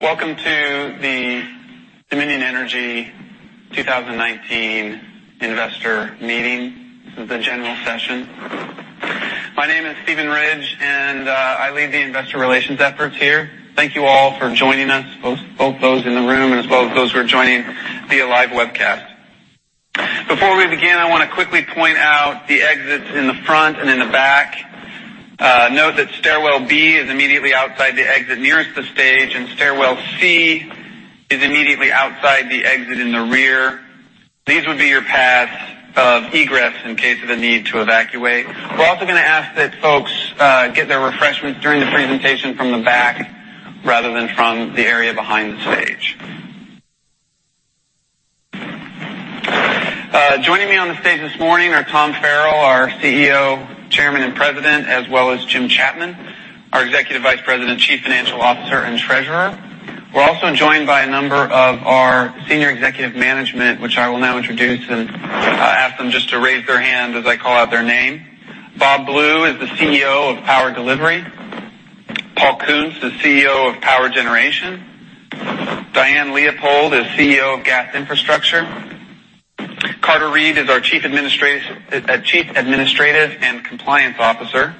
Welcome to the Dominion Energy 2019 investor meeting. This is the general session. My name is Steven Ridge, I lead the investor relations efforts here. Thank you all for joining us, both those in the room and as well as those who are joining via live webcast. Before we begin, I want to quickly point out the exits in the front and in the back. Note that stairwell B is immediately outside the exit nearest the stage, and stairwell C is immediately outside the exit in the rear. These would be your paths of egress in case of a need to evacuate. We're also going to ask that folks get their refreshments during the presentation from the back rather than from the area behind the stage. Joining me on the stage this morning are Tom Farrell, our CEO, Chairman, and President, as well as Jim Chapman, our Executive Vice President, Chief Financial Officer, and Treasurer. We're also joined by a number of our senior executive management, which I will now introduce and ask them just to raise their hand as I call out their name. Bob Blue is the CEO of Power Delivery. Paul Koonce, the CEO of Power Generation. Diane Leopold is CEO of Gas Infrastructure. Carter Reid is our Chief Administrative and Compliance Officer.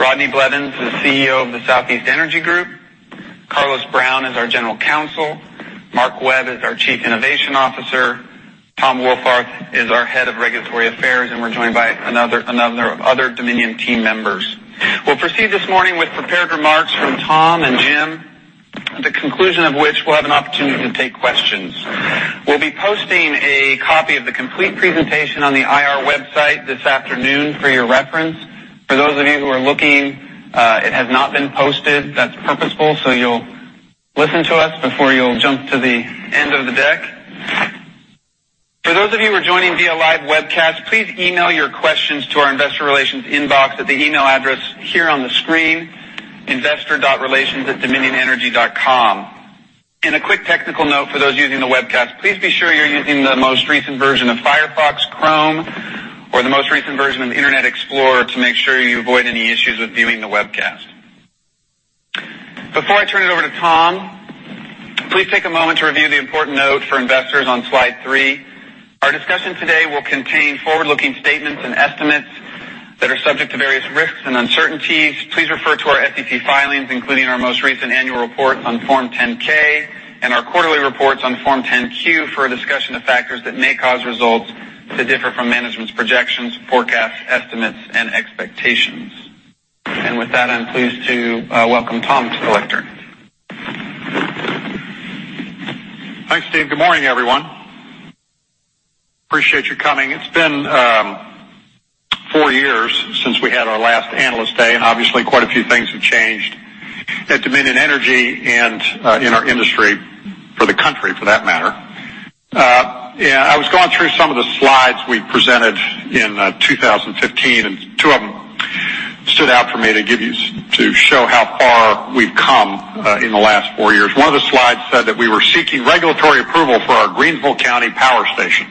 Rodney Blevins is CEO of the Southeast Energy Group. Carlos Brown is our General Counsel. Mark Webb is our Chief Innovation Officer. Tom Wohlfarth is our Head of Regulatory Affairs, we're joined by other Dominion team members. We'll proceed this morning with prepared remarks from Tom and Jim. At the conclusion of which, we'll have an opportunity to take questions. We'll be posting a copy of the complete presentation on the IR website this afternoon for your reference. For those of you who are looking, it has not been posted. That's purposeful, so you'll listen to us before you'll jump to the end of the deck. For those of you who are joining via live webcast, please email your questions to our investor relations inbox at the email address here on the screen, investor.relations@dominionenergy.com. A quick technical note for those using the webcast. Please be sure you're using the most recent version of Firefox, Chrome, or the most recent version of Internet Explorer to make sure you avoid any issues with viewing the webcast. Before I turn it over to Tom, please take a moment to review the important note for investors on slide three. Our discussion today will contain forward-looking statements and estimates that are subject to various risks and uncertainties. Please refer to our SEC filings, including our most recent annual reports on Form 10-K and our quarterly reports on Form 10-Q for a discussion of factors that may cause results to differ from management's projections, forecasts, estimates, and expectations. With that, I'm pleased to welcome Tom to the lectern. Thanks, Steve. Good morning, everyone. Appreciate you coming. It's been four years since we had our last Analyst Day, obviously quite a few things have changed at Dominion Energy and in our industry, for the country for that matter. I was going through some of the slides we presented in 2015, and two of them stood out for me to show how far we've come in the last four years. One of the slides said that we were seeking regulatory approval for our Greensville County Power Station,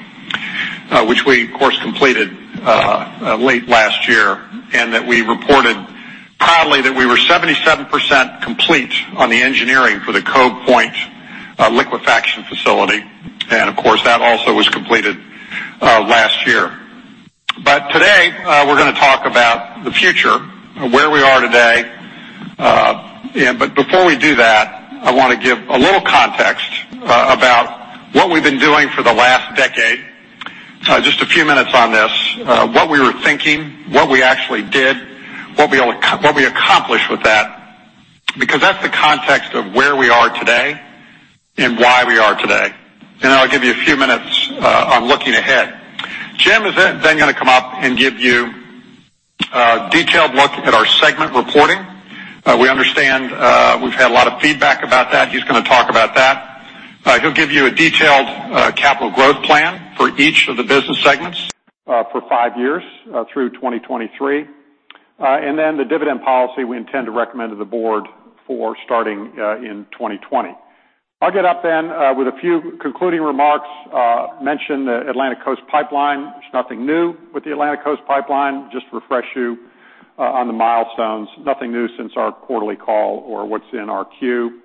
which we of course completed late last year, and that we reported proudly that we were 77% complete on the engineering for the Cove Point Liquefaction facility. Of course, that also was completed last year. Today, we're going to talk about the future and where we are today. Before we do that, I want to give a little context about what we've been doing for the last decade. Just a few minutes on this. What we were thinking, what we actually did, what we accomplished with that, because that's the context of where we are today and why we are today. Then I'll give you a few minutes on looking ahead. Jim is then going to come up and give you a detailed look at our segment reporting. We understand we've had a lot of feedback about that. He's going to talk about that. He'll give you a detailed capital growth plan for each of the business segments for five years through 2023. Then the dividend policy we intend to recommend to the board for starting in 2020. I'll get up then with a few concluding remarks, mention the Atlantic Coast Pipeline. There's nothing new with the Atlantic Coast Pipeline. Just refresh you on the milestones. Nothing new since our quarterly call or what's in our queue.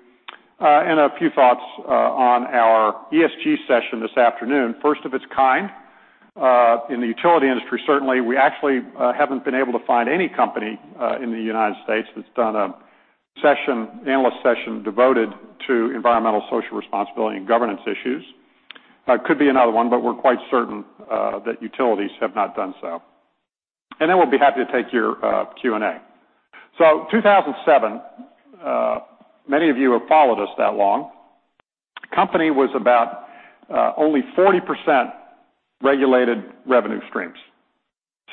A few thoughts on our ESG session this afternoon. First of its kind in the utility industry, certainly. We actually haven't been able to find any company in the U.S. that's done an analyst session devoted to environmental, social responsibility, and governance issues. Could be another one, but we're quite certain that utilities have not done so. Then we'll be happy to take your Q&A. 2007, many of you have followed us that long. Company was about only 40% regulated revenue streams.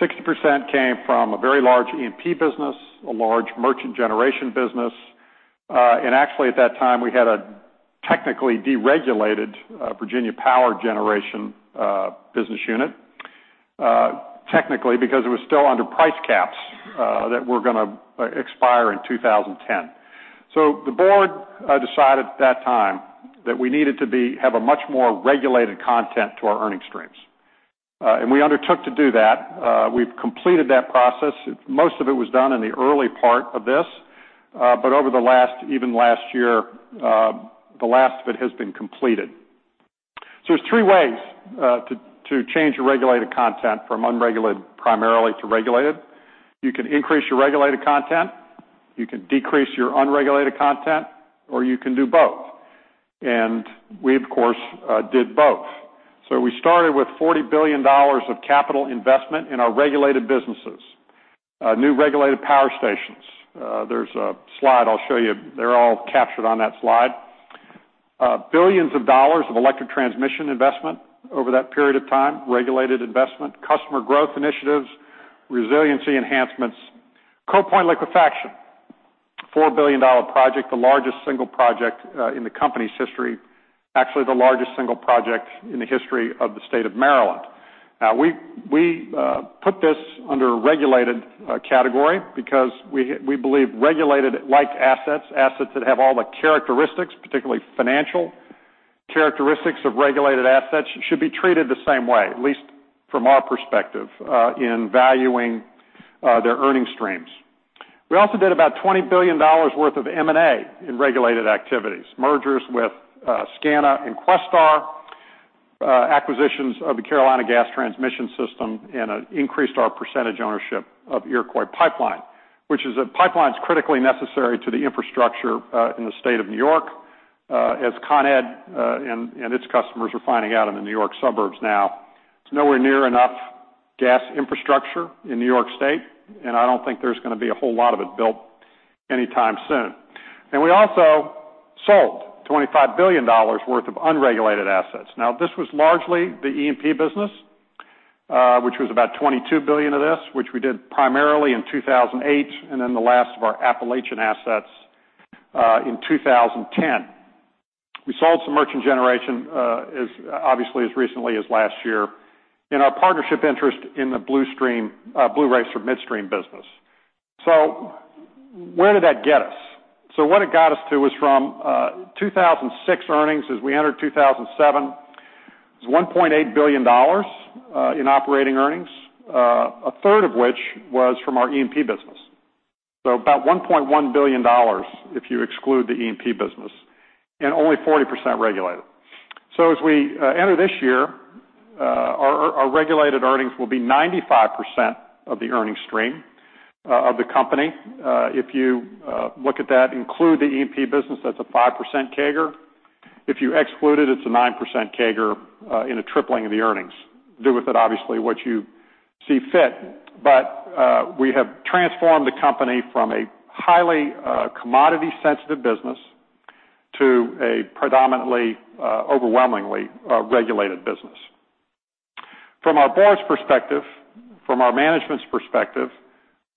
60% came from a very large E&P business, a large merchant generation business. Actually, at that time, we had a technically deregulated Virginia power generation business unit. Technically, because it was still under price caps that were going to expire in 2010. The board decided at that time that we needed to have a much more regulated content to our earning streams. We undertook to do that. We've completed that process. Most of it was done in the early part of this, but over the last, even last year, the last of it has been completed. There's three ways to change your regulated content from unregulated primarily to regulated. You can increase your regulated content, you can decrease your unregulated content, or you can do both. We, of course, did both. We started with $40 billion of capital investment in our regulated businesses. New regulated power stations. There's a slide I'll show you. They're all captured on that slide. Billions of dollars of electric transmission investment over that period of time, regulated investment, customer growth initiatives, resiliency enhancements. Cove Point Liquefaction, a $4 billion project, the largest single project in the company's history, actually the largest single project in the history of the state of Maryland. We put this under a regulated category because we believe regulated like assets that have all the characteristics, particularly financial characteristics of regulated assets, should be treated the same way, at least from our perspective, in valuing their earning streams. We also did about $20 billion worth of M&A in regulated activities. Mergers with SCANA and Questar, acquisitions of the Carolina Gas Transmission system, and increased our percentage ownership of Iroquois Pipeline. Which is a pipeline that's critically necessary to the infrastructure in the state of New York. As Con Ed and its customers are finding out in the New York suburbs now, there's nowhere near enough gas infrastructure in New York State, I don't think there's going to be a whole lot of it built anytime soon. We also sold $25 billion worth of unregulated assets. This was largely the E&P business, which was about $22 billion of this, which we did primarily in 2008, and then the last of our Appalachian assets in 2010. We sold some merchant generation, obviously, as recently as last year in our partnership interest in the Blue Racer Midstream business. Where did that get us? What it got us to is from 2006 earnings, as we entered 2007, was $1.8 billion in operating earnings, a third of which was from our E&P business. About $1.1 billion if you exclude the E&P business, and only 40% regulated. As we enter this year, our regulated earnings will be 95% of the earnings stream of the company. If you look at that, include the E&P business, that's a 5% CAGR. If you exclude it's a 9% CAGR in a tripling of the earnings. Do with it, obviously, what you see fit. We have transformed the company from a highly commodity-sensitive business to a predominantly overwhelmingly regulated business. From our board's perspective, from our management's perspective,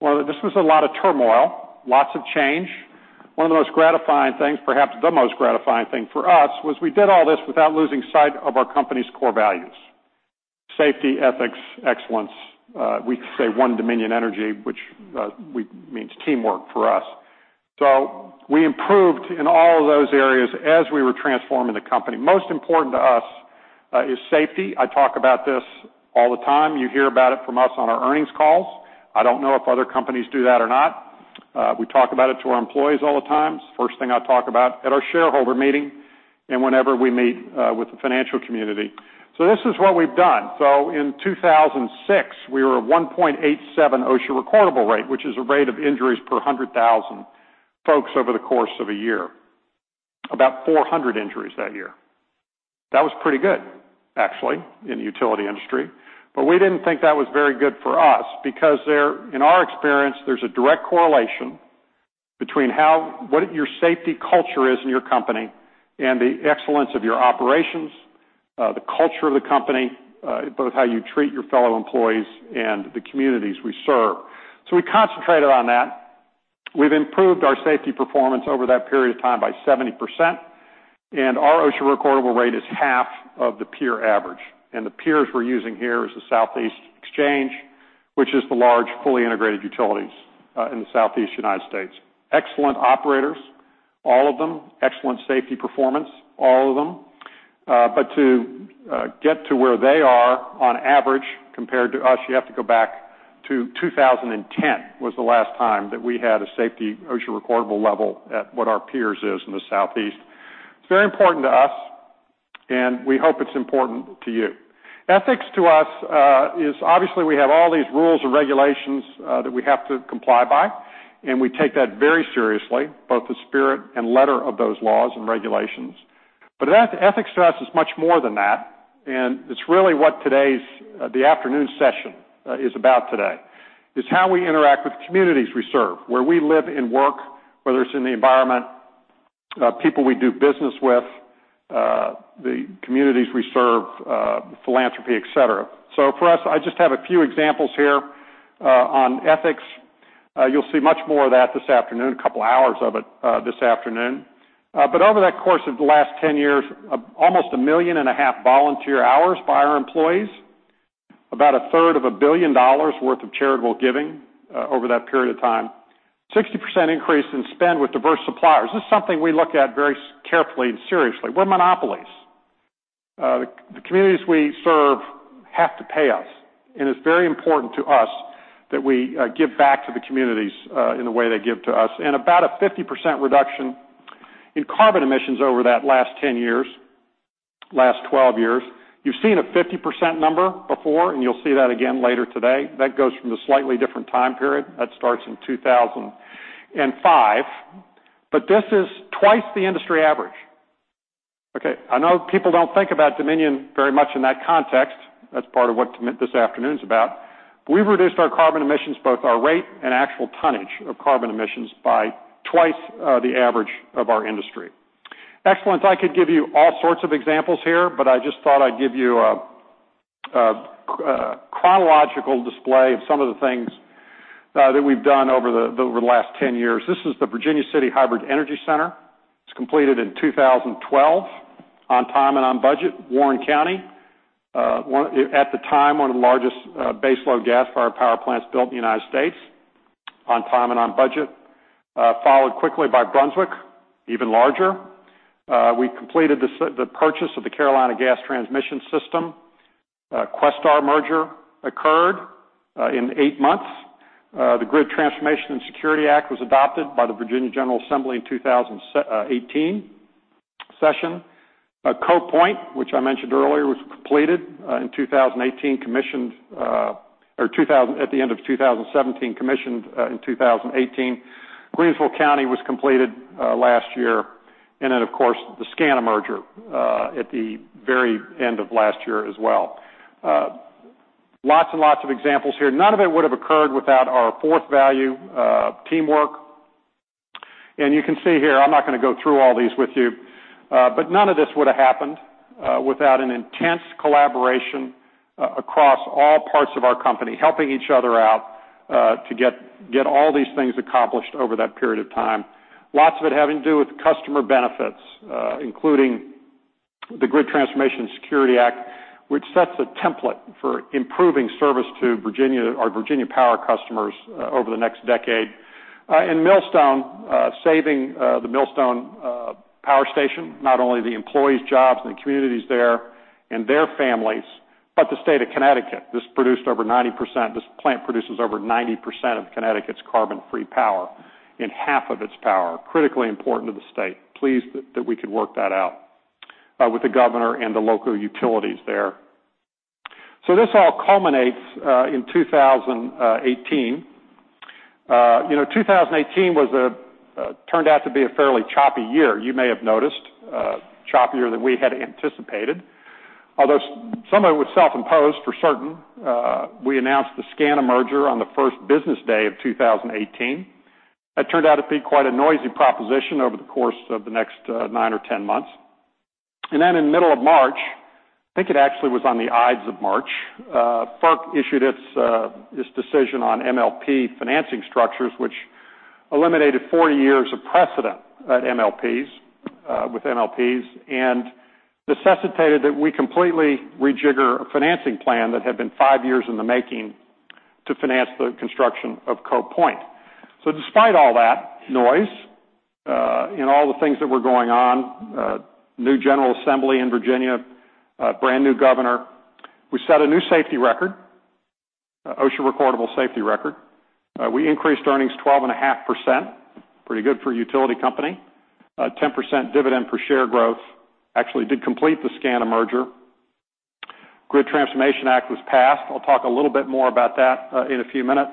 this was a lot of turmoil, lots of change. One of the most gratifying things, perhaps the most gratifying thing for us, was we did all this without losing sight of our company's core values: safety, ethics, excellence. We say One Dominion Energy, which means teamwork for us. We improved in all of those areas as we were transforming the company. Most important to us is safety. I talk about this all the time. You hear about it from us on our earnings calls. I don't know if other companies do that or not. We talk about it to our employees all the time. It's the first thing I talk about at our shareholder meeting and whenever we meet with the financial community. This is what we've done. In 2006, we were at 1.87 OSHA recordable rate, which is a rate of injuries per 100,000 folks over the course of a year. About 400 injuries that year. That was pretty good, actually, in the utility industry. We didn't think that was very good for us because in our experience, there's a direct correlation between what your safety culture is in your company and the excellence of your operations, the culture of the company, both how you treat your fellow employees and the communities we serve. We concentrated on that. We've improved our safety performance over that period of time by 70%, and our OSHA recordable rate is half of the peer average. The peers we're using here is the Southeastern Electric Exchange, which is the large, fully integrated utilities in the Southeast U.S. Excellent operators, all of them. Excellent safety performance, all of them. To get to where they are on average compared to us, you have to go back to 2010 was the last time that we had a safety OSHA recordable level at what our peers is in the Southeast. It's very important to us, and we hope it's important to you. Ethics to us is obviously we have all these rules and regulations that we have to comply by, and we take that very seriously, both the spirit and letter of those laws and regulations. Ethics to us is much more than that, and it's really what the afternoon session is about today. It's how we interact with the communities we serve, where we live and work, whether it's in the environment, people we do business with, the communities we serve, philanthropy, et cetera. For us, I just have a few examples here on ethics. You'll see much more of that this afternoon, a couple of hours of it this afternoon. Over that course of the last 10 years, almost 1.5 million volunteer hours by our employees. About a third of a billion dollars worth of charitable giving over that period of time. 60% increase in spend with diverse suppliers. This is something we look at very carefully and seriously. We're monopolies. The communities we serve have to pay us, and it's very important to us that we give back to the communities in the way they give to us. About a 50% reduction in carbon emissions over that last 10 years, last 12 years. You've seen a 50% number before, and you'll see that again later today. That goes from a slightly different time period. That starts in 2005. This is twice the industry average. I know people don't think about Dominion very much in that context. That's part of what this afternoon's about. We've reduced our carbon emissions, both our rate and actual tonnage of carbon emissions, by twice the average of our industry. Excellence. I could give you all sorts of examples here. I just thought I'd give you a chronological display of some of the things that we've done over the last 10 years. This is the Virginia City Hybrid Energy Center. It's completed in 2012, on time and on budget. Warren County at the time, one of the largest baseload gas-fired power plants built in the U.S., on time and on budget, followed quickly by Brunswick, even larger. We completed the purchase of the Carolina Gas Transmission system. Questar merger occurred in eight months. The Grid Transformation and Security Act was adopted by the Virginia General Assembly in 2018 session. Cove Point, which I mentioned earlier, was completed in 2018, at the end of 2017, commissioned in 2018. Greensville County was completed last year. Of course, the SCANA merger at the very end of last year as well. Lots and lots of examples here. None of it would have occurred without our fourth value, teamwork. You can see here, I'm not going to go through all these with you, but none of this would have happened without an intense collaboration across all parts of our company, helping each other out, to get all these things accomplished over that period of time. Lots of it having to do with customer benefits, including the Grid Transformation and Security Act, which sets a template for improving service to our Virginia power customers over the next decade. In Millstone, saving the Millstone Power Station, not only the employees' jobs and the communities there and their families, but the state of Connecticut. This plant produces over 90% of Connecticut's carbon-free power and half of its power, critically important to the state. Pleased that we could work that out with the governor and the local utilities there. This all culminates in 2018. 2018 turned out to be a fairly choppy year. You may have noticed, a choppier than we had anticipated, although some of it was self-imposed for certain. We announced the SCANA merger on the first business day of 2018. That turned out to be quite a noisy proposition over the course of the next nine or 10 months. In the middle of March, I think it actually was on the Ides of March, FERC issued its decision on MLP financing structures, which eliminated 40 years of precedent with MLPs and necessitated that we completely rejigger a financing plan that had been five years in the making to finance the construction of Cove Point. Despite all that noise and all the things that were going on, new General Assembly in Virginia, brand-new governor, we set a new safety record, OSHA recordable safety record. We increased earnings 12.5%. Pretty good for a utility company. 10% dividend per share growth. Actually did complete the SCANA merger. Grid Transformation Act was passed. I'll talk a little bit more about that in a few minutes.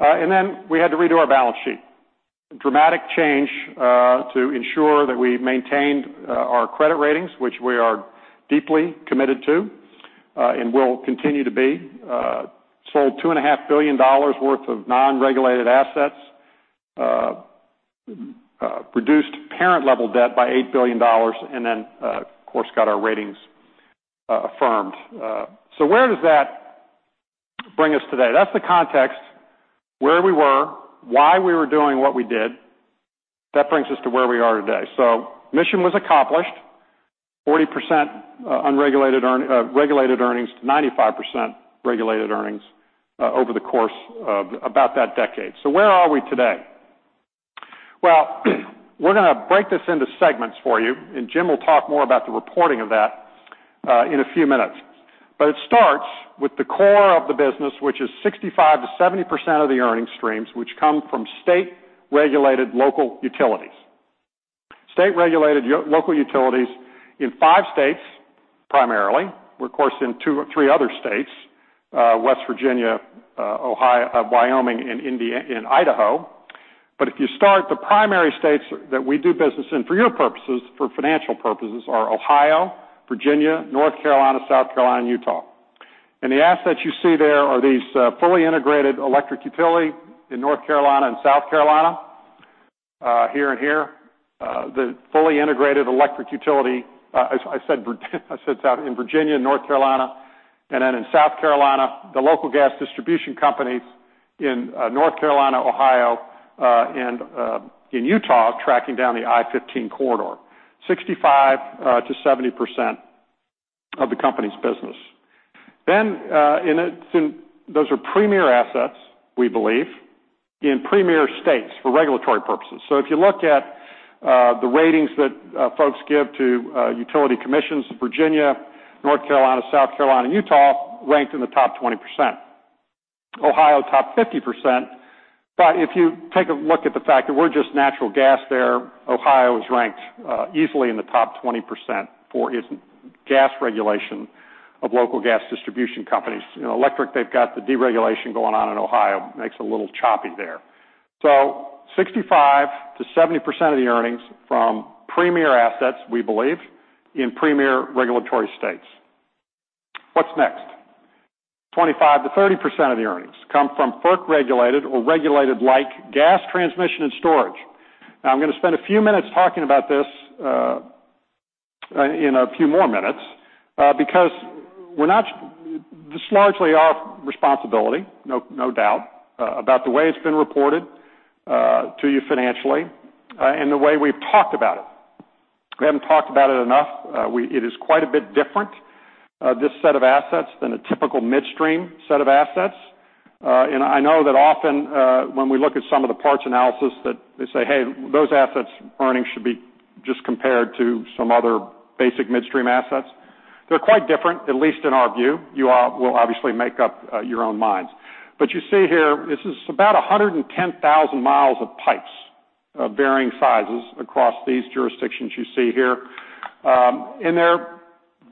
We had to redo our balance sheet. Dramatic change to ensure that we maintained our credit ratings, which we are deeply committed to and will continue to be. Sold $2.5 billion worth of non-regulated assets, reduced parent-level debt by $8 billion. Of course, got our ratings affirmed. Where does that bring us today? That's the context, where we were, why we were doing what we did. That brings us to where we are today. Mission was accomplished, 40% regulated earnings to 95% regulated earnings over the course of about that decade. Where are we today? Well, we're going to break this into segments for you. Jim will talk more about the reporting of that in a few minutes. It starts with the core of the business, which is 65%-70% of the earning streams, which come from state-regulated local utilities. State-regulated local utilities in five states, primarily. We're, of course, in three other states, West Virginia, Wyoming, and Idaho. If you start the primary states that we do business in for your purposes, for financial purposes, are Ohio, Virginia, North Carolina, South Carolina, and Utah. The assets you see there are these fully integrated electric utility in North Carolina and South Carolina, here and here. The fully integrated electric utility, I said it's out in Virginia, North Carolina, and then in South Carolina, the local gas distribution companies in North Carolina, Ohio, and in Utah, tracking down the I-15 Corridor, 65%-70% of the company's business. Those are premier assets, we believe, in premier states for regulatory purposes. If you look at the ratings that folks give to utility commissions of Virginia, North Carolina, South Carolina, and Utah, ranked in the top 20%. Ohio, top 50%. If you take a look at the fact that we're just natural gas there, Ohio is ranked easily in the top 20% for its gas regulation of local gas distribution companies. Electric, they've got the deregulation going on in Ohio, makes it a little choppy there. 65%-70% of the earnings from premier assets, we believe, in premier regulatory states. What's next? 25%-30% of the earnings come from FERC-regulated or regulated-like gas transmission and storage. I'm going to spend a few minutes talking about this in a few more minutes because this is largely our responsibility, no doubt, about the way it's been reported to you financially and the way we've talked about it. We haven't talked about it enough. It is quite a bit different, this set of assets, than a typical midstream set of assets. I know that often when we look at some of the parts analysis that they say, "Hey, those assets' earnings should be just compared to some other basic midstream assets." They're quite different, at least in our view. You all will obviously make up your own minds. You see here, this is about 110,000 miles of pipes of varying sizes across these jurisdictions you see here, and they're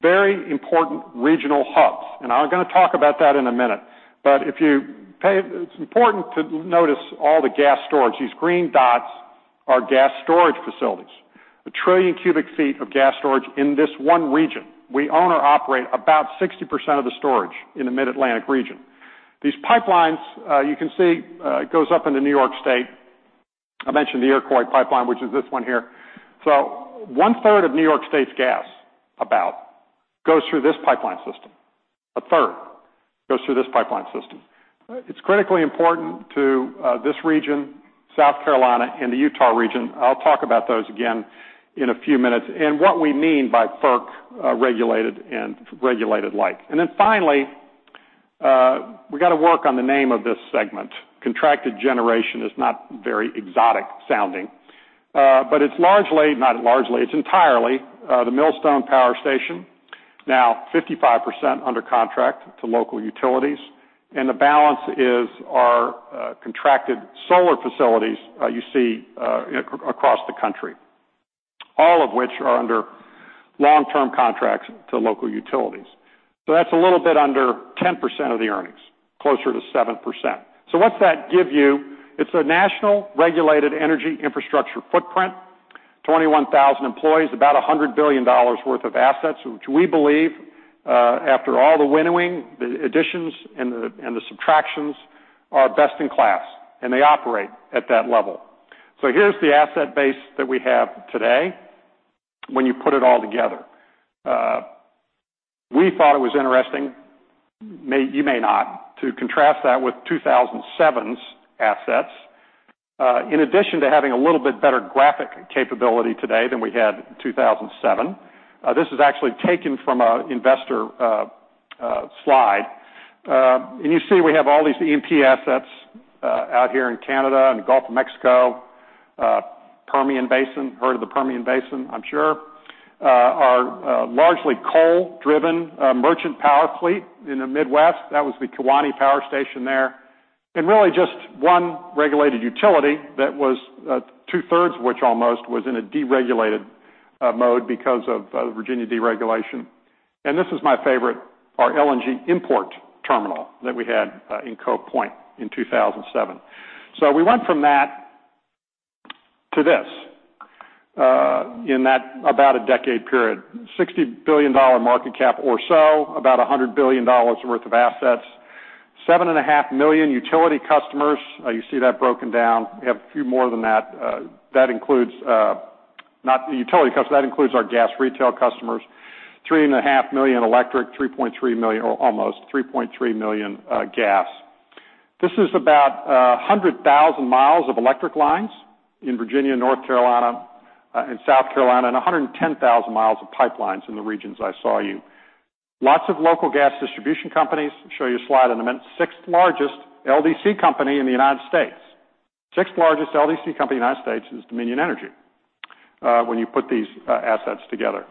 very important regional hubs. I'm going to talk about that in a minute. It's important to notice all the gas storage. These green dots are gas storage facilities. A trillion cubic feet of gas storage in this one region. We own or operate about 60% of the storage in the Mid-Atlantic region. These pipelines, you can see, it goes up into New York State. I mentioned the Iroquois Pipeline, which is this one here. One-third of New York State's gas, about, goes through this pipeline system. A third goes through this pipeline system. It's critically important to this region, South Carolina, and the Utah region. I'll talk about those again in a few minutes, and what we mean by FERC-regulated and regulated like. Then finally, we've got to work on the name of this segment. Contracted Generation is not very exotic-sounding. It's largely, not largely, it's entirely the Millstone Power Station, now 55% under contract to local utilities, and the balance is our contracted solar facilities you see across the country. All of which are under long-term contracts to local utilities. That's a little bit under 10% of the earnings, closer to 7%. What's that give you? It's a national regulated energy infrastructure footprint, 21,000 employees, about $100 billion worth of assets, which we believe, after all the winnowing, the additions, and the subtractions, are best in class, and they operate at that level. Here's the asset base that we have today when you put it all together. We thought it was interesting, you may not, to contrast that with 2007's assets. In addition to having a little bit better graphic capability today than we had in 2007. This is actually taken from an investor slide. You see we have all these E&P assets out here in Canada and the Gulf of Mexico. Permian Basin. Heard of the Permian Basin, I'm sure. Our largely coal-driven merchant power fleet in the Midwest. That was the Kewaunee Power Station there. Really just one regulated utility that was two-thirds, which almost was in a deregulated mode because of Virginia deregulation. This is my favorite, our LNG import terminal that we had in Cove Point in 2007. We went from that to this in that about a decade period. $60 billion market cap or so, about $100 billion worth of assets. Seven and a half million utility customers. You see that broken down. We have a few more than that. That includes not the utility customer, that includes our gas retail customers. Three and a half million electric, almost 3.3 million gas. This is about 100,000 miles of electric lines in Virginia, North Carolina, and South Carolina, and 110,000 miles of pipelines in the regions I saw you. Lots of local gas distribution companies. Show you a slide in one minute. Sixth-largest LDC company in the U.S. Sixth-largest LDC company in the U.S. is Dominion Energy when you put these assets together.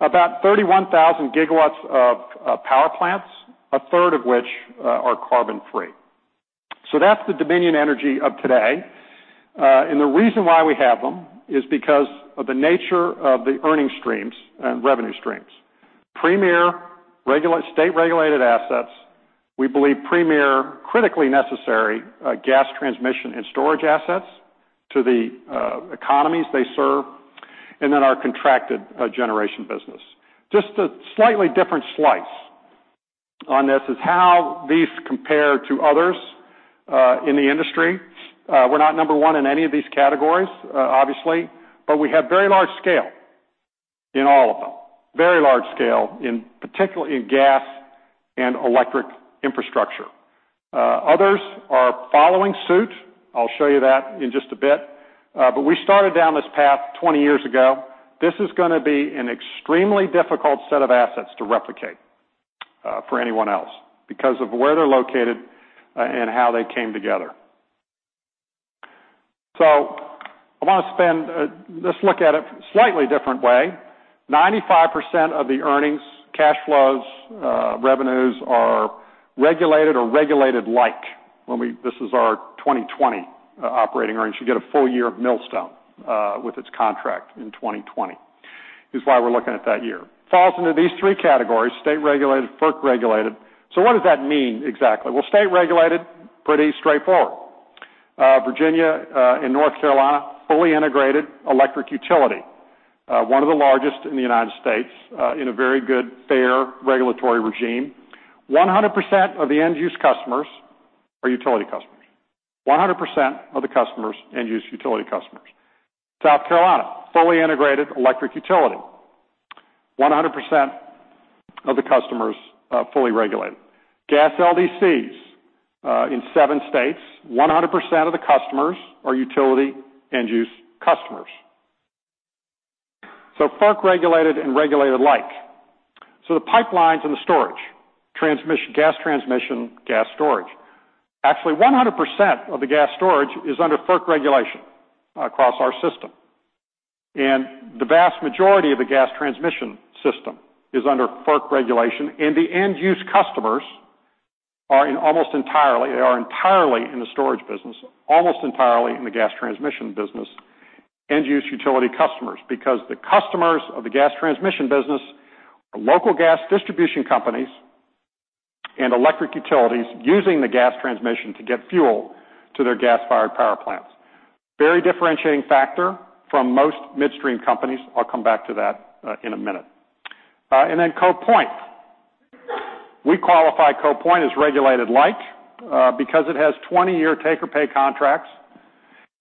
About 31,000 gigawatts of power plants, a third of which are carbon-free. That's the Dominion Energy of today. The reason why we have them is because of the nature of the earning streams and revenue streams. Premier state-regulated assets. We believe premier, critically necessary gas transmission and storage assets to the economies they serve, and then our contracted generation business. Just a slightly different slice on this is how these compare to others in the industry. We're not number one in any of these categories, obviously, but we have very large scale in all of them. Very large scale, particularly in gas and electric infrastructure. Others are following suit. I'll show you that in just a bit. We started down this path 20 years ago. This is going to be an extremely difficult set of assets to replicate for anyone else because of where they're located and how they came together. Let's look at it slightly different way. 95% of the earnings, cash flows, revenues are regulated or regulated like. This is our 2020 operating earnings. You get a full year of Millstone with its contract in 2020. That is why we're looking at that year. Falls into these three categories, state-regulated, FERC-regulated. What does that mean exactly? Well, state-regulated, pretty straightforward. Virginia and North Carolina, fully integrated electric utility. One of the largest in the U.S. in a very good, fair regulatory regime. 100% of the end-use customers are utility customers. 100% of the customers end-use utility customers. South Carolina, fully integrated electric utility. 100% of the customers fully regulated. Gas LDCs in seven states, 100% of the customers are utility end-use customers. FERC-regulated and regulated like. The pipelines and the storage, gas transmission, gas storage. Actually, 100% of the gas storage is under FERC regulation across our system. The vast majority of the gas transmission system is under FERC regulation, and the end use customers are entirely in the storage business, almost entirely in the gas transmission business, end use utility customers because the customers of the gas transmission business are local gas distribution companies and electric utilities using the gas transmission to get fuel to their gas-fired power plants. Very differentiating factor from most midstream companies. I'll come back to that in a minute. Cove Point. We qualify Cove Point as regulated like because it has 20-year take-or-pay contracts,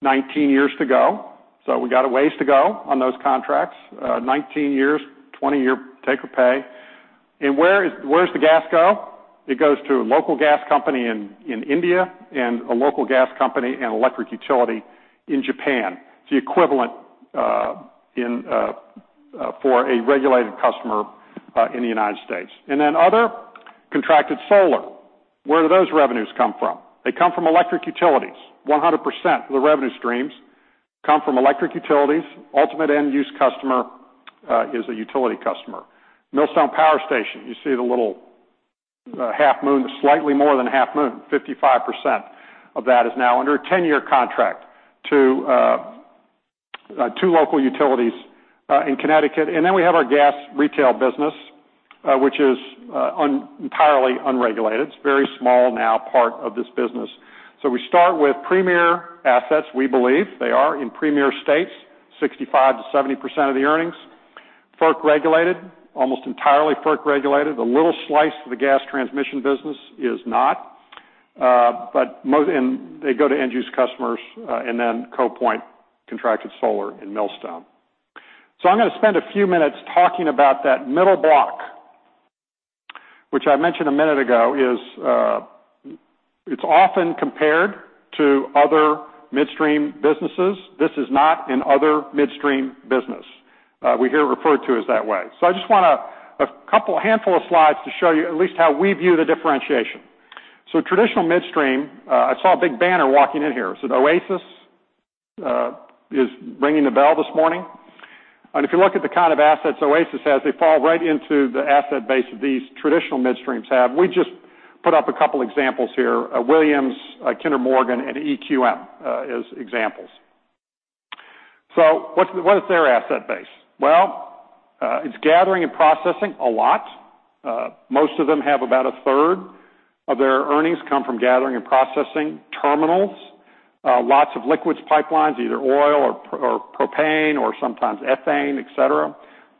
19 years to go. We got a ways to go on those contracts. 19 years, 20-year take or pay. Where does the gas go? It goes to a local gas company in India and a local gas company and electric utility in Japan. It's the equivalent for a regulated customer in the U.S. Other contracted solar. Where do those revenues come from? They come from electric utilities. 100% of the revenue streams come from electric utilities. Ultimate end-use customer is a utility customer. Millstone Power Station, you see the little half-moon, slightly more than half-moon, 55% of that is now under a 10-year contract to two local utilities in Connecticut. We have our gas retail business which is entirely unregulated. It's very small now part of this business. We start with premier assets, we believe they are in premier states, 65%-70% of the earnings. FERC-regulated, almost entirely FERC-regulated. A little slice of the gas transmission business is not. They go to end use customers and then Cove Point contracted solar in Millstone. I'm going to spend a few minutes talking about that middle block, which I mentioned a minute ago it's often compared to other midstream businesses. This is not an other midstream business. We hear it referred to as that way. I just want a handful of slides to show you at least how we view the differentiation. Traditional midstream, I saw a big banner walking in here. Oasis is ringing the bell this morning. If you look at the kind of assets Oasis has, they fall right into the asset base that these traditional midstreams have. We just put up a couple examples here, Williams, Kinder Morgan, and EQM as examples. What is their asset base? Well, it's gathering and processing a lot. Most of them have about a third of their earnings come from gathering and processing terminals, lots of liquids pipelines, either oil or propane or sometimes ethane, et cetera,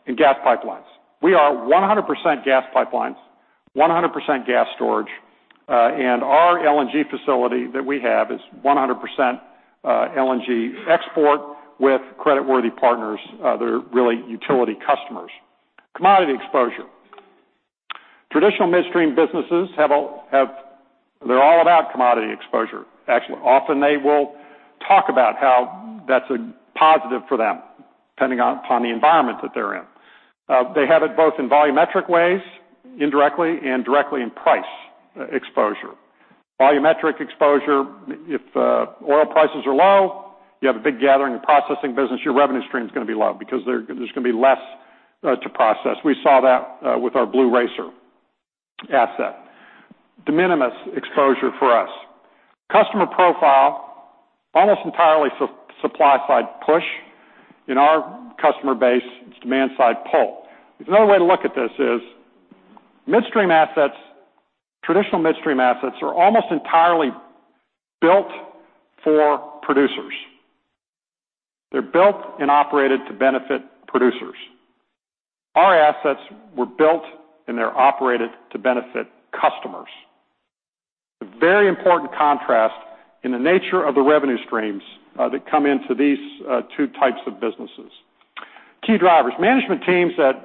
and gas pipelines. We are 100% gas pipelines, 100% gas storage. Our LNG facility that we have is 100% LNG export with creditworthy partners. They're really utility customers. Commodity exposure. Traditional midstream businesses, they're all about commodity exposure. Actually, often they will talk about how that's a positive for them, depending upon the environment that they're in. They have it both in volumetric ways indirectly and directly in price exposure. Volumetric exposure, if oil prices are low, you have a big gathering and processing business, your revenue stream is going to be low because there's going to be less to process. We saw that with our Blue Racer asset. De minimis exposure for us. Customer profile, almost entirely supply-side push. In our customer base, it's demand-side pull. Another way to look at this is traditional midstream assets are almost entirely built for producers. They're built and operated to benefit producers. Our assets were built, and they're operated to benefit customers. Very important contrast in the nature of the revenue streams that come into these two types of businesses. Key drivers. Management teams at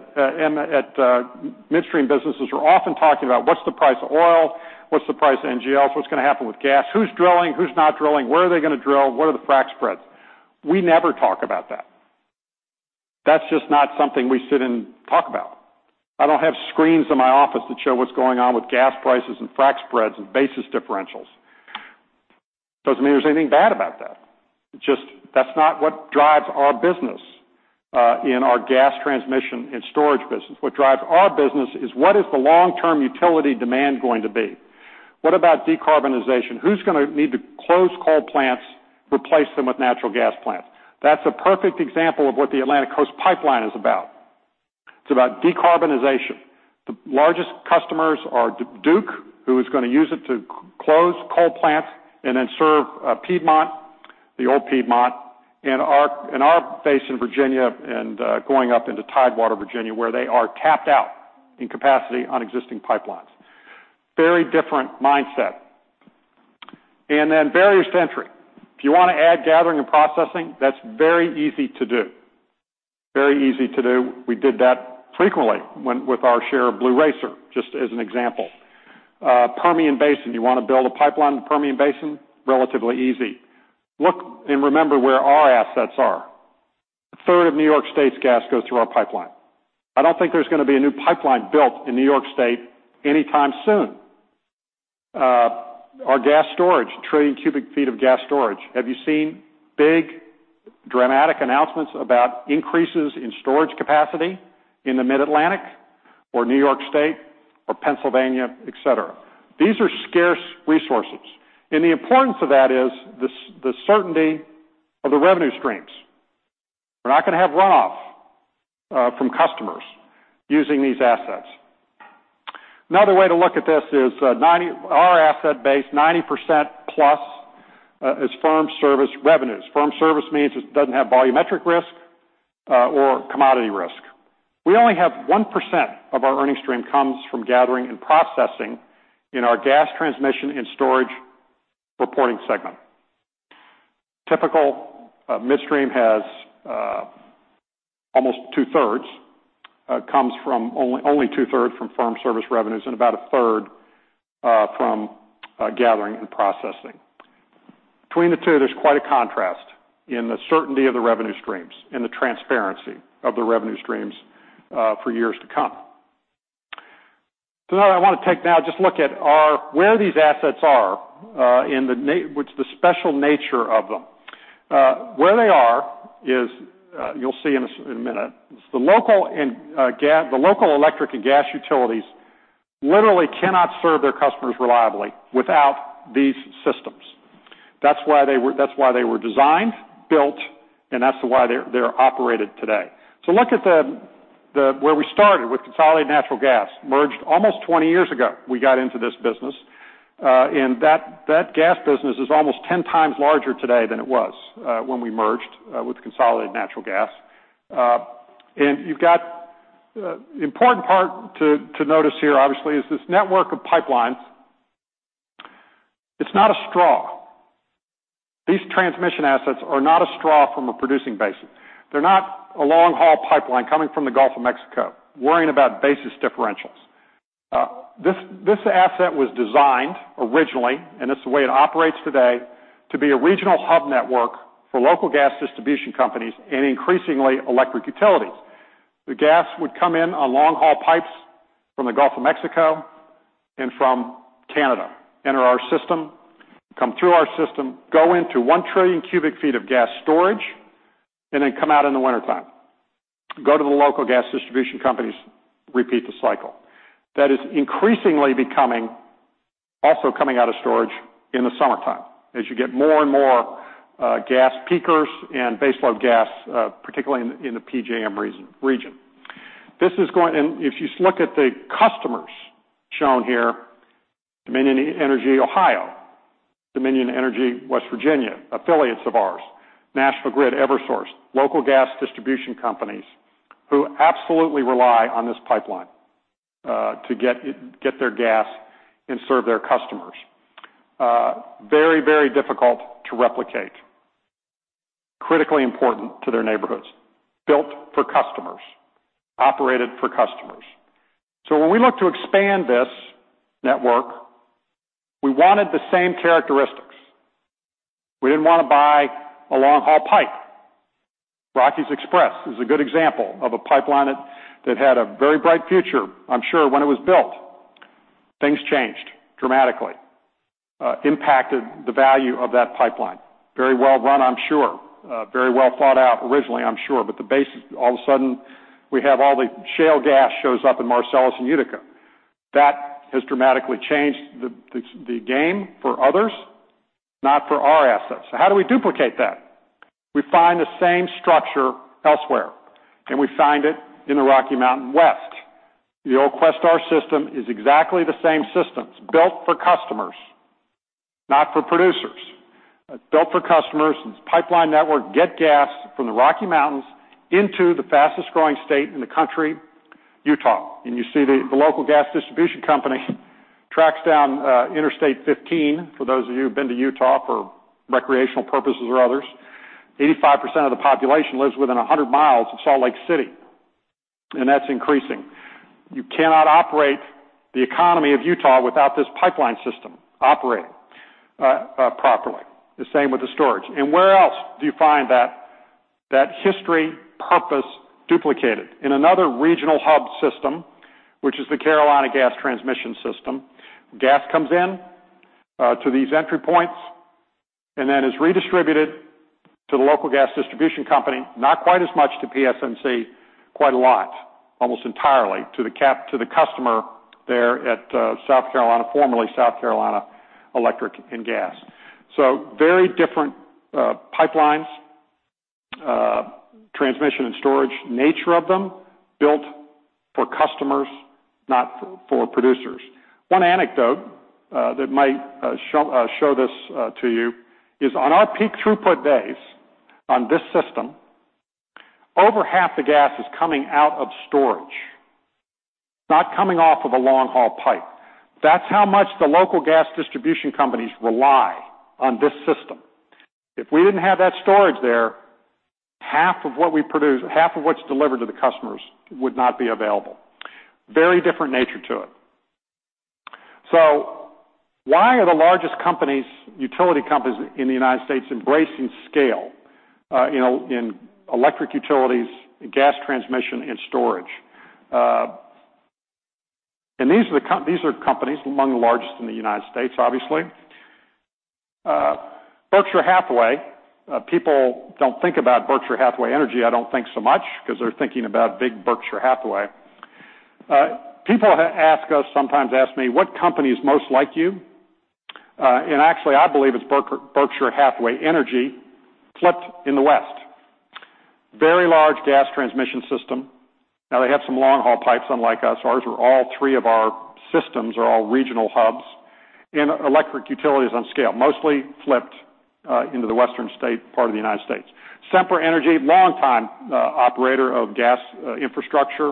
midstream businesses are often talking about what's the price of oil, what's the price of NGLs, what's going to happen with gas? Who's drilling, who's not drilling? Where are they going to drill? What are the frac spreads? We never talk about that. That's just not something we sit and talk about. I don't have screens in my office that show what's going on with gas prices and frac spreads and basis differentials. Doesn't mean there's anything bad about that. It's just that's not what drives our business in our gas transmission and storage business. What drives our business is what is the long-term utility demand going to be? What about decarbonization? Who's going to need to close coal plants, replace them with natural gas plants? That's a perfect example of what the Atlantic Coast Pipeline is about. It's about decarbonization. The largest customers are Duke, who is going to use it to close coal plants and then serve Piedmont, the old Piedmont, and our base in Virginia and going up into Tidewater, Virginia, where they are tapped out in capacity on existing pipelines. Very different mindset. Barriers to entry. If you want to add gathering and processing, that's very easy to do. Very easy to do. We did that frequently with our share of Blue Racer, just as an example. Permian Basin, you want to build a pipeline in the Permian Basin, relatively easy. Look and remember where our assets are. A third of New York State's gas goes through our pipeline. I don't think there's going to be a new pipeline built in New York State anytime soon. Our gas storage, a trillion cubic feet of gas storage. Have you seen big, dramatic announcements about increases in storage capacity in the Mid-Atlantic or New York State or Pennsylvania, et cetera? These are scarce resources, and the importance of that is the certainty of the revenue streams. We're not going to have runoff from customers using these assets. Another way to look at this is our asset base, 90% plus is firm service revenues. Firm service means it doesn't have volumetric risk or commodity risk. We only have 1% of our earning stream comes from gathering and processing in our gas transmission and storage reporting segment. Typical midstream has almost two-thirds from firm service revenues, and about a third from gathering and processing. Between the two, there's quite a contrast in the certainty of the revenue streams and the transparency of the revenue streams for years to come. What I want to take now just look at where these assets are, what's the special nature of them. Where they are is, you'll see in a minute. It's the local electric and gas utilities literally cannot serve their customers reliably without these systems. That's why they were designed, built, and that's why they're operated today. Look at where we started with Consolidated Natural Gas, merged almost 20 years ago, we got into this business. That gas business is almost 10 times larger today than it was when we merged with Consolidated Natural Gas. You've got the important part to notice here, obviously, is this network of pipelines. It's not a straw. These transmission assets are not a straw from a producing basin. They're not a long-haul pipeline coming from the Gulf of Mexico, worrying about basis differentials. This asset was designed originally, and it's the way it operates today, to be a regional hub network for local gas distribution companies and increasingly electric utilities. The gas would come in on long-haul pipes from the Gulf of Mexico and from Canada, enter our system, come through our system, go into one trillion cubic feet of gas storage, then come out in the wintertime. Go to the local gas distribution companies, repeat the cycle. That is increasingly becoming also coming out of storage in the summertime as you get more and more gas peakers and base load gas, particularly in the PJM region. If you look at the customers shown here, Dominion Energy Ohio, Dominion Energy West Virginia, affiliates of ours, National Grid, Eversource, local gas distribution companies who absolutely rely on this pipeline to get their gas and serve their customers. Very difficult to replicate. Critically important to their neighborhoods. Built for customers, operated for customers. When we look to expand this network, we wanted the same characteristics. We didn't want to buy a long-haul pipe. Rockies Express is a good example of a pipeline that had a very bright future, I'm sure, when it was built. Things changed dramatically. Impacted the value of that pipeline. Very well run, I'm sure. Very well thought out originally, I'm sure, all of a sudden, we have all the shale gas shows up in Marcellus and Utica. That has dramatically changed the game for others, not for our assets. How do we duplicate that? We find the same structure elsewhere. We find it in the Rocky Mountain West. The old Questar system is exactly the same system. It's built for customers, not for producers. Built for customers. Its pipeline network get gas from the Rocky Mountains into the fastest-growing state in the country, Utah. You see the local gas distribution company tracks down Interstate 15, for those of you who've been to Utah for recreational purposes or others. 85% of the population lives within 100 miles of Salt Lake City, that's increasing. You cannot operate the economy of Utah without this pipeline system operating properly. The same with the storage. Where else do you find that history purpose duplicated? In another regional hub system, which is the Carolina Gas Transmission system. Gas comes in to these entry points then is redistributed to the local gas distribution company. Not quite as much to PSNC, quite a lot, almost entirely to the customer there at South Carolina, formerly South Carolina Electric and Gas. Very different pipelines, transmission and storage nature of them, built for customers, not for producers. One anecdote that might show this to you is on our peak throughput days on this system, over half the gas is coming out of storage, not coming off of a long-haul pipe. That's how much the local gas distribution companies rely on this system. If we didn't have that storage there, half of what we produce, half of what's delivered to the customers would not be available. Very different nature to it. Why are the largest companies, utility companies in the U.S. embracing scale in electric utilities, gas transmission, and storage? These are companies among the largest in the U.S., obviously. Berkshire Hathaway. People don't think about Berkshire Hathaway Energy, I don't think so much, because they're thinking about big Berkshire Hathaway. People ask us sometimes, ask me, "What company is most like you?" Actually, I believe it's Berkshire Hathaway Energy, flipped in the west. Very large gas transmission system. They have some long-haul pipes, unlike us. Ours are all three of our systems are all regional hubs. Electric utility is on scale, mostly flipped into the western state part of the U.S. Sempra Energy, longtime operator of gas infrastructure,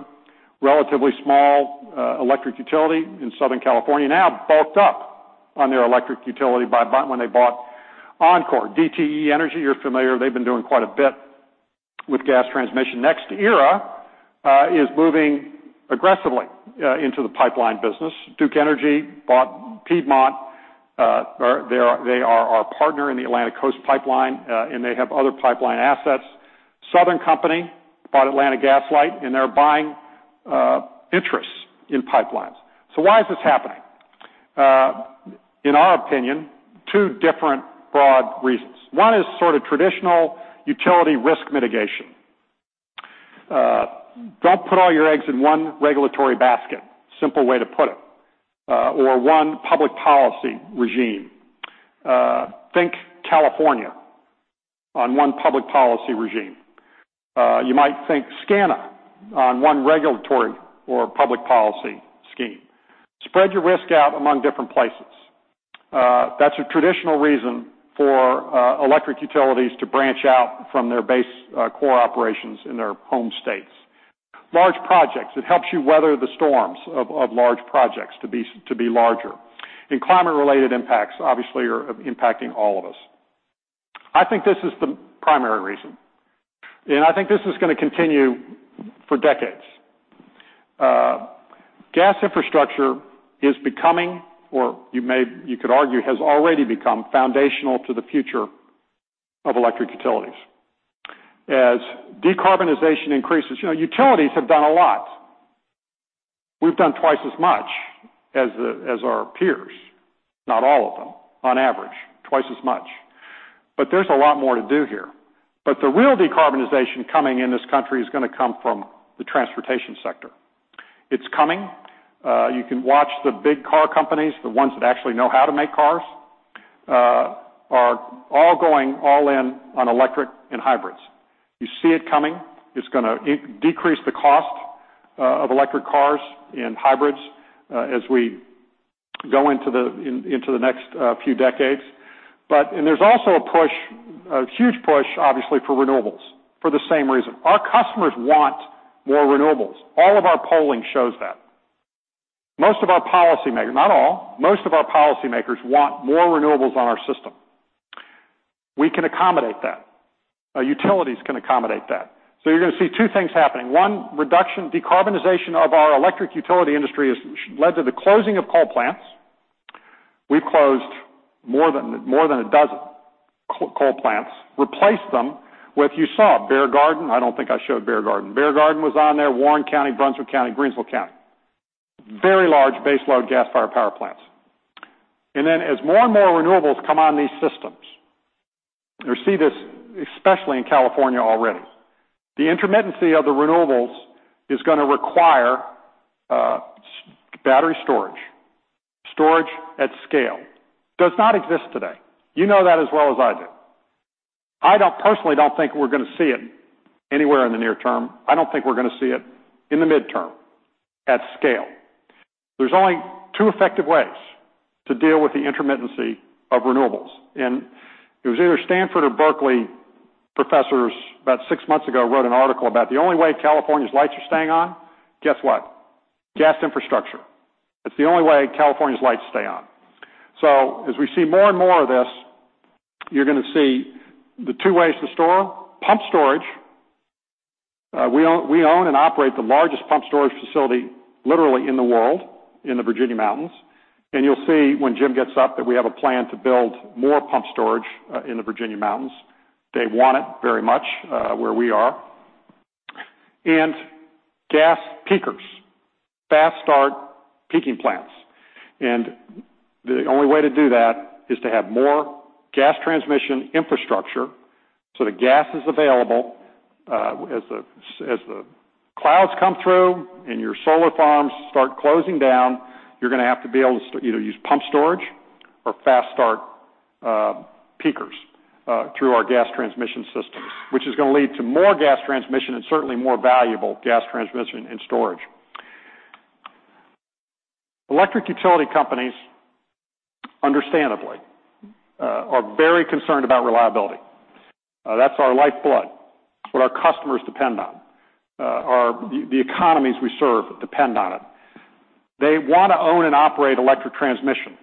relatively small electric utility in Southern California, now bulked up on their electric utility when they bought Oncor. DTE Energy, you're familiar. They've been doing quite a bit with gas transmission. NextEra is moving aggressively into the pipeline business. Duke Energy bought Piedmont. They are our partner in the Atlantic Coast Pipeline, and they have other pipeline assets. Southern Company bought Atlanta Gas Light, and they're buying interests in pipelines. Why is this happening? In our opinion, two different broad reasons. One is sort of traditional utility risk mitigation. Don't put all your eggs in one regulatory basket, simple way to put it, or one public policy regime. Think California on one public policy regime. You might think SCANA on one regulatory or public policy scheme. Spread your risk out among different places. That's a traditional reason for electric utilities to branch out from their base core operations in their home states. Large projects, it helps you weather the storms of large projects to be larger. Climate-related impacts obviously are impacting all of us. I think this is the primary reason, and I think this is going to continue for decades. Gas infrastructure is becoming, or you could argue has already become foundational to the future of electric utilities. As decarbonization increases, utilities have done a lot. We've done twice as much as our peers. Not all of them, on average, twice as much. There's a lot more to do here. The real decarbonization coming in this country is going to come from the transportation sector. It's coming. You can watch the big car companies, the ones that actually know how to make cars, are all going all in on electric and hybrids. You see it coming. It's going to decrease the cost of electric cars and hybrids as we go into the next few decades. There's also a push, a huge push, obviously, for renewables for the same reason. Our customers want more renewables. All of our polling shows that. Most of our policymakers, not all, most of our policymakers want more renewables on our system. We can accommodate that. Utilities can accommodate that. You're going to see two things happening. One, reduction. Decarbonization of our electric utility industry has led to the closing of coal plants. We've closed more than a dozen coal plants, replaced them with, you saw, Bear Garden. I don't think I showed Bear Garden. Bear Garden was on there. Warren County, Brunswick County, Greensville County. Very large base load gas-fired power plants. As more and more renewables come on these systems, you see this especially in California already, the intermittency of the renewables is going to require battery storage. Storage at scale does not exist today. You know that as well as I do. I personally don't think we're going to see it anywhere in the near term. I don't think we're going to see it in the midterm at scale. There's only two effective ways to deal with the intermittency of renewables. It was either Stanford or Berkeley professors, about six months ago, wrote an article about the only way California's lights are staying on. Guess what? Gas infrastructure. It's the only way California's lights stay on. As we see more and more of this, you're going to see the two ways to store. Pump storage. We own and operate the largest pump storage facility, literally in the world, in the Virginia mountains. You'll see when Jim gets up that we have a plan to build more pump storage in the Virginia mountains. They want it very much where we are. Gas peakers, fast start peaking plants. The only way to do that is to have more gas transmission infrastructure so that gas is available. As the clouds come through and your solar farms start closing down, you're going to have to be able to either use pump storage or fast start peakers through our gas transmission systems, which is going to lead to more gas transmission and certainly more valuable gas transmission and storage. Electric utility companies, understandably, are very concerned about reliability. That's our lifeblood. It's what our customers depend on. The economies we serve depend on it. They want to own and operate electric transmission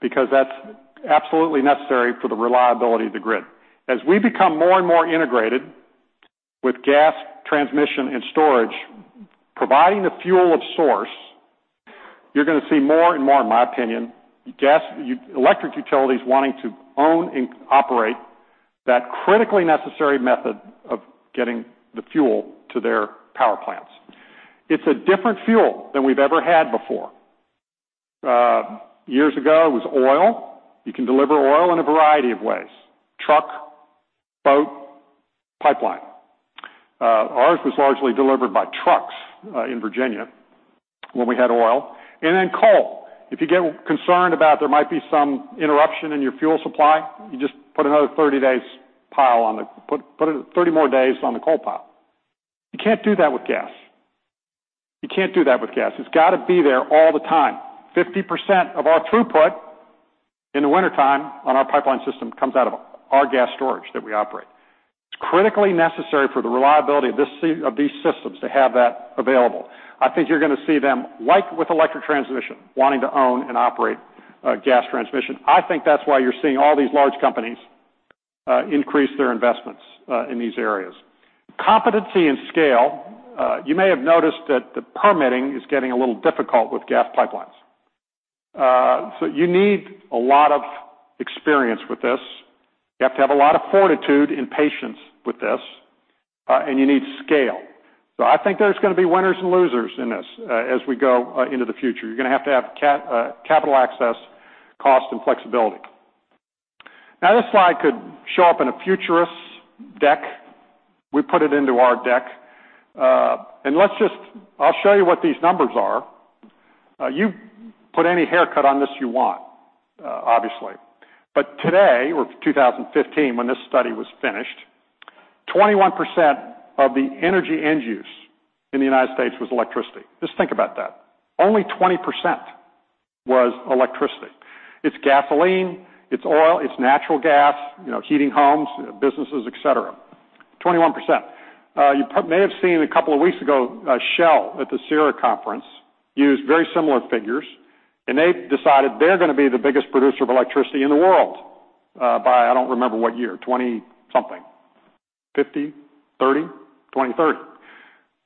because that's absolutely necessary for the reliability of the grid. As we become more and more integrated with gas transmission and storage, providing the fuel of source, you're going to see more and more, in my opinion, electric utilities wanting to own and operate that critically necessary method of getting the fuel to their power plants. It's a different fuel than we've ever had before. Years ago, it was oil. You can deliver oil in a variety of ways. Truck, boat, pipeline. Ours was largely delivered by trucks in Virginia when we had oil. Then coal. If you get concerned about there might be some interruption in your fuel supply, you just put 30 more days on the coal pile. You can't do that with gas. It's got to be there all the time. 50% of our throughput in the wintertime on our pipeline system comes out of our gas storage that we operate. It's critically necessary for the reliability of these systems to have that available. I think you're going to see them, like with electric transmission, wanting to own and operate gas transmission. I think that's why you're seeing all these large companies increase their investments in these areas. Competency and scale. You may have noticed that the permitting is getting a little difficult with gas pipelines. You need a lot of experience with this. You have to have a lot of fortitude and patience with this, and you need scale. I think there's going to be winners and losers in this as we go into the future. You're going to have to have capital access, cost, and flexibility. Now, this slide could show up in a futurist's deck. We put it into our deck. I'll show you what these numbers are. You put any haircut on this you want, obviously. Today, or 2015 when this study was finished, 21% of the energy end use in the U.S. was electricity. Just think about that. Only 20% was electricity. It's gasoline, it's oil, it's natural gas, heating homes, businesses, et cetera. 21%. You may have seen a couple of weeks ago, Shell at the CERAWeek Conference used very similar figures, and they've decided they're going to be the biggest producer of electricity in the world by, I don't remember what year, 20 something. '50? '30? 2030.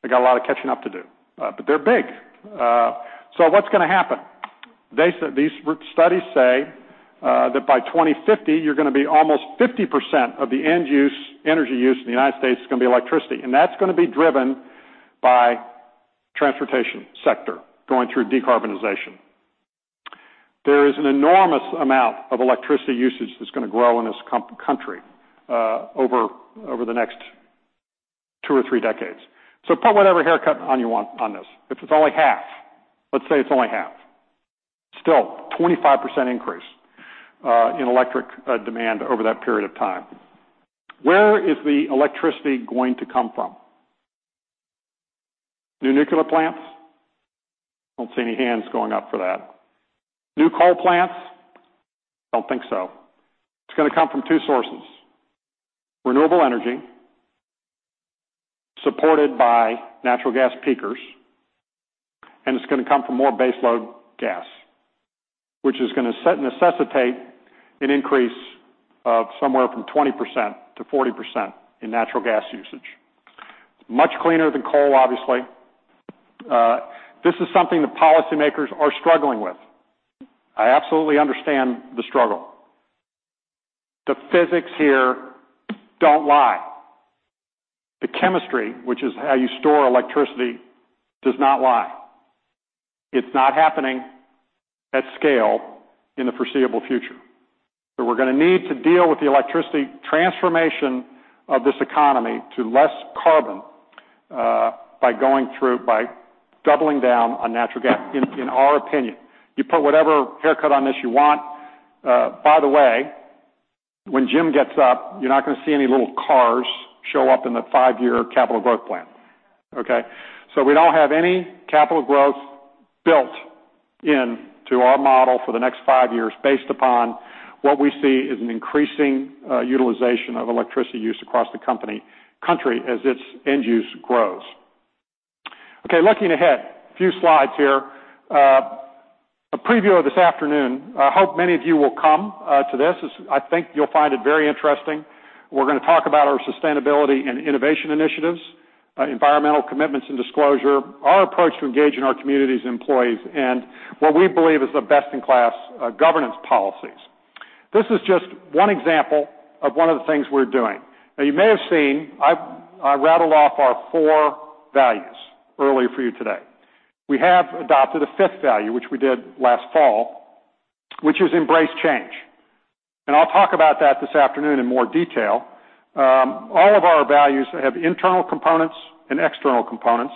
They got a lot of catching up to do. What's going to happen? These studies say that by 2050, you're going to be almost 50% of the end use, energy use in the U.S. is going to be electricity. That's going to be driven by transportation sector going through decarbonization. There is an enormous amount of electricity usage that's going to grow in this country over the next two or three decades. Put whatever haircut on you want on this. If it's only half, let's say it's only half. Still, 25% increase in electric demand over that period of time. Where is the electricity going to come from? New nuclear plants? I don't see any hands going up for that. New coal plants? Don't think so. It's going to come from two sources. Renewable energy supported by natural gas peakers, and it's going to come from more base load gas, which is going to necessitate an increase of somewhere from 20%-40% in natural gas usage. It's much cleaner than coal, obviously. This is something the policymakers are struggling with. I absolutely understand the struggle. The physics here don't lie. The chemistry, which is how you store electricity, does not lie. It's not happening at scale in the foreseeable future. We're going to need to deal with the electricity transformation of this economy to less carbon. By going through, by doubling down on natural gas, in our opinion. You put whatever haircut on this you want. By the way, when Jim gets up, you're not going to see any little cars show up in the five-year capital growth plan. Okay? We don't have any capital growth built into our model for the next five years based upon what we see is an increasing utilization of electricity use across the country as its end use grows. Okay, looking ahead, a few slides here. A preview of this afternoon. I hope many of you will come to this. I think you'll find it very interesting. We're going to talk about our sustainability and innovation initiatives, environmental commitments and disclosure, our approach to engaging our communities and employees, and what we believe is the best-in-class governance policies. This is just one example of one of the things we're doing. Now, you may have seen, I rattled off our four values earlier for you today. We have adopted a fifth value, which we did last fall, which is embrace change. I'll talk about that this afternoon in more detail. All of our values have internal components and external components.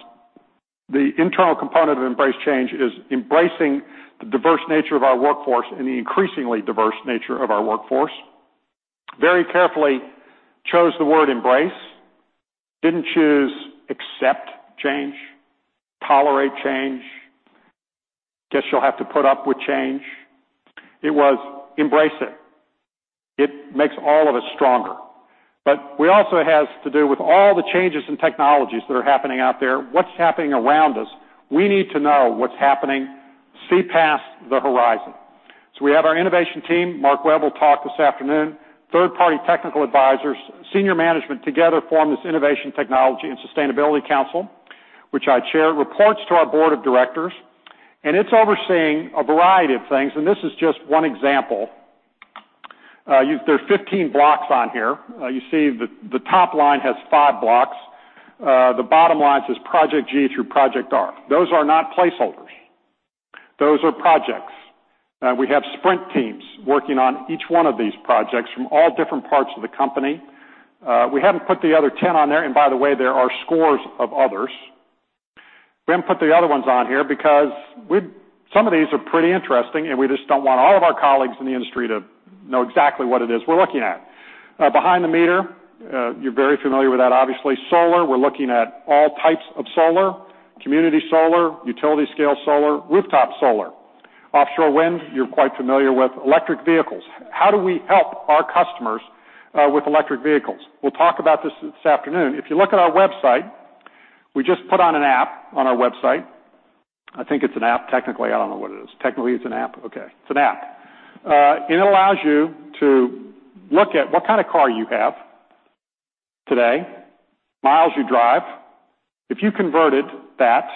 The internal component of embrace change is embracing the diverse nature of our workforce and the increasingly diverse nature of our workforce. Very carefully chose the word embrace. Didn't choose accept change, tolerate change. Guess you'll have to put up with change. It was embrace it. It makes all of us stronger. It also has to do with all the changes in technologies that are happening out there. What is happening around us, we need to know what is happening, see past the horizon. We have our innovation team, Mark Webb will talk this afternoon, third-party technical advisors, senior management together form this Innovation, Technology and Sustainability Council, which I chair. It reports to our board of directors, and it is overseeing a variety of things, and this is just one example. There are 15 blocks on here. You see the top line has five blocks. The bottom line says Project G through Project R. Those are not placeholders. Those are projects. We have sprint teams working on each one of these projects from all different parts of the company. We haven't put the other 10 on there, and by the way, there are scores of others. We haven't put the other ones on here because some of these are pretty interesting, and we just don't want all of our colleagues in the industry to know exactly what it is we are looking at. Behind the meter, you are very familiar with that, obviously. Solar, we are looking at all types of solar, community solar, utility scale solar, rooftop solar. Offshore wind, you are quite familiar with. Electric vehicles. How do we help our customers with electric vehicles? We will talk about this afternoon. If you look at our website, we just put on an app on our website. I think it is an app, technically. I don't know what it is. Technically, it is an app. Okay. It is an app. It allows you to look at what kind of car you have today, miles you drive. If you converted that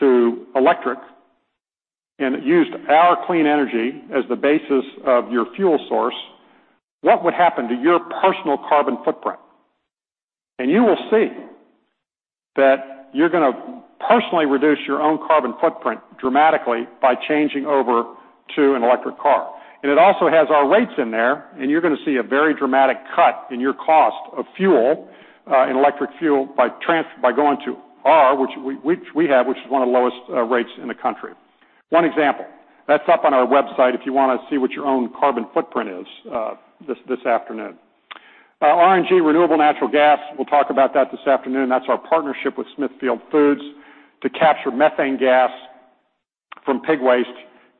to electric and used our clean energy as the basis of your fuel source, what would happen to your personal carbon footprint? You will see that you are going to personally reduce your own carbon footprint dramatically by changing over to an electric car. It also has our rates in there, and you are going to see a very dramatic cut in your cost of fuel and electric fuel by going to our, which we have, which is one of the lowest rates in the country. One example. That is up on our website if you want to see what your own carbon footprint is this afternoon. RNG, renewable natural gas. We will talk about that this afternoon. That is our partnership with Smithfield Foods to capture methane gas from pig waste,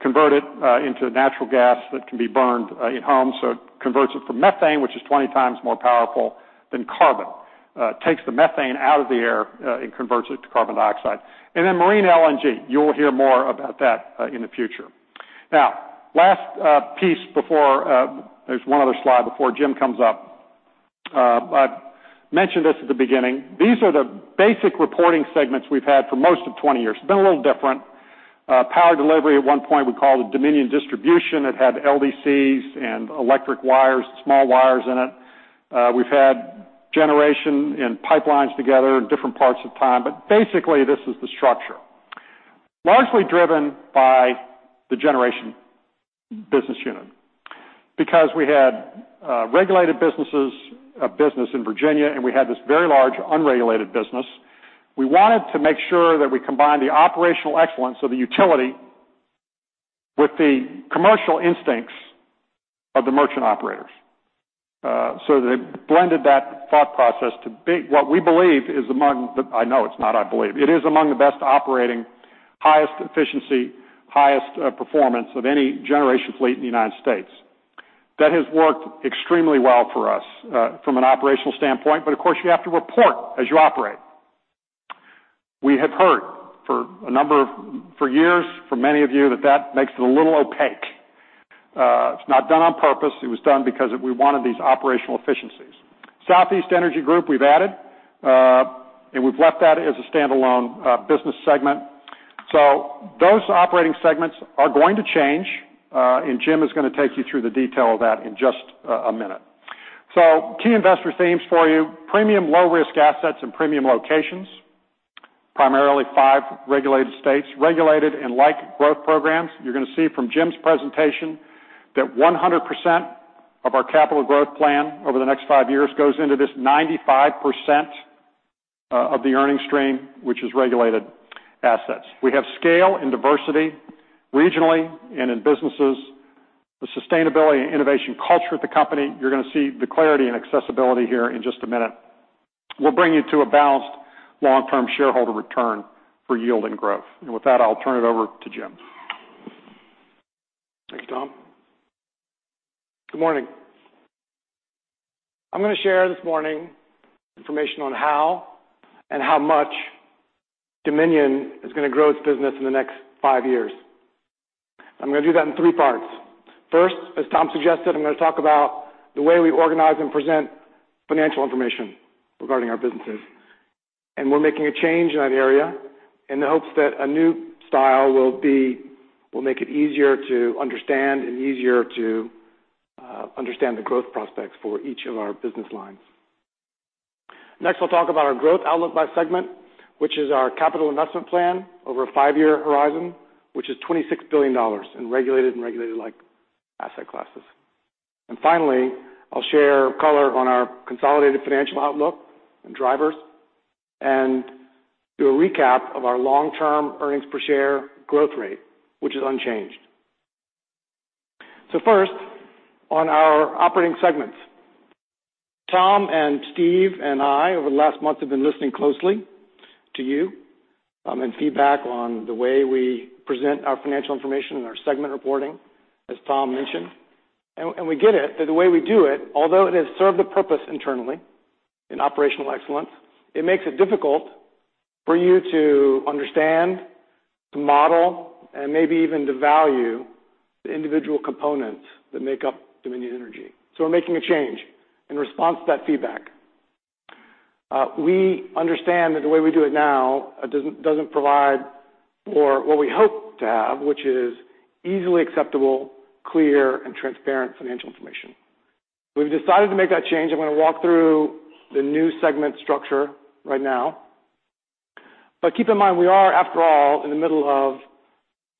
convert it into natural gas that can be burned in homes. It converts it from methane, which is 20 times more powerful than carbon. Takes the methane out of the air and converts it to carbon dioxide. Then marine LNG. You will hear more about that in the future. Last piece before, there is one other slide before Jim comes up. I mentioned this at the beginning. These are the basic reporting segments we have had for most of 20 years. It has been a little different. Power Delivery at one point we called Dominion Distribution. It had LDCs and electric wires, small wires in it. We have had generation and pipelines together in different parts of time. Basically, this is the structure. Largely driven by the generation business unit. We had regulated businesses, a business in Virginia, and we had this very large unregulated business, we wanted to make sure that we combined the operational excellence of the utility with the commercial instincts of the merchant operators. They blended that thought process to be what we believe is among the best operating, highest efficiency, highest performance of any generation fleet in the U.S. That has worked extremely well for us from an operational standpoint, but of course, you have to report as you operate. We have heard for years from many of you that that makes it a little opaque. It's not done on purpose. It was done because we wanted these operational efficiencies. Southeast Energy Group, we've added, and we've left that as a standalone business segment. Those operating segments are going to change, Jim is going to take you through the detail of that in just a minute. Key investor themes for you. Premium low-risk assets in premium locations, primarily five regulated states. Regulated and like growth programs. You're going to see from Jim's presentation that 100% of our capital growth plan over the next five years goes into this 95% of the earnings stream, which is regulated assets. We have scale and diversity regionally and in businesses. The sustainability and innovation culture at the company, you're going to see the clarity and accessibility here in just a minute. We'll bring you to a balanced long-term shareholder return for yield and growth. With that, I'll turn it over to Jim. Thank you, Tom. Good morning. I'm going to share this morning information on how and how much Dominion is going to grow its business in the next five years. I'm going to do that in three parts. First, as Tom suggested, I'm going to talk about the way we organize and present financial information regarding our businesses, we're making a change in that area in the hopes that a new style will make it easier to understand and easier to understand the growth prospects for each of our business lines. Next, we'll talk about our growth outlook by segment, which is our capital investment plan over a five-year horizon, which is $26 billion in regulated and regulated-like asset classes. Finally, I'll share color on our consolidated financial outlook and drivers and do a recap of our long-term earnings per share growth rate, which is unchanged. First, on our operating segments. Tom and Steve and I, over the last month, have been listening closely to you on feedback on the way we present our financial information and our segment reporting, as Tom mentioned. We get it, that the way we do it, although it has served a purpose internally in operational excellence, it makes it difficult for you to understand, to model, and maybe even to value the individual components that make up Dominion Energy. We're making a change in response to that feedback. We understand that the way we do it now doesn't provide for what we hope to have, which is easily acceptable, clear, and transparent financial information. We've decided to make that change. I'm going to walk through the new segment structure right now. Keep in mind, we are, after all, in the middle of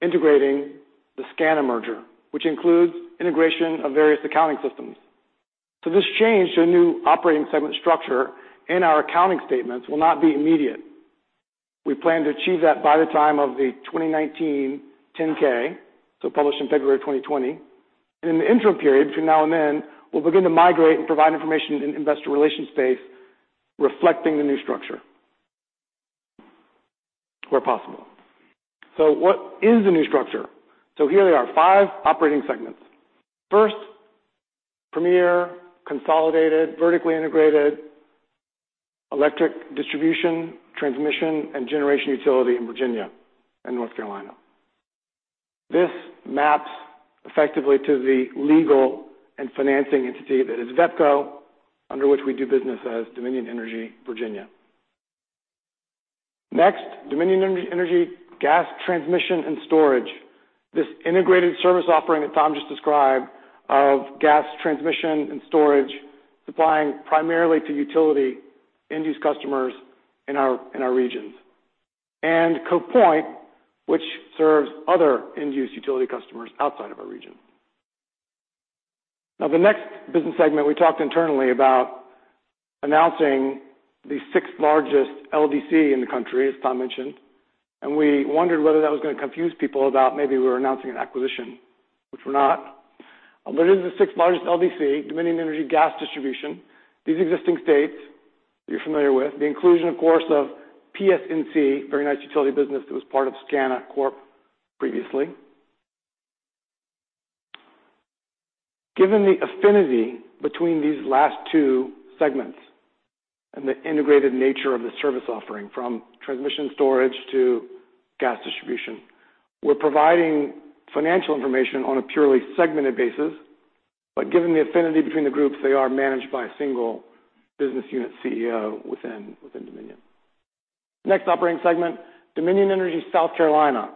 integrating the SCANA merger, which includes integration of various accounting systems. This change to a new operating segment structure in our accounting statements will not be immediate. We plan to achieve that by the time of the 2019 Form 10-K, so published in February 2020. In the interim period between now and then, we'll begin to migrate and provide information in the investor relations space reflecting the new structure where possible. What is the new structure? Here they are, 5 operating segments. First, Premier consolidated vertically integrated electric distribution, transmission, and generation utility in Virginia and North Carolina. This maps effectively to the legal and financing entity that is VEPCO, under which we do business as Dominion Energy Virginia. Next, Dominion Energy Gas Transmission and Storage. This integrated service offering that Tom just described of gas transmission and storage supplying primarily to utility end-use customers in our regions. Cove Point, which serves other end-use utility customers outside of our region. The next business segment, we talked internally about announcing the 6th-largest LDC in the country, as Tom mentioned, and we wondered whether that was going to confuse people about maybe we were announcing an acquisition, which we're not. It is the 6th-largest LDC, Dominion Energy Gas Distribution. These existing states you're familiar with. The inclusion, of course, of PSNC, very nice utility business that was part of SCANA Corp previously. Given the affinity between these last two segments and the integrated nature of the service offering from transmission storage to gas distribution, we're providing financial information on a purely segmented basis, but given the affinity between the groups, they are managed by a single business unit CEO within Dominion. Next operating segment, Dominion Energy South Carolina,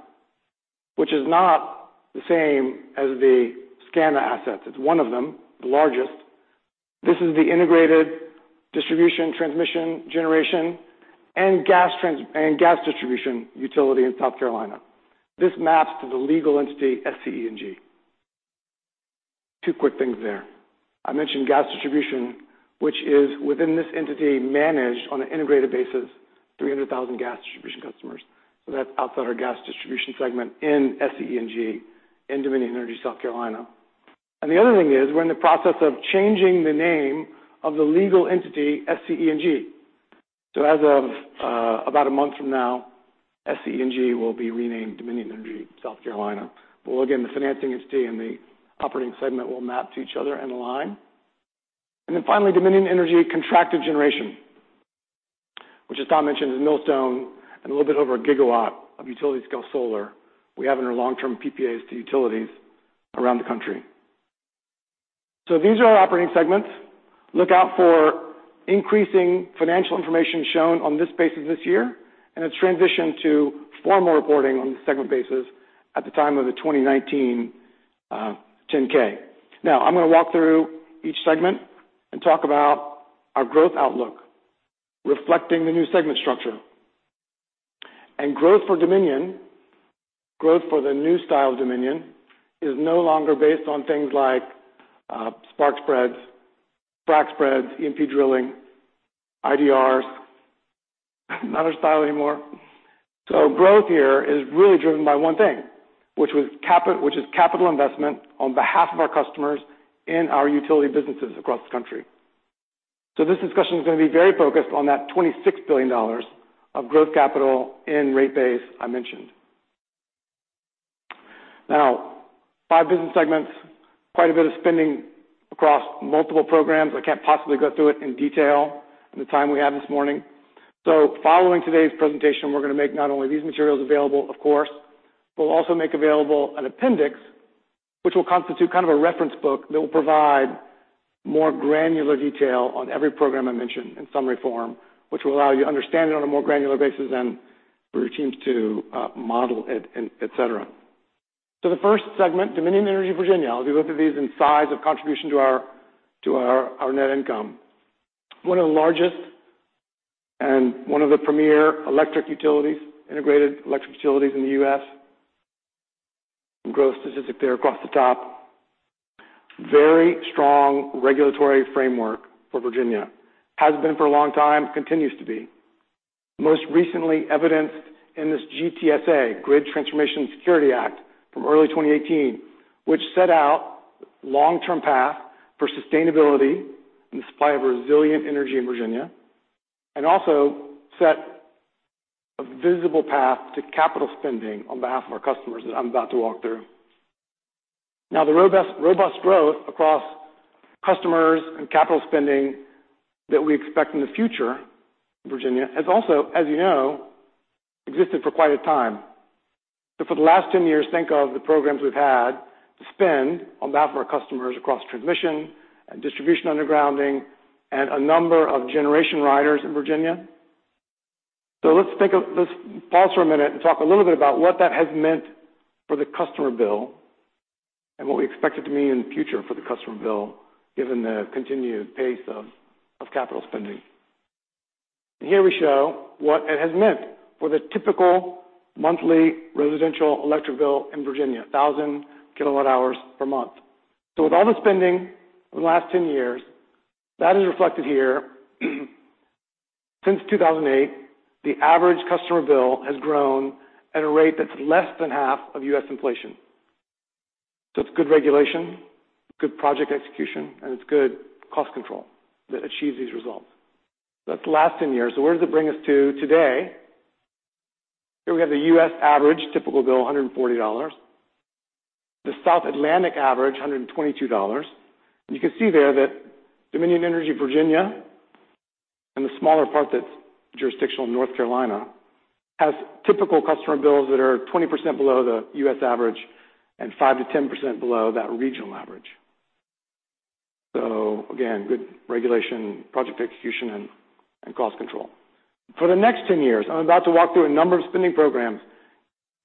which is not the same as the SCANA assets. It's one of them, the largest. This is the integrated distribution, transmission, generation, and gas distribution utility in South Carolina. This maps to the legal entity, SCE&G. Two quick things there. I mentioned gas distribution, which is within this entity managed on an integrated basis, 300,000 gas distribution customers. That's outside our gas distribution segment in SCE&G in Dominion Energy, South Carolina. The other thing is, we're in the process of changing the name of the legal entity, SCE&G. As of about a month from now, SCE&G will be renamed Dominion Energy South Carolina. Again, the financing entity and the operating segment will map to each other and align. Finally, Dominion Energy Contracted Generation, which as Tom mentioned, is Millstone and a little bit over a gigawatt of utility-scale solar we have in our long-term PPAs to utilities around the country. These are our operating segments. Look out for increasing financial information shown on this basis this year, and it's transitioned to formal reporting on the segment basis at the time of the 2019 Form 10-K. I'm going to walk through each segment and talk about our growth outlook, reflecting the new segment structure. Growth for Dominion, growth for the new style of Dominion, is no longer based on things like spark spreads, frac spreads, E&P drilling, IDRs. Not our style anymore. Growth here is really driven by one thing, which is capital investment on behalf of our customers in our utility businesses across the country. This discussion is going to be very focused on that $26 billion of growth capital in rate base I mentioned. Five business segments, quite a bit of spending across multiple programs. I can't possibly go through it in detail in the time we have this morning. Following today's presentation, we're going to make not only these materials available, of course, but we'll also make available an appendix, which will constitute kind of a reference book that will provide more granular detail on every program I mentioned in summary form, which will allow you to understand it on a more granular basis than for your teams to model it, et cetera. The first segment, Dominion Energy Virginia. I'll give you a look at these in size of contribution to our net income. One of the largest and one of the premier electric utilities, integrated electric utilities in the U.S. Growth statistic there across the top. Very strong regulatory framework for Virginia. Has been for a long time, continues to be. Most recently evidenced in this GTSA, Grid Transformation and Security Act, from early 2018, which set out long-term path for sustainability and supply of resilient energy in Virginia, and also set a visible path to capital spending on behalf of our customers that I'm about to walk through. The robust growth across customers and capital spending that we expect in the future, Virginia, has also, as you know, existed for quite a time. For the last 10 years, think of the programs we've had to spend on behalf of our customers across transmission and distribution undergrounding and a number of generation riders in Virginia. Let's pause for a minute and talk a little bit about what that has meant for the customer bill and what we expect it to mean in the future for the customer bill, given the continued pace of capital spending. Here we show what it has meant for the typical monthly residential electric bill in Virginia, 1,000 kilowatt hours per month. With all the spending in the last 10 years, that is reflected here. Since 2008, the average customer bill has grown at a rate that's less than half of U.S. inflation. It's good regulation, good project execution, and it's good cost control that achieved these results. That's the last 10 years. Where does it bring us to today? Here we have the U.S. average typical bill, $140. The South Atlantic average, $122. You can see there that Dominion Energy Virginia, and the smaller part that's jurisdictional in North Carolina, has typical customer bills that are 20% below the U.S. average and 5%-10% below that regional average. Again, good regulation, project execution, and cost control. For the next 10 years, I'm about to walk through a number of spending programs.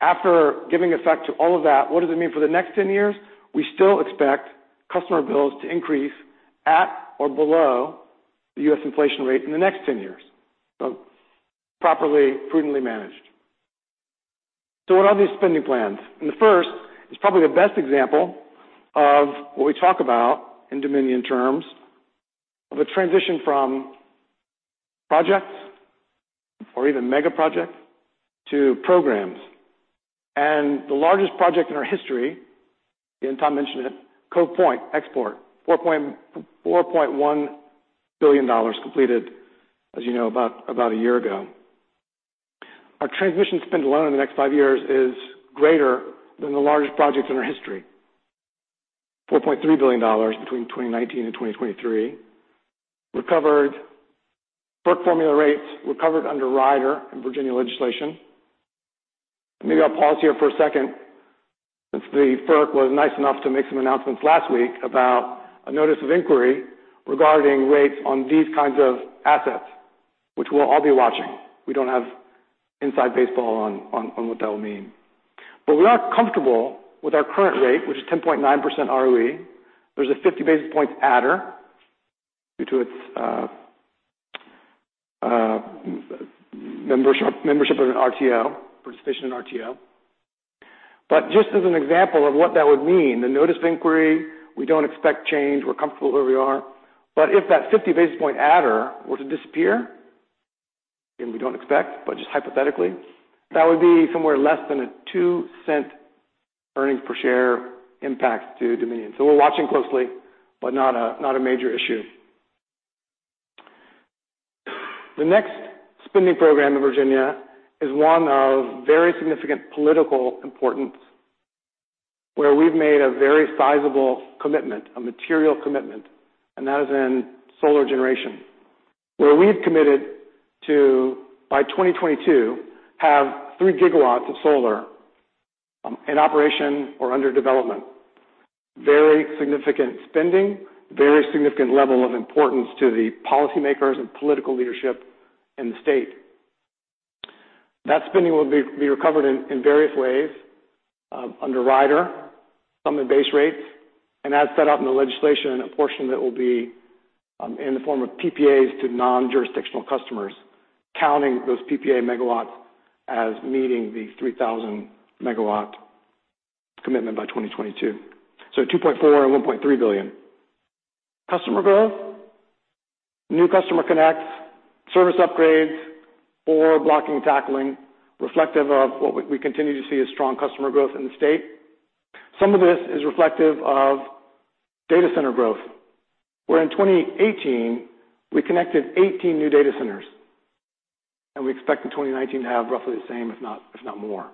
After giving effect to all of that, what does it mean for the next 10 years? We still expect customer bills to increase at or below the U.S. inflation rate in the next 10 years. Properly, prudently managed. What are these spending plans? The first is probably the best example of what we talk about in Dominion terms, of a transition from projects or even mega projects to programs. The largest project in our history, again, Tom mentioned it, Cove Point export, $4.1 billion completed, as you know, about a year ago. Our transmission spend alone in the next 5 years is greater than the largest projects in our history. $4.3 billion between 2019 and 2023. Recovered FERC formula rates, recovered under rider in Virginia legislation. Maybe I'll pause here for a second, since the FERC was nice enough to make some announcements last week about a notice of inquiry regarding rates on these kinds of assets, which we'll all be watching. We don't have inside baseball on what that will mean. We are comfortable with our current rate, which is 10.9% ROE. There's a 50 basis points adder due to its membership in RTO, participation in RTO. Just as an example of what that would mean, the notice of inquiry, we don't expect change. We're comfortable where we are. If that 50 basis point adder were to disappear, again, we don't expect, but just hypothetically, that would be somewhere less than a $0.02 earnings per share impact to Dominion. We're watching closely, but not a major issue. The next spending program in Virginia is one of very significant political importance, where we've made a very sizable commitment, a material commitment, and that is in solar generation, where we've committed to, by 2022, have 3 GW of solar in operation or under development. Very significant spending, very significant level of importance to the policymakers and political leadership in the state. That spending will be recovered in various ways. Under rider, some in base rates, and as set out in the legislation, a portion that will be in the form of PPAs to non-jurisdictional customers, counting those PPA megawatts as meeting the 3,000 MW commitment by 2022. $2.4 billion and $1.3 billion. Customer growth, new customer connects, service upgrades, or blocking and tackling, reflective of what we continue to see as strong customer growth in the state. Some of this is reflective of data center growth, where in 2018, we connected 18 new data centers, and we expect in 2019 to have roughly the same, if not more.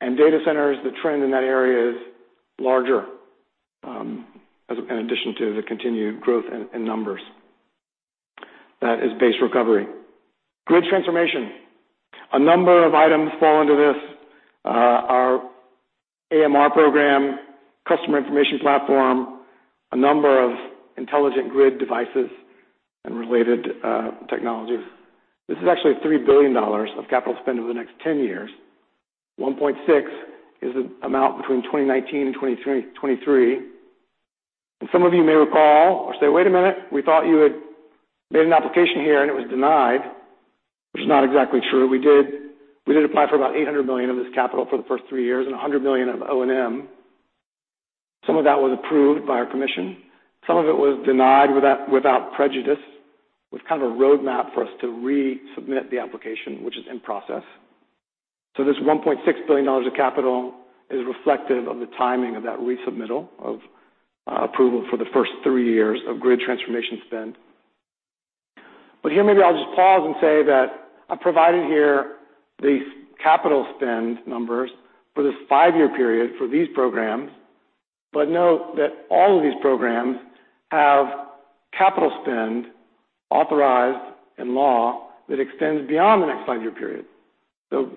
Data centers, the trend in that area is larger, in addition to the continued growth in numbers. That is base recovery. Grid Transformation. A number of items fall into this. Our AMI program, customer information platform, a number of intelligent grid devices and related technologies. This is actually $3 billion of capital spend over the next 10 years. $1.6 billion is the amount between 2019 and 2023. Some of you may recall or say, "Wait a minute, we thought you had made an application here and it was denied." Which is not exactly true. We did apply for about $800 million of this capital for the first three years and $100 million of O&M. Some of that was approved by our commission. Some of it was denied without prejudice, with kind of a roadmap for us to resubmit the application, which is in process. This $1.6 billion of capital is reflective of the timing of that resubmittal of approval for the first three years of Grid Transformation spend. Here, maybe I'll just pause and say that I provided here the capital spend numbers for this five-year period for these programs. Note that all of these programs have capital spend authorized in law that extends beyond the next five-year period.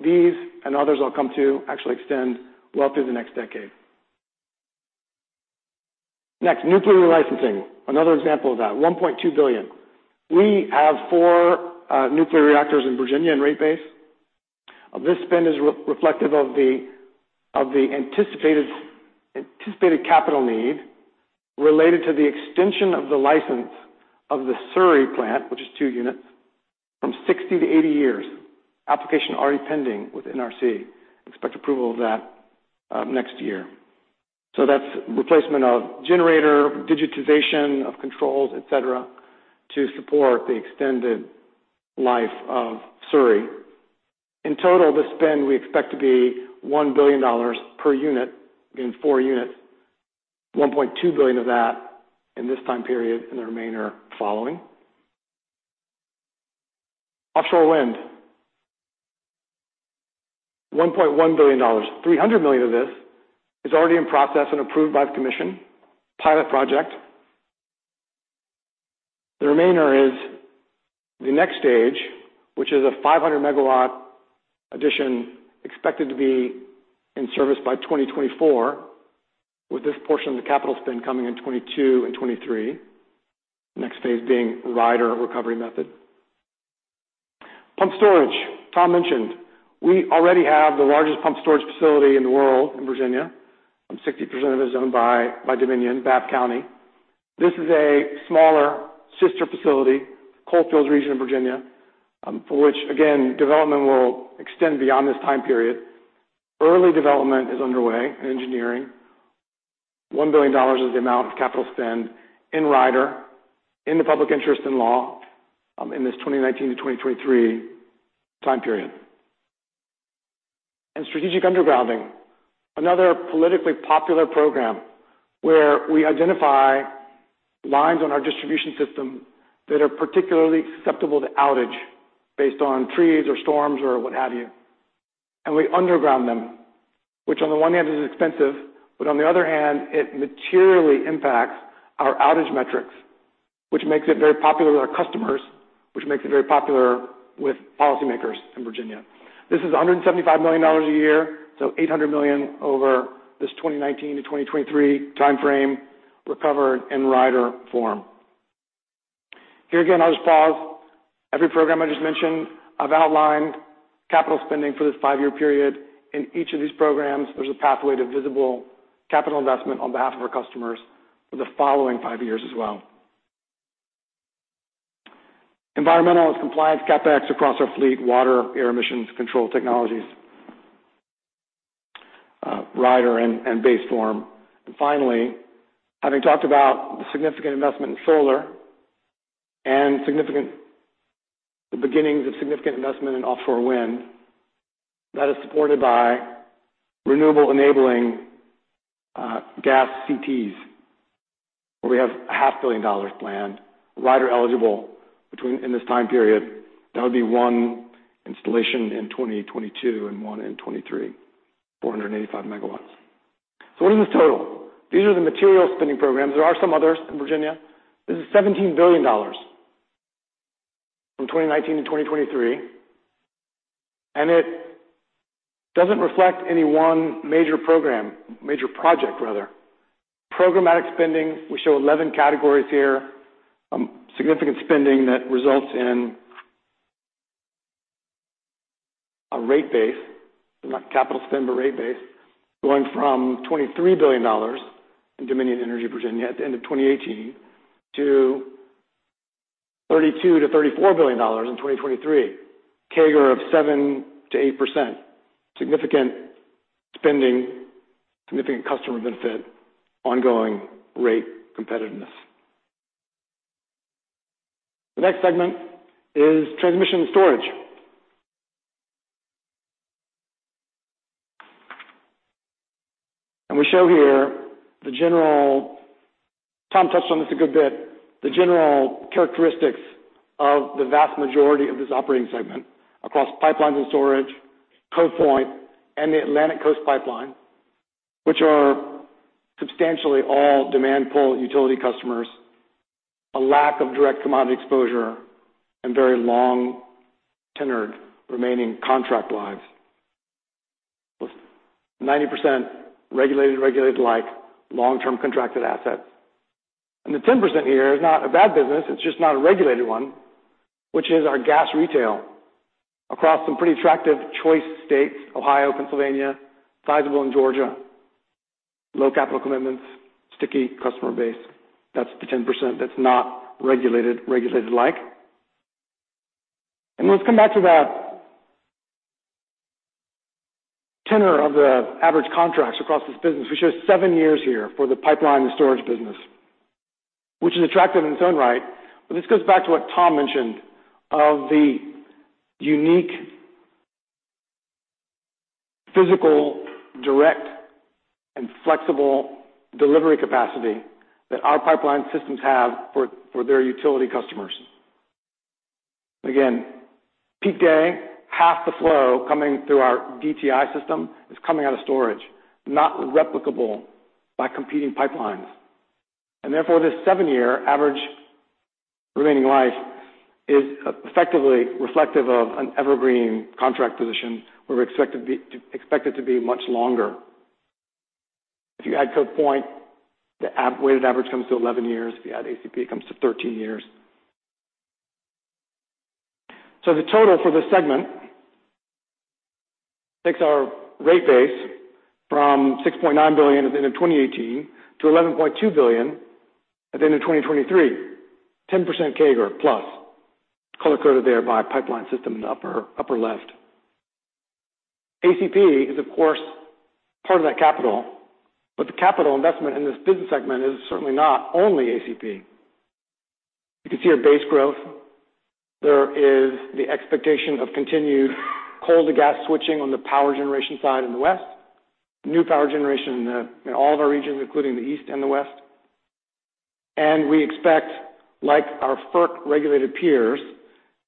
These, and others I'll come to, actually extend well through the next decade. Next, nuclear licensing. Another example of that, $1.2 billion. We have four nuclear reactors in Virginia in rate base. This spend is reflective of the anticipated capital need related to the extension of the license of the Surry plant, which is two units, from 60-80 years. Application already pending with NRC. Expect approval of that next year. That's replacement of generator, digitization of controls, et cetera, to support the extended life of Surry. In total, this spend we expect to be $1 billion per unit, again, four units. $1.2 billion of that in this time period. The remainder following. Offshore wind, $1.1 billion. $300 million of this is already in process and approved by the commission. Pilot project. The remainder is the next stage, which is a 500 MW addition expected to be in service by 2024, with this portion of the capital spend coming in 2022 and 2023. Next phase being rider recovery method. Pump storage. Tom mentioned. We already have the largest pump storage facility in the world in Virginia. 60% of it is owned by Dominion, Bath County. This is a smaller sister facility, Coalfields Region of Virginia, for which, again, development will extend beyond this time period. Early development is underway in engineering. $1 billion is the amount of capital spend in rider, in the public interest in law, in this 2019-2023 time period. Strategic Undergrounding, another politically popular program where we identify lines on our distribution system that are particularly susceptible to outage based on trees or storms or what have you. We underground them, which on the one hand is expensive, but on the other hand, it materially impacts our outage metrics, which makes it very popular with our customers, which makes it very popular with policymakers in Virginia. This is $175 million a year, so $800 million over this 2019-2023 time frame recovered in rider form. Here again, I'll just pause. Every program I just mentioned, I've outlined capital spending for this five-year period. In each of these programs, there's a pathway to visible capital investment on behalf of our customers for the following five years as well. Environmental and compliance CapEx across our fleet, water, air emissions control technologies, rider and base form. Finally, having talked about the significant investment in solar and the beginnings of significant investment in offshore wind, that is supported by renewable-enabling gas CTs, where we have a half billion dollars planned, rider eligible in this time period. That would be one installation in 2022 and one in 2023, 485 MW. What is this total? These are the material spending programs. There are some others in Virginia. This is $17 billion from 2019-2023. It doesn't reflect any one major program, major project, rather. Programmatic spending, we show 11 categories here. Significant spending that results in a rate base, not capital spend, but rate base, going from $23 billion in Dominion Energy Virginia at the end of 2018 to $32 billion-$34 billion in 2023, CAGR of 7%-8%. Significant spending, significant customer benefit, ongoing rate competitiveness. The next segment is transmission storage. We show here, Tom touched on this a good bit, the general characteristics of the vast majority of this operating segment across pipelines and storage, Cove Point, and the Atlantic Coast Pipeline, which are substantially all demand-pull utility customers, a lack of direct commodity exposure, and very long-tenured remaining contract lives. 90% regulated-like long-term contracted assets. The 10% here is not a bad business, it's just not a regulated one, which is our gas retail across some pretty attractive choice states, Ohio, Pennsylvania, sizable in Georgia, low capital commitments, sticky customer base. That's the 10% that's not regulated-like. Let's come back to that tenor of the average contracts across this business, which shows seven years here for the pipeline and storage business, which is attractive in its own right. This goes back to what Tom mentioned of the unique physical, direct, and flexible delivery capacity that our pipeline systems have for their utility customers. Again, peak day, half the flow coming through our DTI system is coming out of storage, not replicable by competing pipelines. Therefore, this seven-year average remaining life is effectively reflective of an evergreen contract position where we're expected to be much longer. If you add Cove Point, the weighted average comes to 11 years. If you add ACP, it comes to 13 years. The total for this segment takes our rate base from $6.9 billion at the end of 2018 to $11.2 billion at the end of 2023, 10% CAGR plus, color-coded there by pipeline system in the upper left. ACP is, of course, part of that capital, the capital investment in this business segment is certainly not only ACP. You can see our base growth. There is the expectation of continued coal-to-gas switching on the power generation side in the West, new power generation in all of our regions, including the East and the West. We expect, like our FERC-regulated peers,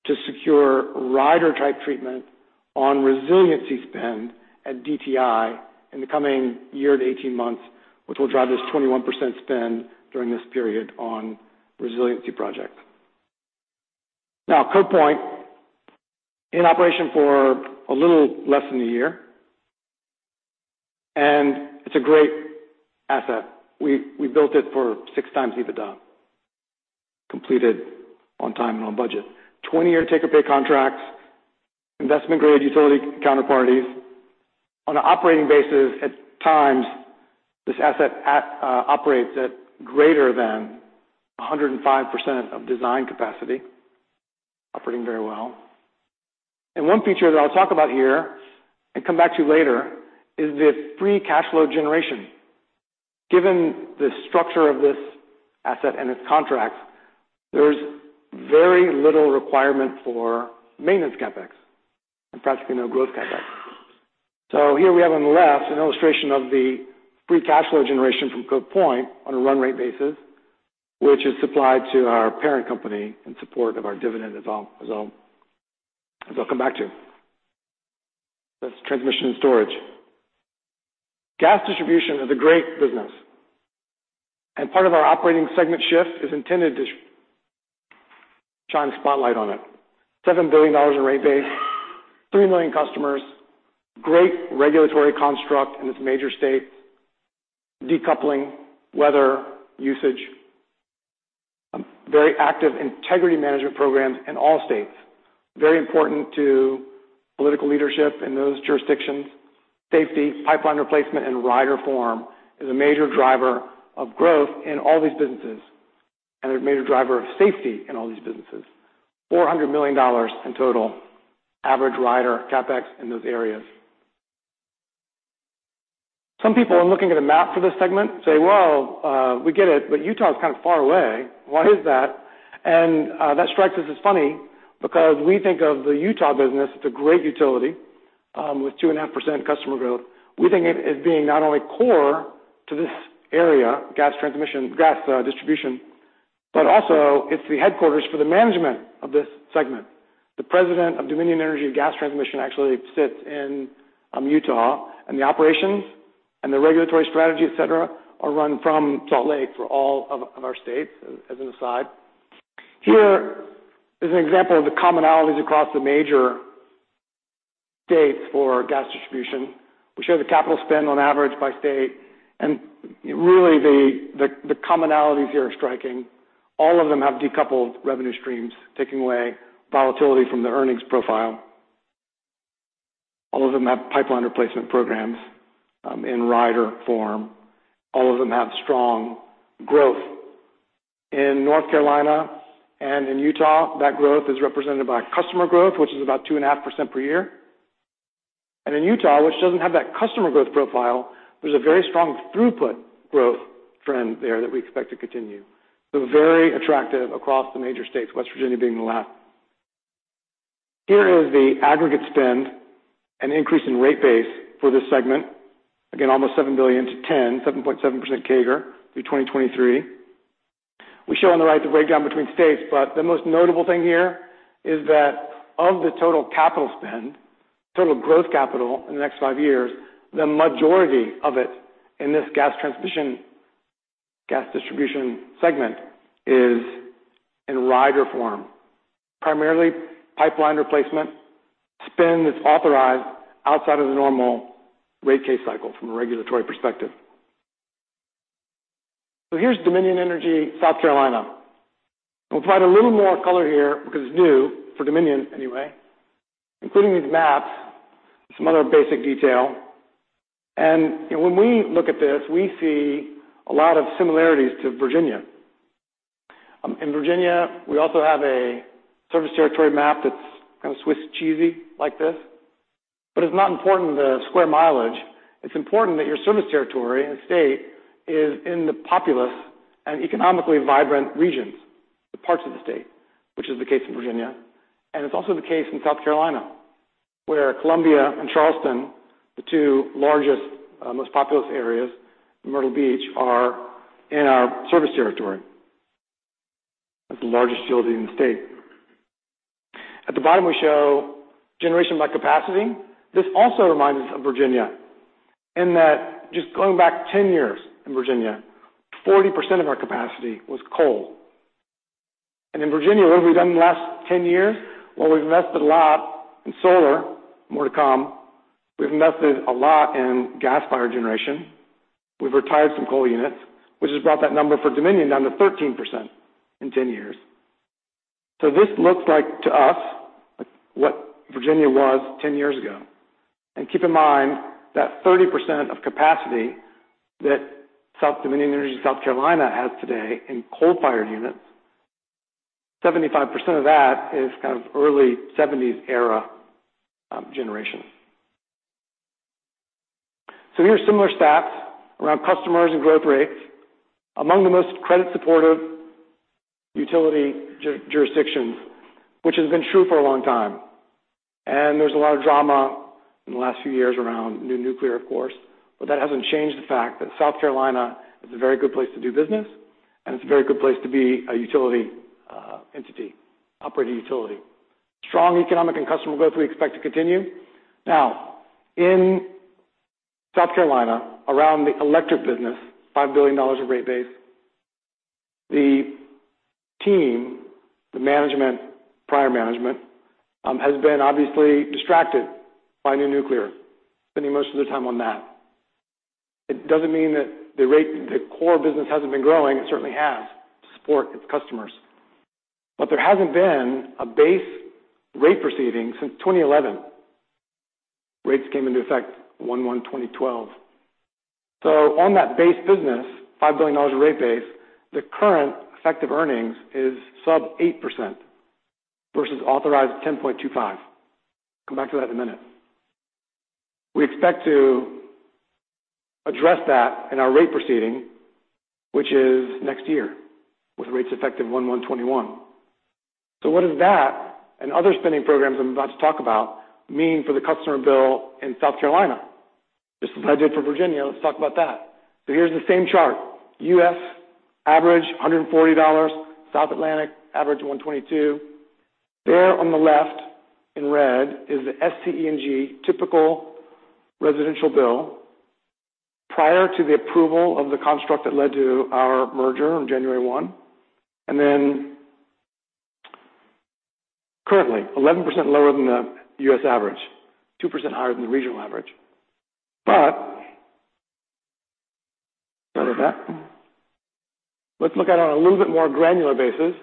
to secure rider-type treatment on resiliency spend at DTI in the coming year to 18 months, which will drive this 21% spend during this period on resiliency projects. Cove Point, in operation for a little less than a year, and it's a great asset. We built it for six times EBITDA, completed on time and on budget. 20-year take-or-pay contracts, investment-grade utility counterparties. On an operating basis, at times, this asset operates at greater than 105% of design capacity, operating very well. One feature that I'll talk about here and come back to later is this free cash flow generation. Given the structure of this asset and its contracts, there is very little requirement for maintenance CapEx and practically no growth CapEx. Here we have on the left an illustration of the free cash flow generation from Cove Point on a run rate basis, which is supplied to our parent company in support of our dividend, as I'll come back to. That's transmission and storage. Gas distribution is a great business, and part of our operating segment shift is intended to shine a spotlight on it. $7 billion in rate base, 3 million customers, great regulatory construct in its major states, decoupling weather usage, very active integrity management programs in all states, very important to political leadership in those jurisdictions. Safety, pipeline replacement, and rider form is a major driver of growth in all these businesses, and a major driver of safety in all these businesses. $400 million in total average rider CapEx in those areas. Some people, in looking at a map for this segment, say, "Well, we get it, but Utah is kind of far away. Why is that?" That strikes us as funny because we think of the Utah business, it's a great utility with 2.5% customer growth. We think it as being not only core to this area, gas distribution, but also it's the headquarters for the management of this segment. The president of Dominion Energy Gas Transmission actually sits in Utah, and the operations and the regulatory strategy, et cetera, are run from Salt Lake for all of our states, as an aside. Here is an example of the commonalities across the major states for gas distribution. We show the capital spend on average by state, and really the commonalities here are striking. All of them have decoupled revenue streams, taking away volatility from the earnings profile. All of them have pipeline replacement programs in rider form. All of them have strong growth. In North Carolina and in Utah, that growth is represented by customer growth, which is about 2.5% per year. In Utah, which doesn't have that customer growth profile, there's a very strong throughput growth trend there that we expect to continue. Very attractive across the major states, West Virginia being the last. Here is the aggregate spend and increase in rate base for this segment. Again, almost $7 billion to 10, 7.7% CAGR through 2023. We show on the right the breakdown between states, but the most notable thing here is that of the total capital spend, total growth capital in the next five years, the majority of it in this gas transmission, gas distribution segment is in rider form, primarily pipeline replacement spend that's authorized outside of the normal rate case cycle from a regulatory perspective. Here's Dominion Energy South Carolina. We'll provide a little more color here because it's new, for Dominion anyway, including these maps, some other basic detail. When we look at this, we see a lot of similarities to Virginia. In Virginia, we also have a service territory map that's kind of Swiss cheesy like this, but it's not important, the square mileage. It's important that your service territory in the state is in the populous and economically vibrant regions, the parts of the state, which is the case in Virginia, and it's also the case in South Carolina, where Columbia and Charleston, the two largest, most populous areas, and Myrtle Beach, are in our service territory. That's the largest city in the state. At the bottom, we show generation by capacity. This also reminds us of Virginia, in that just going back 10 years in Virginia, 40% of our capacity was coal. In Virginia, what have we done in the last 10 years? Well, we've invested a lot in solar, more to come. We've invested a lot in gas-fired generation. We've retired some coal units, which has brought that number for Dominion down to 13% in 10 years. This looks like to us what Virginia was 10 years ago. Keep in mind that 30% of capacity that Dominion Energy South Carolina has today in coal-fired units, 75% of that is kind of early '70s era generation. Here's similar stats around customers and growth rates. Among the most credit-supportive utility jurisdictions, which has been true for a long time. There's a lot of drama in the last few years around new nuclear, of course, but that hasn't changed the fact that South Carolina is a very good place to do business, and it's a very good place to be a utility entity, operate a utility. Strong economic and customer growth we expect to continue. In South Carolina, around the electric business, $5 billion of rate base, the team, the prior management, has been obviously distracted by new nuclear, spending most of their time on that. It doesn't mean that the core business hasn't been growing. It certainly has, to support its customers. There hasn't been a base rate proceeding since 2011. Rates came into effect 1/1/2012. On that base business, $5 billion of rate base, the current effective earnings is sub 8% versus authorized 10.25%. Come back to that in a minute. We expect to address that in our rate proceeding, which is next year, with rates effective 1/1/2021. What does that and other spending programs I'm about to talk about mean for the customer bill in South Carolina? Just as I did for Virginia, let's talk about that. Here's the same chart. U.S. average, $140. South Atlantic average, $122. There on the left in red is the SCE&G typical residential bill prior to the approval of the construct that led to our merger on January 1. Currently, 11% lower than the U.S. average, 2% higher than the regional average. Start with that. Let's look at it on a little bit more granular basis.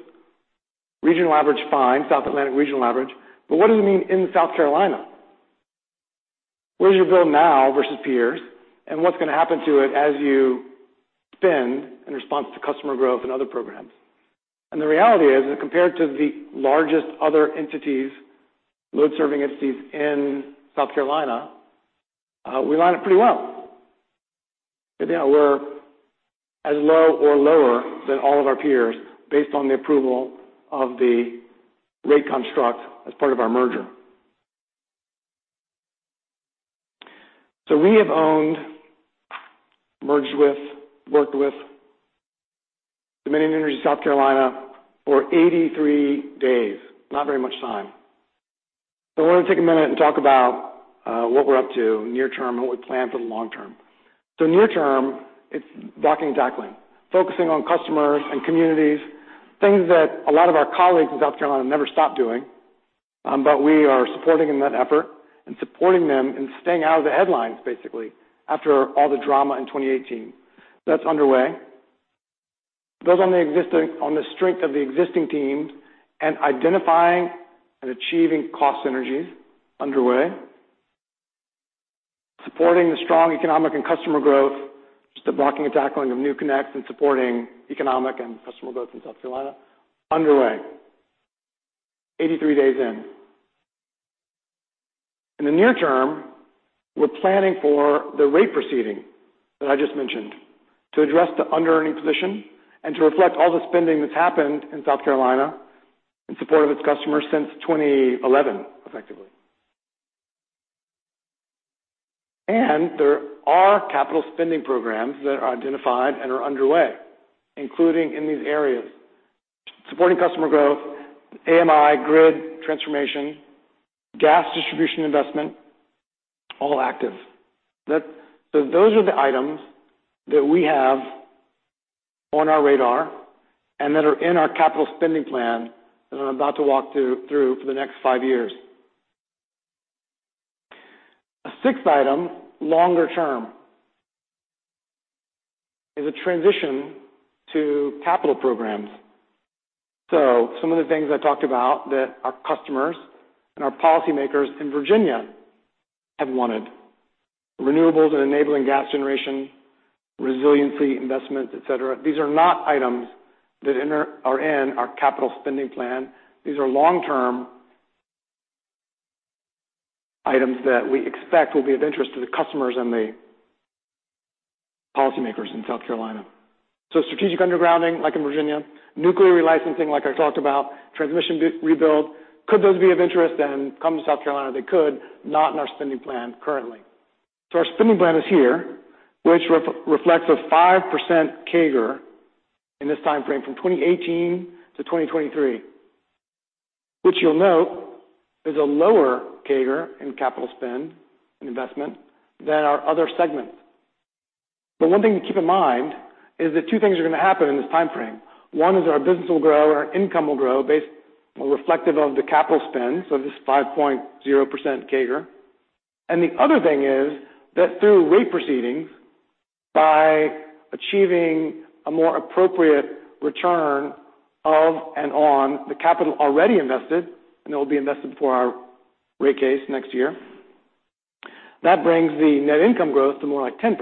Regional average, fine. South Atlantic regional average. What does it mean in South Carolina? Where's your bill now versus peers, and what's going to happen to it as you spend in response to customer growth and other programs? The reality is, compared to the largest other entities, load-serving entities in South Carolina, we line up pretty well. We're as low or lower than all of our peers based on the approval of the rate construct as part of our merger. We have owned, merged with, worked with Dominion Energy South Carolina for 83 days. Not very much time. I want to take a minute and talk about what we're up to near term and what we plan for the long term. Near term, it's blocking and tackling, focusing on customers and communities, things that a lot of our colleagues in South Carolina never stop doing. We are supporting them in that effort and supporting them in staying out of the headlines, basically, after all the drama in 2018. That's underway. Builds on the strength of the existing team and identifying and achieving cost synergies, underway. Supporting the strong economic and customer growth, just the blocking and tackling of new connects and supporting economic and customer growth in South Carolina, underway. 83 days in. In the near term, we're planning for the rate proceeding that I just mentioned to address the underearning position and to reflect all the spending that's happened in South Carolina in support of its customers since 2011, effectively. There are capital spending programs that are identified and are underway, including in these areas. Supporting customer growth, AMI grid transformation, gas distribution investment, all active. Those are the items that we have on our radar and that are in our capital spending plan that I'm about to walk through for the next five years. A sixth item, longer term, is a transition to capital programs. Some of the things I talked about that our customers and our policymakers in Virginia have wanted. Renewables and enabling gas generation, resiliency investments, et cetera. These are not items that are in our capital spending plan. These are long-term items that we expect will be of interest to the customers and the policymakers in South Carolina. Strategic undergrounding, like in Virginia, nuclear relicensing, like I talked about, transmission rebuild. Could those be of interest and come to South Carolina? They could. Not in our spending plan currently. Our spending plan is here, which reflects a 5% CAGR in this timeframe from 2018 to 2023, which you'll note is a lower CAGR in capital spend and investment than our other segments. One thing to keep in mind is that two things are going to happen in this timeframe. One is our business will grow, our income will grow, reflective of the capital spend, so this 5.0% CAGR. The other thing is that through rate proceedings, by achieving a more appropriate return of and on the capital already invested, and it will be invested before our rate case next year, that brings the net income growth to more like 10%.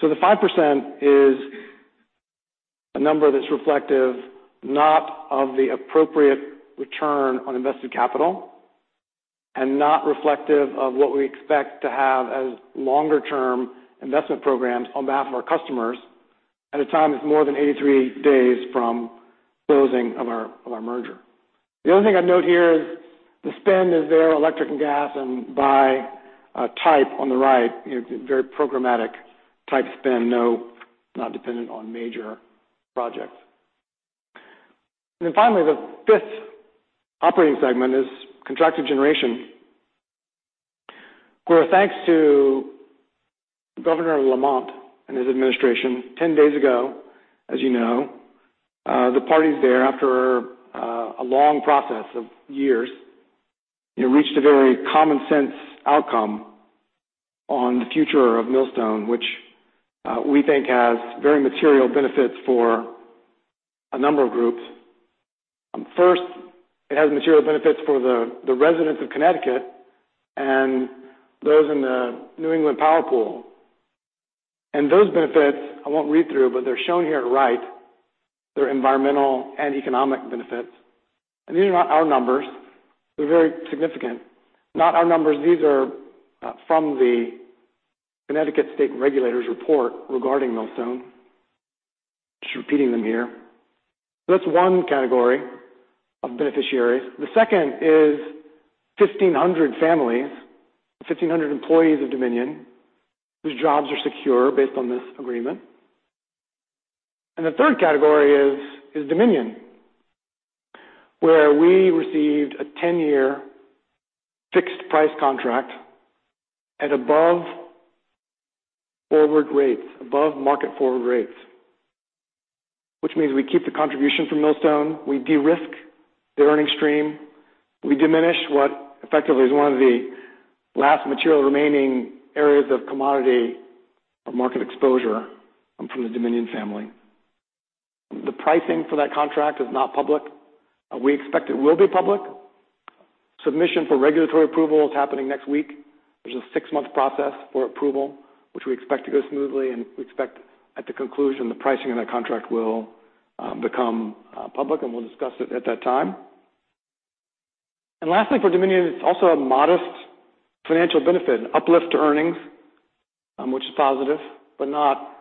The 5% is a number that's reflective not of the appropriate return on invested capital and not reflective of what we expect to have as longer-term investment programs on behalf of our customers at a time that's more than 83 days from closing of our merger. The other thing I'd note here is the spend is there, electric and gas, and by type on the right, very programmatic type spend, not dependent on major projects. Finally, the fifth operating segment is contracted generation, where thanks to Governor Lamont and his administration, 10 days ago, as you know, the parties there, after a long process of years, reached a very common-sense outcome on the future of Millstone, which we think has very material benefits for a number of groups. First, it has material benefits for the residents of Connecticut and those in the New England Power Pool. Those benefits I won't read through, but they're shown here at right. They're environmental and economic benefits. These are not our numbers. They're very significant. Not our numbers. These are from the Connecticut State Regulators report regarding Millstone. Just repeating them here. That's one category of beneficiaries. The second is 1,500 families, 1,500 employees of Dominion, whose jobs are secure based on this agreement. The third category is Dominion, where we received a 10-year fixed price contract at above forward rates, above market forward rates, which means we keep the contribution from Millstone, we de-risk the earning stream, we diminish what effectively is one of the last material remaining areas of commodity or market exposure from the Dominion family. The pricing for that contract is not public. We expect it will be public. Submission for regulatory approval is happening next week. There's a six-month process for approval, which we expect to go smoothly, and we expect at the conclusion, the pricing of that contract will become public, and we'll discuss it at that time. Lastly, for Dominion, it's also a modest financial benefit, an uplift to earnings, which is positive, but not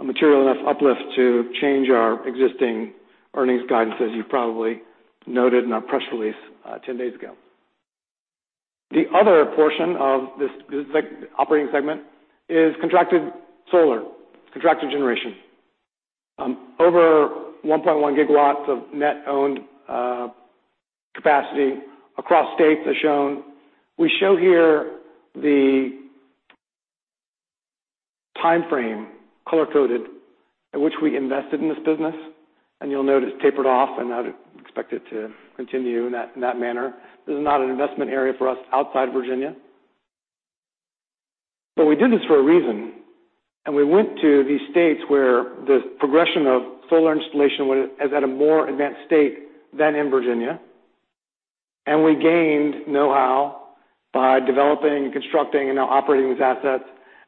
a material enough uplift to change our existing earnings guidance, as you've probably noted in our press release 10 days ago. The other portion of this operating segment is contracted solar, contracted generation. Over 1.1 gigawatts of net owned capacity across states, as shown. We show here the timeframe, color-coded, at which we invested in this business, and you'll note it's tapered off, and I'd expect it to continue in that manner. This is not an investment area for us outside Virginia. We did this for a reason, and we went to these states where the progression of solar installation is at a more advanced state than in Virginia. We gained know-how by developing and constructing and now operating these assets.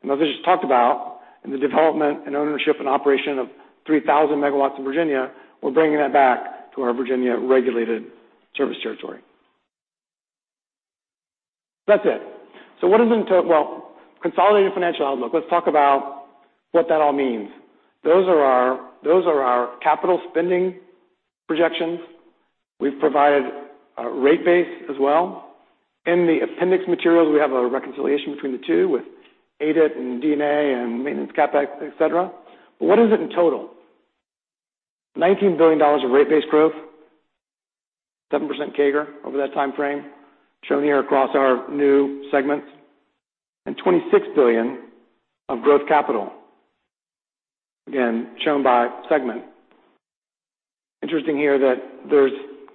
As I just talked about, in the development and ownership and operation of 3,000 megawatts in Virginia, we're bringing that back to our Virginia regulated service territory. That's it. Well, consolidated financial outlook. Let's talk about what that all means. Those are our capital spending projections. We've provided a rate base as well. In the appendix materials, we have a reconciliation between the two, with ADIT and D&A and maintenance CapEx, et cetera. What is it in total? $19 billion of rate base growth, 7% CAGR over that timeframe, shown here across our new segments, and $26 billion of growth capital, again, shown by segment. Interesting here that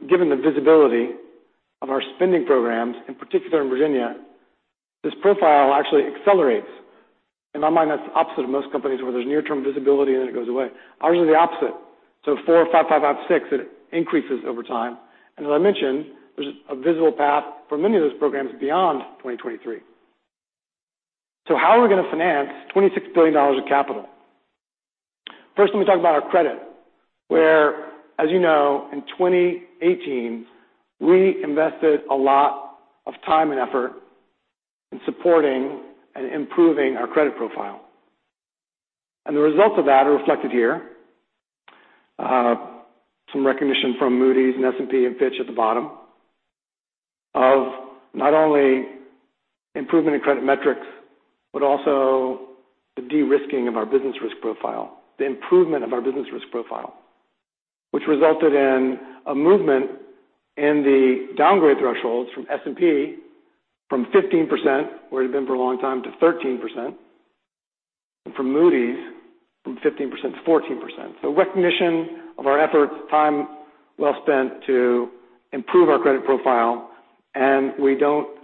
given the visibility of our spending programs, in particular in Virginia, this profile actually accelerates. In my mind, that's the opposite of most companies, where there's near-term visibility and then it goes away. Ours is the opposite, four, five, five, six, it increases over time. As I mentioned, there's a visible path for many of those programs beyond 2023. How are we going to finance $26 billion of capital? First, let me talk about our credit, where, as you know, in 2018, we invested a lot of time and effort in supporting and improving our credit profile. The results of that are reflected here. Some recognition from Moody's and S&P and Fitch at the bottom of not only improvement in credit metrics, but also the de-risking of our business risk profile, the improvement of our business risk profile, which resulted in a movement in the downgrade thresholds from S&P from 15%, where it had been for a long time, to 13%, and from Moody's, from 15% to 14%. Recognition of our efforts, time well spent to improve our credit profile, and we don't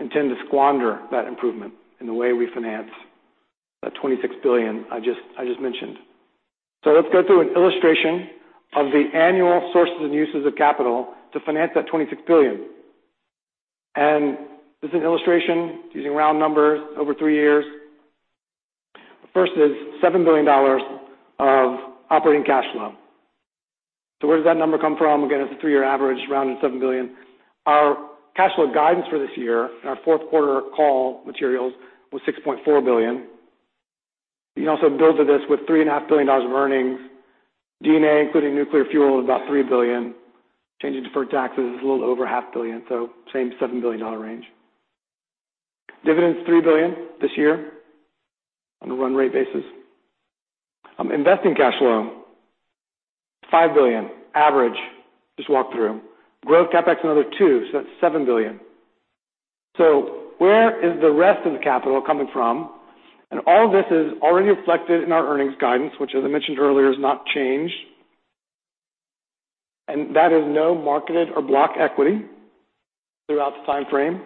intend to squander that improvement in the way we finance that $26 billion I just mentioned. Let's go through an illustration of the annual sources and uses of capital to finance that $26 billion. This is an illustration using round numbers over three years. First is $7 billion of operating cash flow. Where does that number come from? Again, it's a three-year average, rounded $7 billion. Our cash flow guidance for this year in our fourth quarter call materials was $6.4 billion. You can also build to this with $3.5 billion of earnings. D&A, including nuclear fuel, is about $3 billion. Change in deferred taxes is a little over half billion, so same $7 billion range. Dividends, $3 billion this year on a run rate basis. Investing cash flow, $5 billion average. Just walk through. Growth CapEx, another two, so that's $7 billion. Where is the rest of the capital coming from? All this is already reflected in our earnings guidance, which as I mentioned earlier, has not changed. That is no marketed or block equity throughout the timeframe.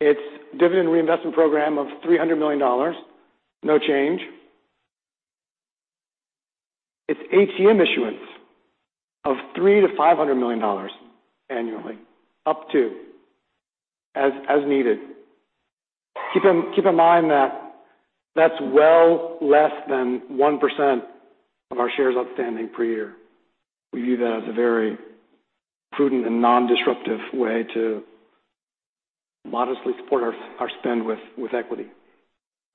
It's dividend reinvestment program of $300 million. No change. It's ATM issuance of $300 million-$500 million annually, up to, as needed. Keep in mind that that's well less than 1% of our shares outstanding per year. We view that as a very prudent and non-disruptive way to modestly support our spend with equity.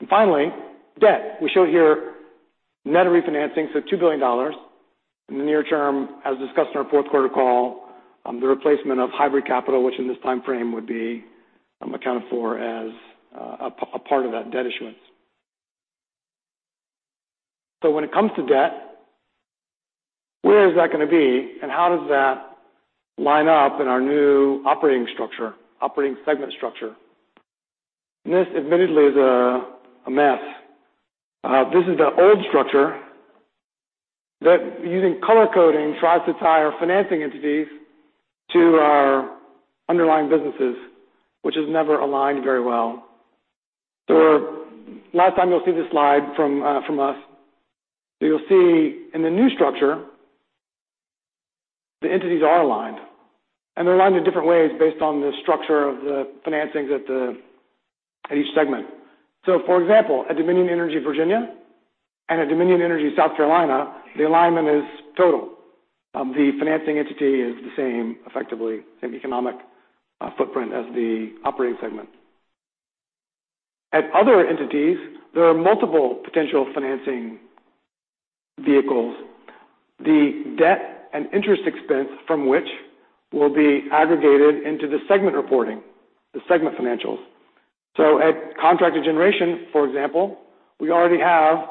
Finally, debt. We show here net of refinancing, so $2 billion. In the near term, as discussed in our fourth quarter call, the replacement of hybrid capital, which in this timeframe would be accounted for as a part of that debt issuance. When it comes to debt, where is that going to be, and how does that line up in our new operating segment structure? This, admittedly, is a mess. This is the old structure that, using color-coding, tries to tie our financing entities to our underlying businesses, which has never aligned very well. Last time you'll see this slide from us. You'll see in the new structure, the entities are aligned, and they're aligned in different ways based on the structure of the financings at each segment. For example, at Dominion Energy Virginia and at Dominion Energy South Carolina, the alignment is total. The financing entity is the same, effectively same economic footprint as the operating segment. At other entities, there are multiple potential financing vehicles. The debt and interest expense from which will be aggregated into the segment reporting, the segment financials. At Contracted Generation, for example, we already have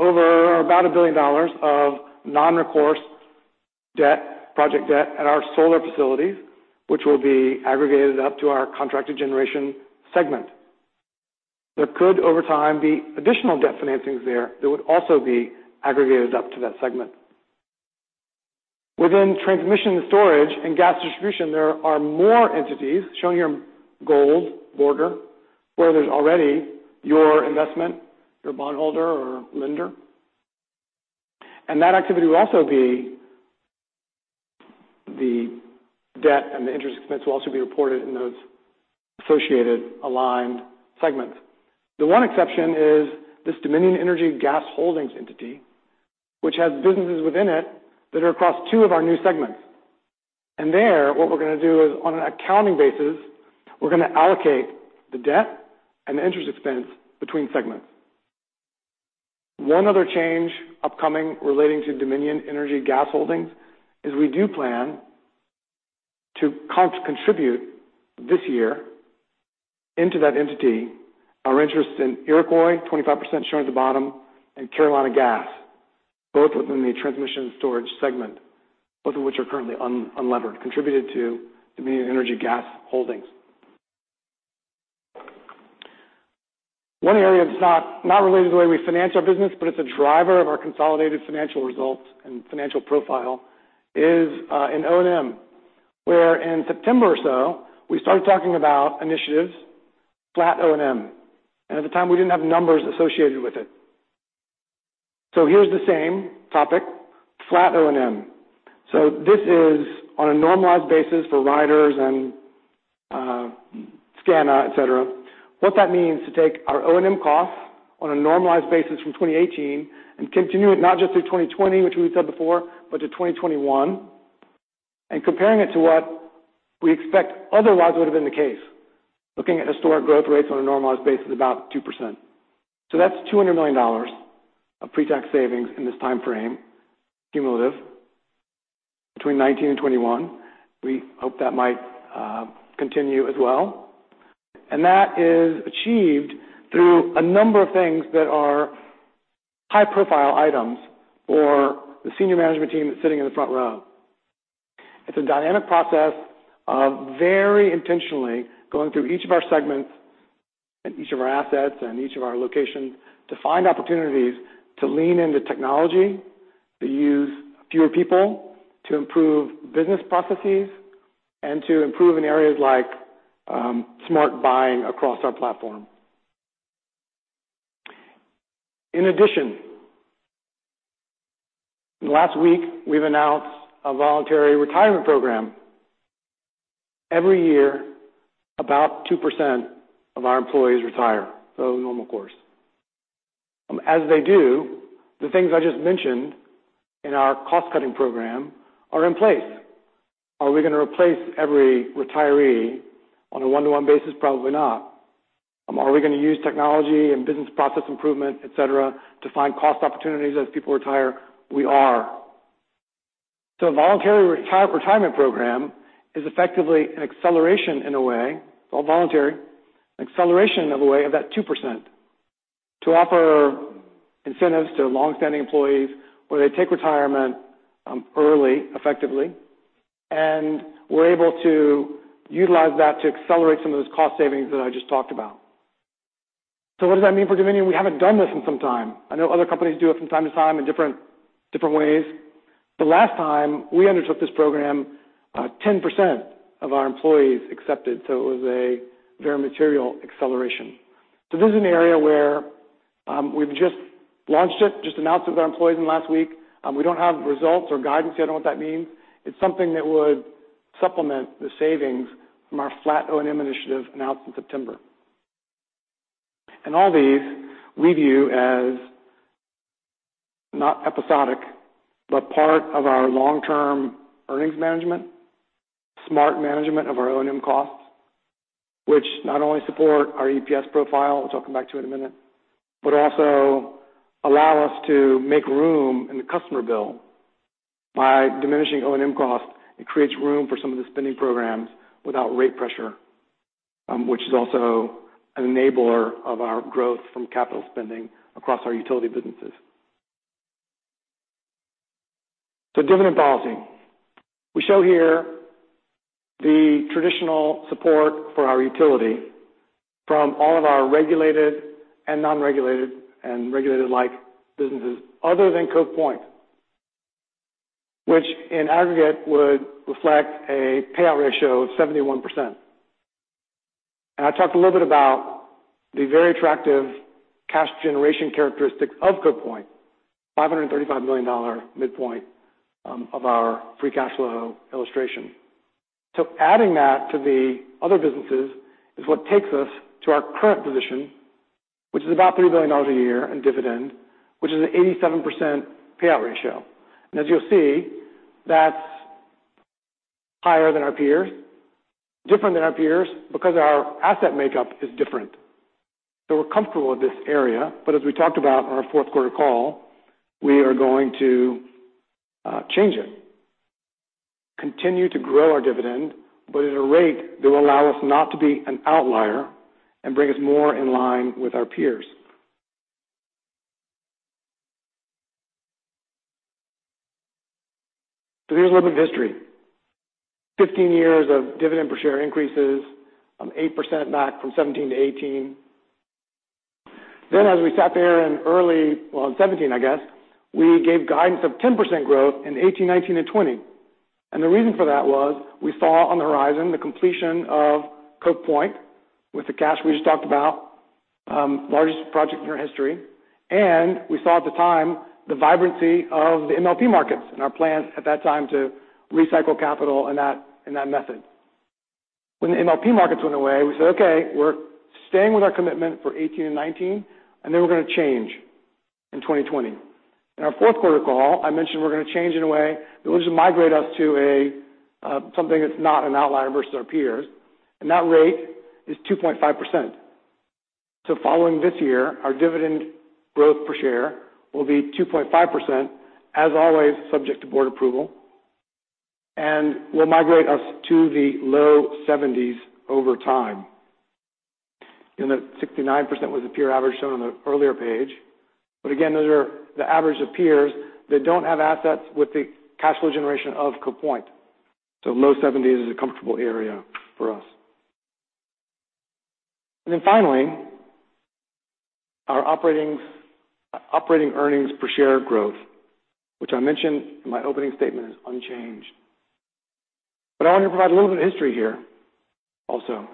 over about $1 billion of non-recourse project debt at our solar facilities, which will be aggregated up to our Contracted Generation segment. There could, over time, be additional debt financings there that would also be aggregated up to that segment. Within Transmission Storage and Gas Distribution, there are more entities, shown here in gold border, where there's already your investment, your bondholder or lender. That activity will also be the debt, and the interest expense will also be reported in those associated aligned segments. The one exception is this Dominion Energy Gas Holdings entity, which has businesses within it that are across two of our new segments. There, what we're going to do is, on an accounting basis, we're going to allocate the debt and the interest expense between segments. One other change upcoming relating to Dominion Energy Gas Holdings is we do plan to contribute this year into that entity our interest in Iroquois, 25% shown at the bottom, and Carolina Gas, both within the transmission storage segment, both of which are currently unlevered, contributed to Dominion Energy Gas Holdings. One area that's not related to the way we finance our business, but it's a driver of our consolidated financial results and financial profile is in O&M, where in September or so, we started talking about initiatives, flat O&M. At the time, we didn't have numbers associated with it. Here's the same topic, flat O&M. This is on a normalized basis for riders and SCANA, et cetera. What that means to take our O&M costs on a normalized basis from 2018 and continue it not just through 2020, which we said before, but to 2021, and comparing it to what we expect otherwise would have been the case, looking at historic growth rates on a normalized basis, about 2%. That's $200 million of pre-tax savings in this time frame, cumulative between 2019 and 2021. We hope that might continue as well. That is achieved through a number of things that are high-profile items for the senior management team that's sitting in the front row. It's a dynamic process of very intentionally going through each of our segments and each of our assets and each of our locations to find opportunities to lean into technology, to use fewer people, to improve business processes, and to improve in areas like smart buying across our platform. In addition, last week, we've announced a voluntary retirement program. Every year, about 2% of our employees retire. Normal course. As they do, the things I just mentioned in our cost-cutting program are in place. Are we going to replace every retiree on a one-to-one basis? Probably not. Are we going to use technology and business process improvement, et cetera, to find cost opportunities as people retire? We are. A voluntary retirement program is effectively an acceleration in a way. It's all voluntary. Acceleration in a way of that 2% to offer incentives to longstanding employees where they take retirement early, effectively, and we're able to utilize that to accelerate some of those cost savings that I just talked about. What does that mean for Dominion? We haven't done this in some time. I know other companies do it from time to time in different ways. The last time we undertook this program, 10% of our employees accepted, it was a very material acceleration. This is an area where we've just launched it, just announced it to our employees in the last week. We don't have results or guidance yet on what that means. It's something that would supplement the savings from our flat O&M initiative announced in September. All these we view as not episodic, but part of our long-term earnings management, smart management of our O&M costs, which not only support our EPS profile, which I'll come back to in a minute, but also allow us to make room in the customer bill. By diminishing O&M costs, it creates room for some of the spending programs without rate pressure, which is also an enabler of our growth from capital spending across our utility businesses. Dividend policy. We show here the traditional support for our utility from all of our regulated and non-regulated and regulated-like businesses other than Cove Point, which in aggregate would reflect a payout ratio of 71%. I talked a little bit about the very attractive cash generation characteristics of Cove Point, $535 million midpoint of our free cash flow illustration. Adding that to the other businesses is what takes us to our current position, which is about $3 billion a year in dividend, which is an 87% payout ratio. As you'll see, that's higher than our peers, different than our peers, because our asset makeup is different. We're comfortable with this area, but as we talked about on our fourth quarter call, we are going to change it. Continue to grow our dividend, but at a rate that will allow us not to be an outlier and bring us more in line with our peers. Here's a little bit of history. 15 years of dividend per share increases, 8% back from 2017 to 2018. As we sat there in early, well, in 2017, I guess, we gave guidance of 10% growth in 2018, 2019, and 2020. The reason for that was we saw on the horizon the completion of Cove Point with the cash we just talked about, largest project in our history. We saw at the time the vibrancy of the MLP markets and our plans at that time to recycle capital in that method. When the MLP markets went away, we said, "Okay, we're staying with our commitment for 2018 and 2019, and then we're going to change in 2020." In our fourth quarter call, I mentioned we're going to change in a way that will just migrate us to something that's not an outlier versus our peers, and that rate is 2.5%. Following this year, our dividend growth per share will be 2.5%, as always, subject to board approval, and will migrate us to the low 70s over time. That 69% was a peer average shown on the earlier page. Again, those are the average of peers that don't have assets with the cash flow generation of Cove Point. Low 70s is a comfortable area for us. Finally, our operating earnings per share growth, which I mentioned in my opening statement is unchanged. I want to provide a little bit of history here also.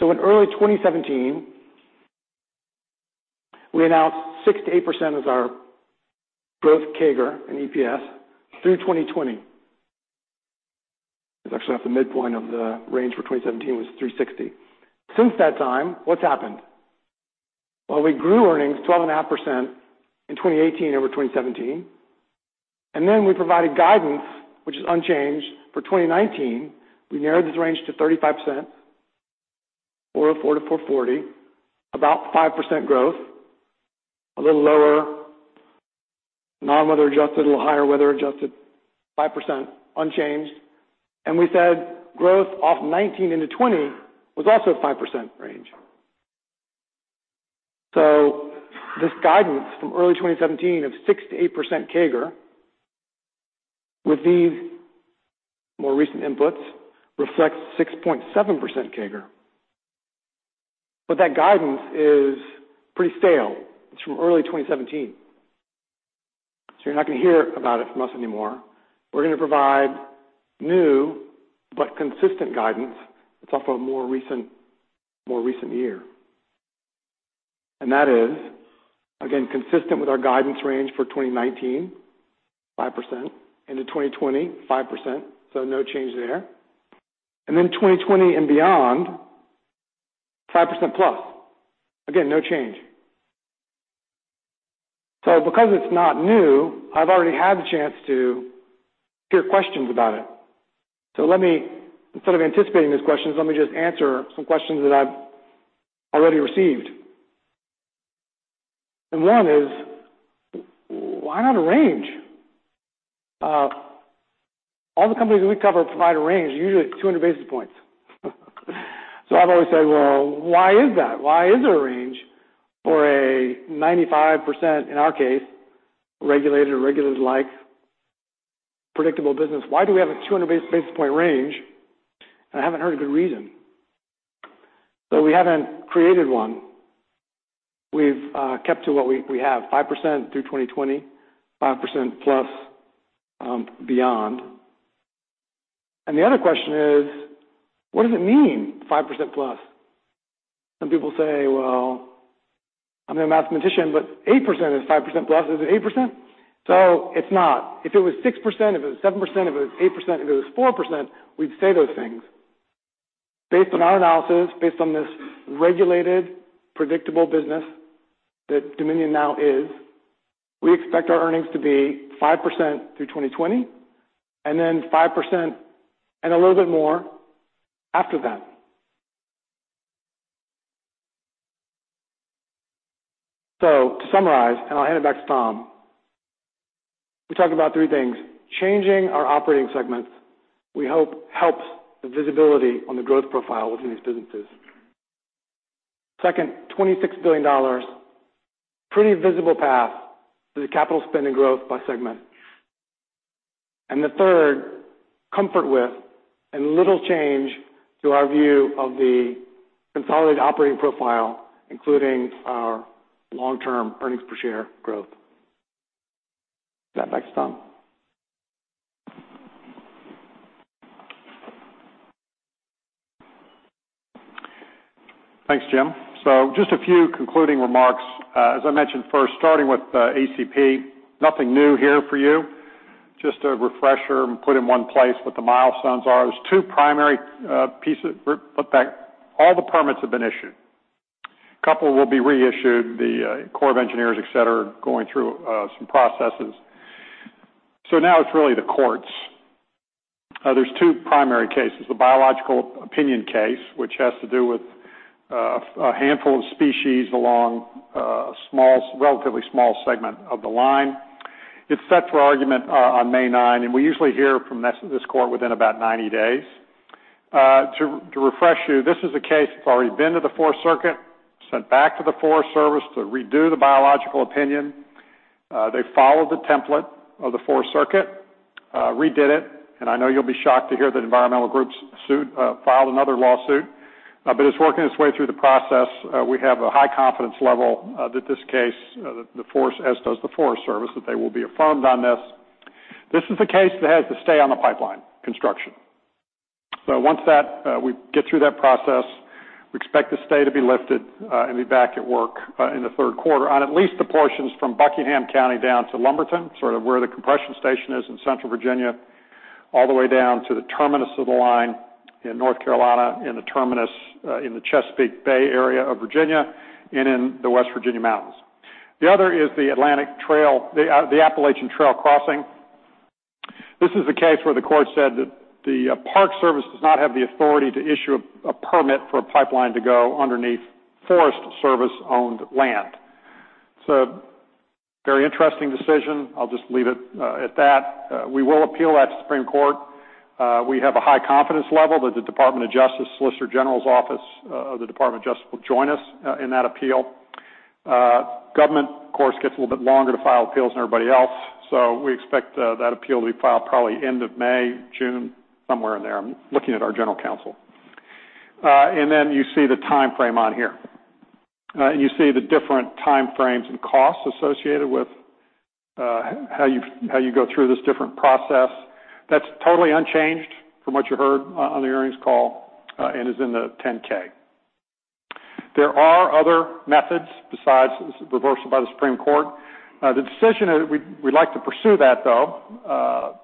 In early 2017, we announced 6%-8% as our growth CAGR in EPS through 2020. It's actually at the midpoint of the range for 2017 was $360. Since that time, what's happened? Well, we grew earnings 12.5% in 2018 over 2017. We provided guidance, which is unchanged for 2019. We narrowed this range to 35%, $404-$440, about 5% growth, a little lower non-weather adjusted, a little higher weather adjusted, 5% unchanged. We said growth off 2019 into 2020 was also 5% range. This guidance from early 2017 of 6%-8% CAGR with these more recent inputs reflects 6.7% CAGR. That guidance is pretty stale. It's from early 2017. You're not going to hear about it from us anymore. We're going to provide new but consistent guidance that's off of a more recent year. That is, again, consistent with our guidance range for 2019, 5%, into 2020, 5%, no change there. Then 2020 and beyond, 5% plus. Again, no change. Because it's not new, I've already had the chance to hear questions about it. Instead of anticipating those questions, let me just answer some questions that I've already received. One is, why not a range? All the companies that we cover provide a range, usually at 200 basis points. I've always said, "Well, why is that? Why is there a range for a 95%, in our case, regulated or regulated-like predictable business? Why do we have a 200 basis point range?" I haven't heard a good reason. We haven't created one. We've kept to what we have, 5% through 2020, 5% plus beyond. The other question is, what does it mean, 5% plus? Some people say, "Well, I'm no mathematician, but 8% is 5% plus. Is it 8%?" It's not. If it was 6%, if it was 7%, if it was 8%, if it was 4%, we'd say those things. Based on our analysis, based on this regulated, predictable business that Dominion now is, we expect our earnings to be 5% through 2020, and then 5% and a little bit more after that. To summarize, and I'll hand it back to Tom, we talked about three things. Changing our operating segments, we hope, helps the visibility on the growth profile within these businesses. Second, $26 billion, pretty visible path to the capital spend and growth by segment. The third, comfort with and little change to our view of the consolidated operating profile, including our long-term earnings per share growth. Send it back to Tom. Thanks, Jim. Just a few concluding remarks. As I mentioned first, starting with ACP, nothing new here for you. Just a refresher and put in one place what the milestones are. There's two primary pieces. In fact, all the permits have been issued. A couple will be reissued, the Corps of Engineers, et cetera, are going through some processes. Now it's really the courts. There's two primary cases, the biological opinion case, which has to do with a handful of species along a relatively small segment of the line. It's set for argument on May 9, and we usually hear from this court within about 90 days. To refresh you, this is a case that's already been to the Fourth Circuit, sent back to the Forest Service to redo the biological opinion. They followed the template of the Fourth Circuit, redid it. I know you'll be shocked to hear that environmental groups filed another lawsuit. It's working its way through the process. We have a high confidence level that this case, as does the Forest Service, that they will be affirmed on this. This is a case that has the stay on the pipeline construction. Once we get through that process, we expect the stay to be lifted and be back at work in the third quarter on at least the portions from Buckingham County down to Lumberton, sort of where the compression station is in central Virginia, all the way down to the terminus of the line in North Carolina, and the terminus in the Chesapeake Bay area of Virginia, and in the West Virginia mountains. The other is the Appalachian Trail crossing. This is a case where the court said that the Park Service does not have the authority to issue a permit for a pipeline to go underneath Forest Service-owned land. Very interesting decision. I'll just leave it at that. We will appeal that to the Supreme Court. We have a high confidence level that the Department of Justice, Solicitor General's office of the Department of Justice will join us in that appeal. Government, of course, gets a little bit longer to file appeals than everybody else. We expect that appeal to be filed probably end of May, June, somewhere in there. I'm looking at our general counsel. You see the timeframe on here. You see the different timeframes and costs associated with how you go through this different process. That's totally unchanged from what you heard on the earnings call and is in the 10-K. There are other methods besides reversal by the Supreme Court. We'd like to pursue that, though.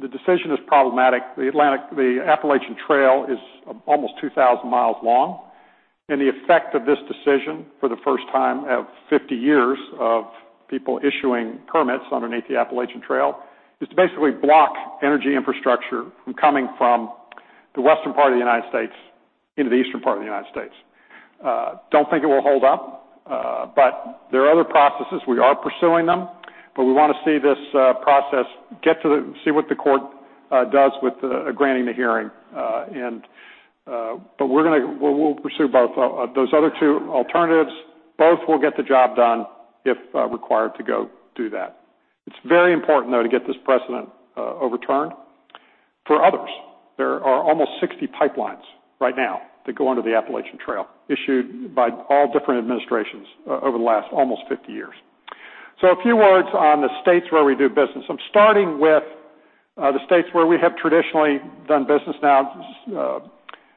The decision is problematic. The Appalachian Trail is almost 2,000 miles long, and the effect of this decision for the first time out of 50 years of people issuing permits underneath the Appalachian Trail is to basically block energy infrastructure from coming from the western part of the U.S. into the eastern part of the U.S. Don't think it will hold up. There are other processes. We are pursuing them. We want to see this process, see what the court does with granting the hearing. We'll pursue both of those other two alternatives. Both will get the job done if required to go do that. It's very important, though, to get this precedent overturned for others. There are almost 60 pipelines right now that go under the Appalachian Trail, issued by all different administrations over the last almost 50 years. A few words on the states where we do business. I'm starting with the states where we have traditionally done business.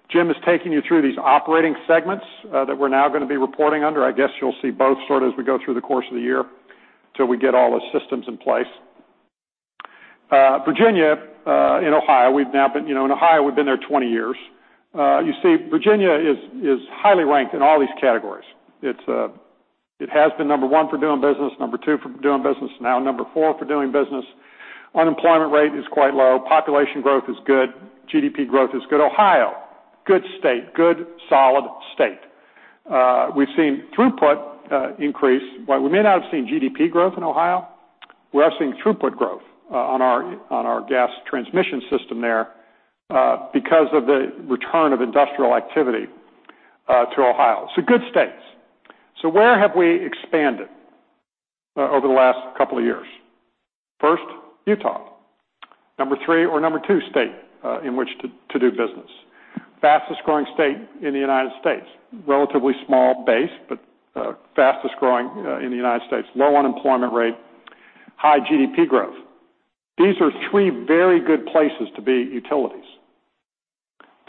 Jim is taking you through these operating segments that we're now going to be reporting under. I guess you'll see both sort of as we go through the course of the year till we get all the systems in place. Virginia and Ohio. In Ohio, we've been there 20 years. You see Virginia is highly ranked in all these categories. It has been number one for doing business, number two for doing business, now number four for doing business. Unemployment rate is quite low. Population growth is good. GDP growth is good. Ohio, good state. Good, solid state. We've seen throughput increase. While we may not have seen GDP growth in Ohio, we are seeing throughput growth on our gas transmission system there because of the return of industrial activity to Ohio. Good states. Where have we expanded over the last couple of years? First, Utah. Number 3 or number 2 state in which to do business. Fastest-growing state in the U.S. Relatively small base, but fastest-growing in the U.S. Low unemployment rate, high GDP growth. These are 3 very good places to be utilities.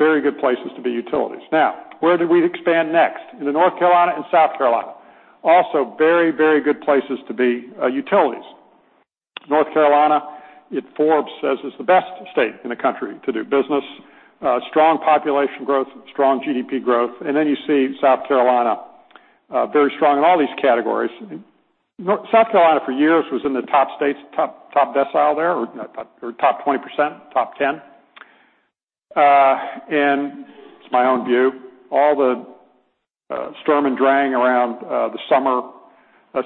Very good places to be utilities. Where did we expand next? Into North Carolina and South Carolina. Also very good places to be utilities. North Carolina, Forbes says, is the best state in the country to do business. Strong population growth, strong GDP growth. You see South Carolina, very strong in all these categories. South Carolina, for years, was in the top states, top decile there, or top 20%, top 10. It's my own view, all the Sturm und Drang around the summer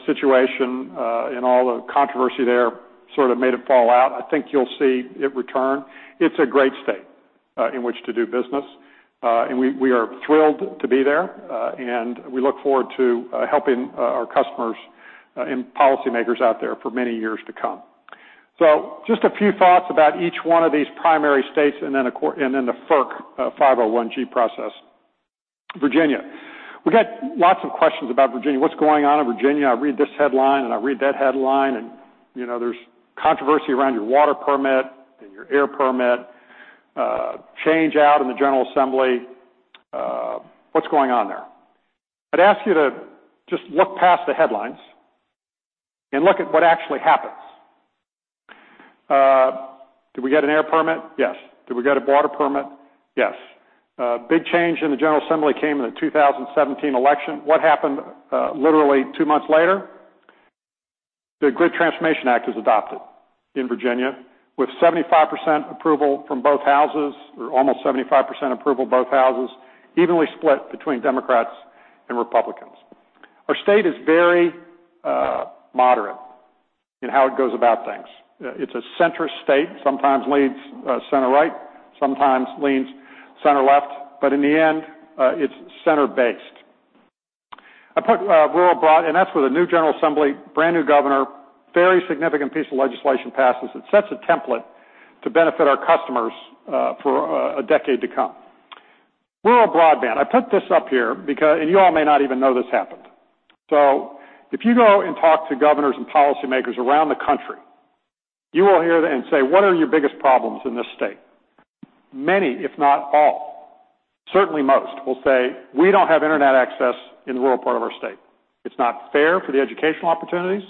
situation and all the controversy there sort of made it fall out. I think you'll see it return. It's a great state in which to do business. We are thrilled to be there, and we look forward to helping our customers and policymakers out there for many years to come. Just a few thoughts about each one of these primary states and then the FERC 501-G process. Virginia. We've had lots of questions about Virginia. What's going on in Virginia? I read this headline, and I read that headline, and there's controversy around your water permit and your air permit, change out in the General Assembly. What's going on there? I'd ask you to just look past the headlines and look at what actually happened. Did we get an air permit? Yes. Did we get a water permit? Yes. Big change in the General Assembly came in the 2017 election. What happened literally 2 months later? The Grid Transformation Act was adopted in Virginia with 75% approval from both Houses, or almost 75% approval both Houses, evenly split between Democrats and Republicans. Our state is very moderate in how it goes about things. It's a center state, sometimes leans center right, sometimes leans center left, but in the end, it's center-based. I put rural broadband, and that's where the new General Assembly, brand new governor, very significant piece of legislation passes. It sets a template to benefit our customers for a decade to come. Rural broadband. I put this up here, you all may not even know this happened. If you go and talk to governors and policymakers around the country, you will hear them say, "What are your biggest problems in this state?" Many, if not all, certainly most, will say, "We don't have internet access in the rural part of our state. It's not fair for the educational opportunities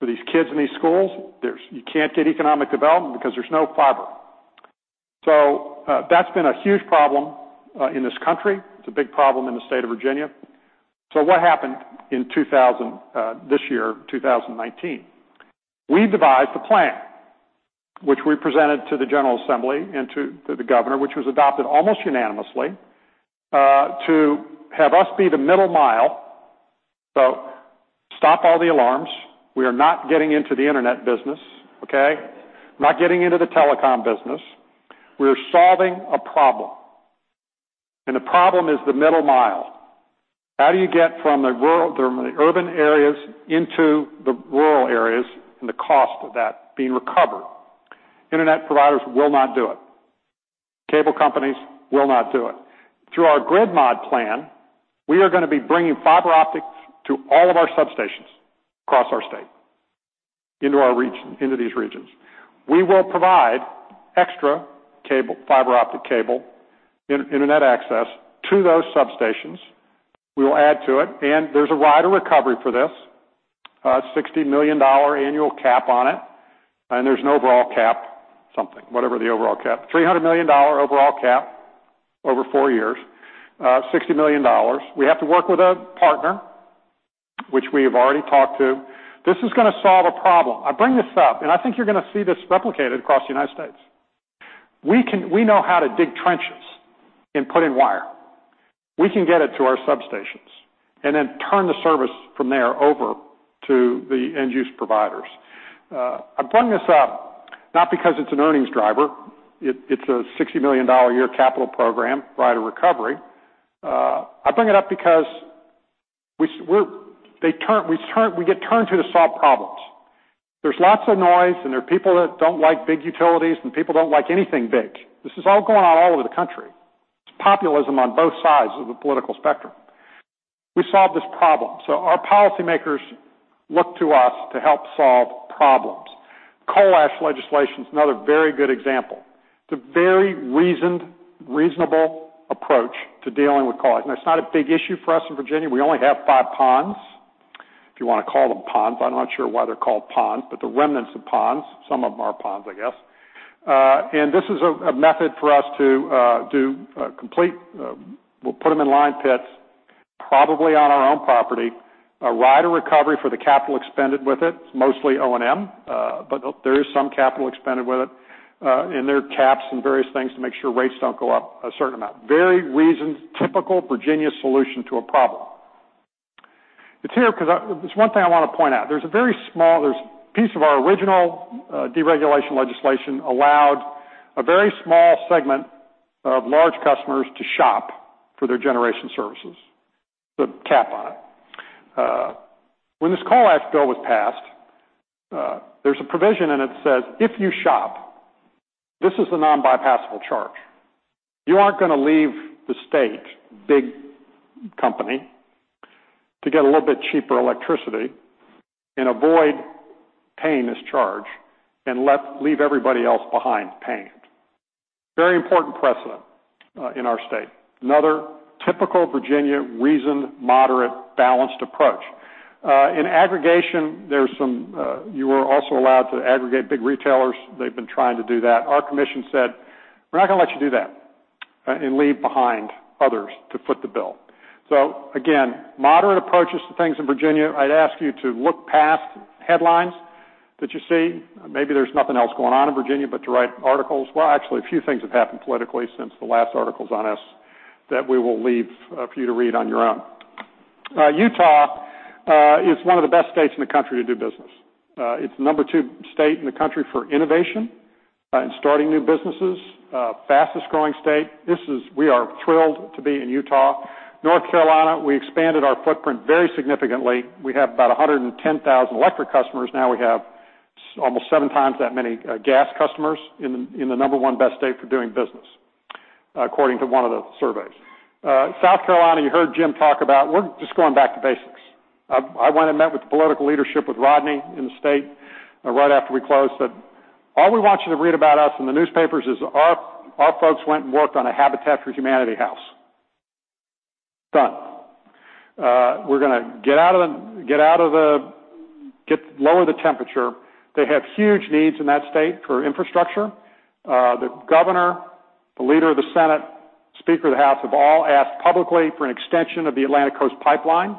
for these kids in these schools. You can't get economic development because there's no fiber." That's been a huge problem in this country. It's a big problem in the state of Virginia. What happened in this year, 2019? We devised a plan, which we presented to the General Assembly and to the governor, which was adopted almost unanimously, to have us be the middle mile. Stop all the alarms. We are not getting into the internet business. Okay? We're not getting into the telecom business. We are solving a problem. The problem is the middle mile. How do you get from the urban areas into the rural areas, and the cost of that being recovered? Internet providers will not do it. Cable companies will not do it. Through our grid mod plan, we are going to be bringing fiber optics to all of our substations across our state into these regions. We will provide extra fiber optic cable, internet access to those substations. We will add to it, and there's a rider recovery for this, a $60 million annual cap on it, and there's an overall cap, something, whatever the overall cap, a $300 million overall cap over four years, $60 million. We have to work with a partner, which we have already talked to. This is going to solve a problem. I bring this up. I think you're going to see this replicated across the United States. We know how to dig trenches and put in wire. We can get it to our substations. Turn the service from there over to the end-use providers. I bring this up not because it's an earnings driver. It's a $60 million a year capital program, rider recovery. I bring it up because we get turned to to solve problems. There's lots of noise. There are people that don't like big utilities. People don't like anything big. This is all going on all over the country. It's populism on both sides of the political spectrum. We solve this problem. Our policymakers look to us to help solve problems. Coal ash legislation is another very good example. It's a very reasonable approach to dealing with coal ash. Now, it's not a big issue for us in Virginia. We only have five ponds, if you want to call them ponds. I'm not sure why they're called ponds, but the remnants of ponds. Some of them are ponds, I guess. This is a method for us to complete. We'll put them in lined pits, probably on our own property, a rider recovery for the capital expended with it. It's mostly O&M. There is some capital expended with it. There are caps and various things to make sure rates don't go up a certain amount. Very reasoned, typical Virginia solution to a problem. It's here because there's one thing I want to point out. There's a piece of our original deregulation legislation allowed a very small segment of large customers to shop for their generation services, put a cap on it. When this coal ash bill was passed, there's a provision in it that says, if you shop, this is a non-bypassable charge. You aren't going to leave the state, big company, to get a little bit cheaper electricity and avoid paying this charge and leave everybody else behind paying it. Very important precedent in our state. Another typical Virginia reasoned, moderate, balanced approach. In aggregation, you are also allowed to aggregate big retailers. They've been trying to do that. Our commission said, "We're not going to let you do that and leave behind others to foot the bill." Again, moderate approaches to things in Virginia. I'd ask you to look past headlines that you see. Maybe there's nothing else going on in Virginia but to write articles. Well, actually, a few things have happened politically since the last articles on us that we will leave for you to read on your own. Utah is one of the best states in the country to do business. It's the number two state in the country for innovation and starting new businesses. Fastest growing state. We are thrilled to be in Utah. North Carolina, we expanded our footprint very significantly. We have about 110,000 electric customers. Now we have almost seven times that many gas customers in the number one best state for doing business, according to one of the surveys. South Carolina, you heard Jim talk about, we're just going back to basics. I went and met with the political leadership with Rodney in the state right after we closed, said, "All we want you to read about us in the newspapers is our folks went and worked on a Habitat for Humanity house." Done. We're going to lower the temperature. They have huge needs in that state for infrastructure. The governor, the leader of the Senate, speaker of the House, have all asked publicly for an extension of the Atlantic Coast Pipeline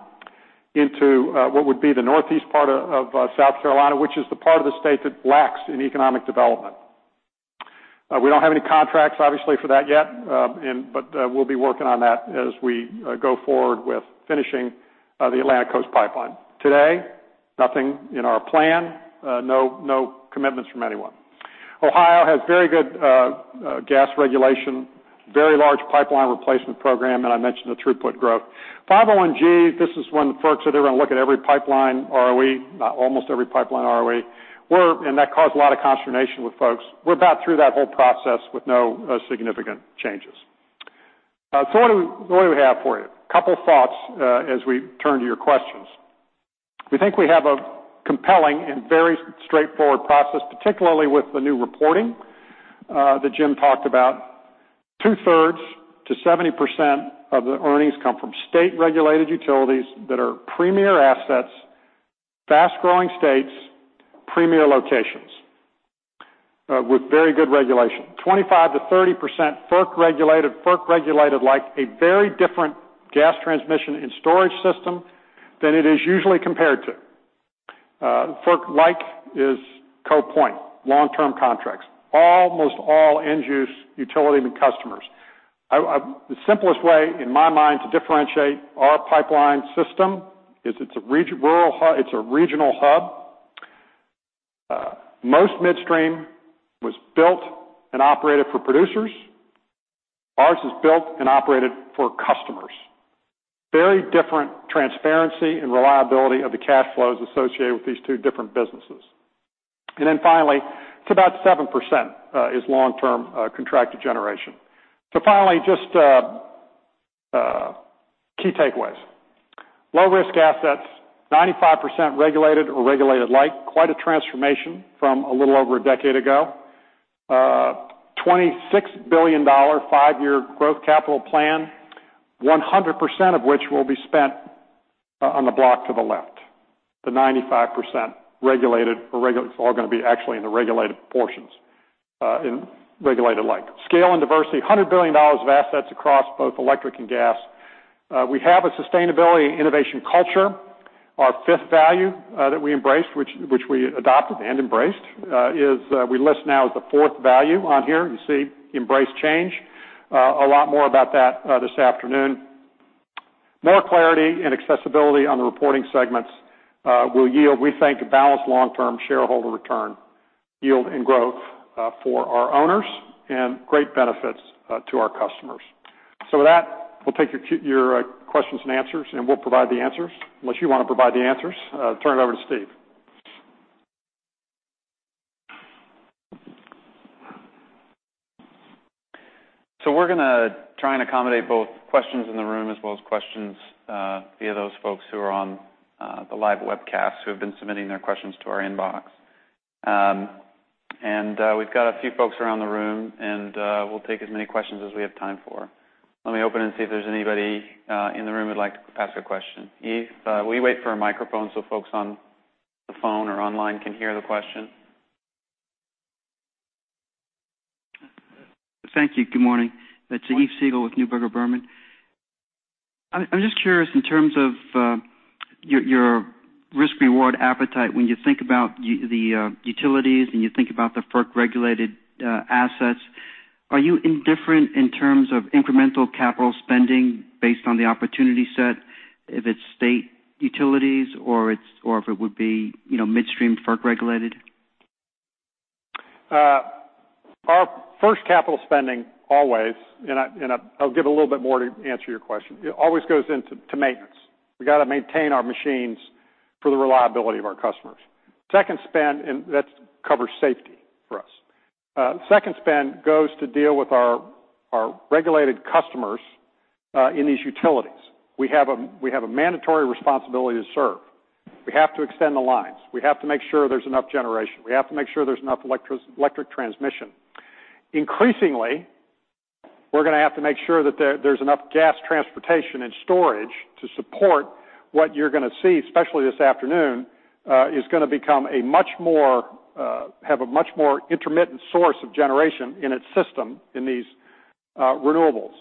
into what would be the northeast part of South Carolina, which is the part of the state that lacks in economic development. We don't have any contracts, obviously, for that yet. We'll be working on that as we go forward with finishing the Atlantic Coast Pipeline. Today, nothing in our plan. No commitments from anyone. Ohio has very good gas regulation, very large pipeline replacement program, I mentioned the throughput growth. 501-G, this is when the folks that are going to look at every pipeline ROE, almost every pipeline ROE. That caused a lot of consternation with folks. We're about through that whole process with no significant changes. What do we have for you? A couple thoughts as we turn to your questions. We think we have a compelling and very straightforward process, particularly with the new reporting that Jim talked about. Two-thirds to 70% of the earnings come from state-regulated utilities that are premier assets, fast-growing states, premier locations with very good regulation. 25%-30% FERC-regulated, FERC-regulated like a very different gas transmission and storage system than it is usually compared to. FERC-like is Cove Point long-term contracts, almost all end-use utility customers. The simplest way, in my mind, to differentiate our pipeline system is it's a regional hub. Most midstream was built and operated for producers. Ours is built and operated for customers. Very different transparency and reliability of the cash flows associated with these two different businesses. Finally, it's about 7% is long-term contracted generation. Finally, just key takeaways. Low-risk assets, 95% regulated or regulated like. Quite a transformation from a little over a decade ago. $26 billion five-year growth capital plan, 100% of which will be spent on the block to the left. The 95% regulated are going to be actually in the regulated portions, in regulated like. Scale and diversity, $100 billion of assets across both electric and gas. We have a sustainability and innovation culture. Our fifth value that we embraced, which we adopted and embraced, is we list now as the fourth value on here. You see embrace change. A lot more about that this afternoon. More clarity and accessibility on the reporting segments will yield, we think, a balanced long-term shareholder return yield and growth for our owners and great benefits to our customers. With that, we'll take your questions and answers, and we'll provide the answers unless you want to provide the answers. Turn it over to Steve. We're going to try and accommodate both questions in the room as well as questions via those folks who are on the live webcast who have been submitting their questions to our inbox. We've got a few folks around the room, and we'll take as many questions as we have time for. Let me open and see if there's anybody in the room who'd like to ask a question. Yves, will you wait for a microphone so folks on the phone or online can hear the question? Thank you. Good morning. It's Yves Siegel with Neuberger Berman. I'm just curious in terms of your risk-reward appetite when you think about the utilities and you think about the FERC-regulated assets, are you indifferent in terms of incremental capital spending based on the opportunity set, if it's state utilities or if it would be midstream FERC-regulated? Our first capital spending always, I'll give a little bit more to answer your question. It always goes into maintenance. We got to maintain our machines for the reliability of our customers. Second spend, that covers safety for us. Second spend goes to deal with our regulated customers in these utilities. We have a mandatory responsibility to serve. We have to extend the lines. We have to make sure there's enough generation. We have to make sure there's enough electric transmission. Increasingly, we're going to have to make sure that there's enough gas transportation and storage to support what you're going to see, especially this afternoon, is going to have a much more intermittent source of generation in its system in these renewables.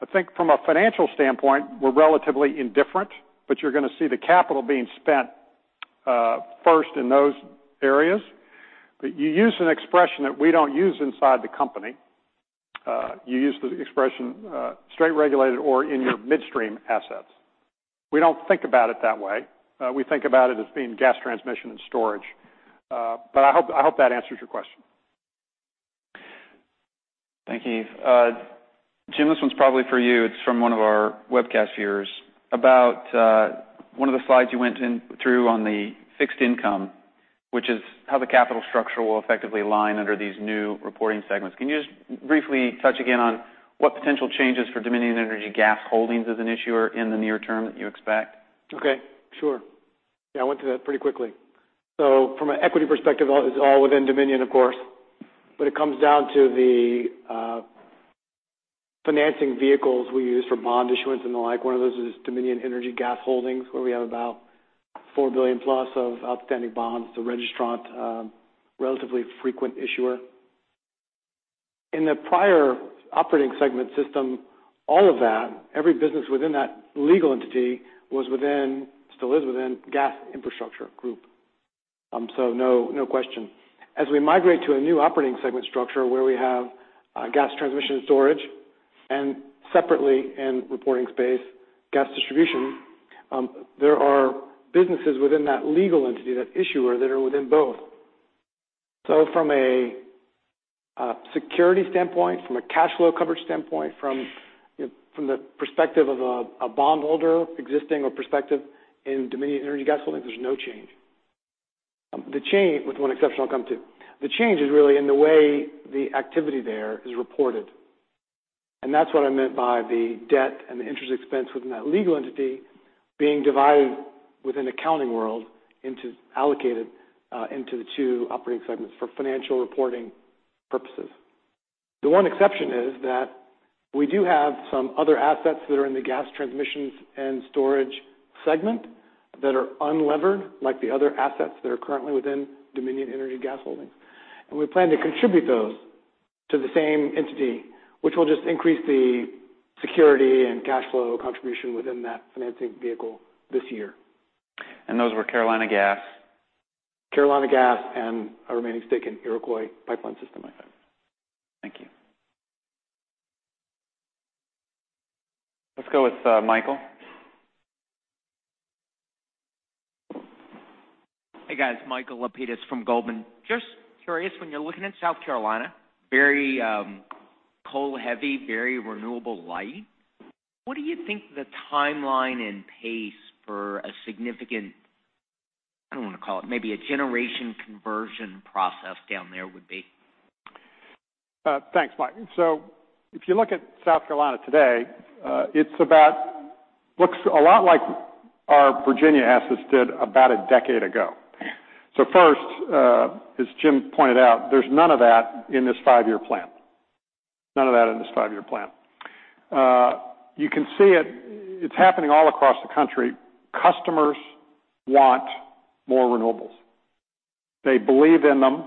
I think from a financial standpoint, we're relatively indifferent, but you're going to see the capital being spent first in those areas. You used an expression that we don't use inside the company. You used the expression state-regulated or in your midstream assets. We don't think about it that way. We think about it as being gas transmission and storage. I hope that answers your question. Thank you, Yves. Jim, this one's probably for you. It's from one of our webcast viewers about one of the slides you went through on the fixed income, which is how the capital structure will effectively align under these new reporting segments. Can you just briefly touch again on what potential changes for Dominion Energy Gas Holdings as an issuer in the near term that you expect? Okay, sure. Yeah, I went through that pretty quickly. From an equity perspective, it's all within Dominion, of course. When it comes down to the financing vehicles we use for bond issuance and the like, one of those is Dominion Energy Gas Holdings, where we have about $4 billion-plus of outstanding bonds, the registrant, relatively frequent issuer. In the prior operating segment system, all of that, every business within that legal entity was within, still is within Gas Infrastructure Group. No question. As we migrate to a new operating segment structure where we have Gas Transmission Storage and separately in reporting space, Gas Distribution, there are businesses within that legal entity, that issuer, that are within both. From a security standpoint, from a cash flow coverage standpoint, from the perspective of a bondholder, existing or prospective in Dominion Energy Gas Holdings, there's no change. With one exception I'll come to. The change is really in the way the activity there is reported, that's what I meant by the debt and the interest expense within that legal entity being divided within accounting world into allocated into the two operating segments for financial reporting purposes. The one exception is that we do have some other assets that are in the gas transmissions and storage segment that are unlevered, like the other assets that are currently within Dominion Energy Gas Holdings. We plan to contribute those to the same entity, which will just increase the security and cash flow contribution within that financing vehicle this year. Those were Carolina Gas. Carolina Gas and our remaining stake in Iroquois Pipeline System, I think. Thank you. Let's go with Michael. Hey, guys. Michael Lapides from Goldman. Just curious, when you're looking at South Carolina, very coal heavy, very renewable light, what do you think the timeline and pace for a significant, I don't want to call it, maybe a generation conversion process down there would be? Thanks, Mike. If you look at South Carolina today, it looks a lot like our Virginia assets did about a decade ago. First, as Jim pointed out, there's none of that in this five-year plan. None of that in this five-year plan. You can see it. It's happening all across the country. Customers want more renewables. They believe in them.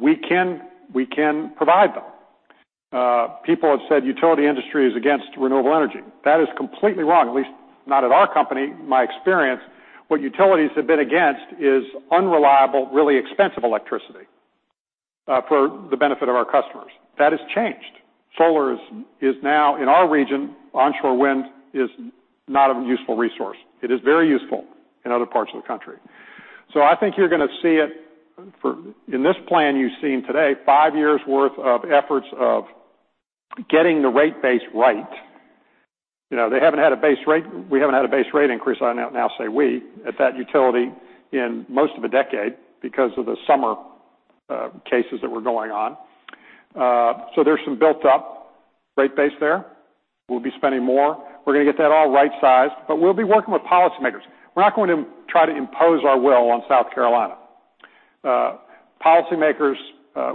We can provide them. People have said utility industry is against renewable energy. That is completely wrong, at least not at our company. My experience, what utilities have been against is unreliable, really expensive electricity for the benefit of our customers. That has changed. Solar is now in our region. Onshore wind is not a useful resource. It is very useful in other parts of the country. I think you're going to see it, in this plan you've seen today, five years worth of efforts of getting the rate base right. We haven't had a base rate increase, I now say we, at that utility in most of a decade because of the Summer cases that were going on. There's some built-up rate base there. We'll be spending more. We're going to get that all right-sized, but we'll be working with policymakers. We're not going to try to impose our will on South Carolina. Policymakers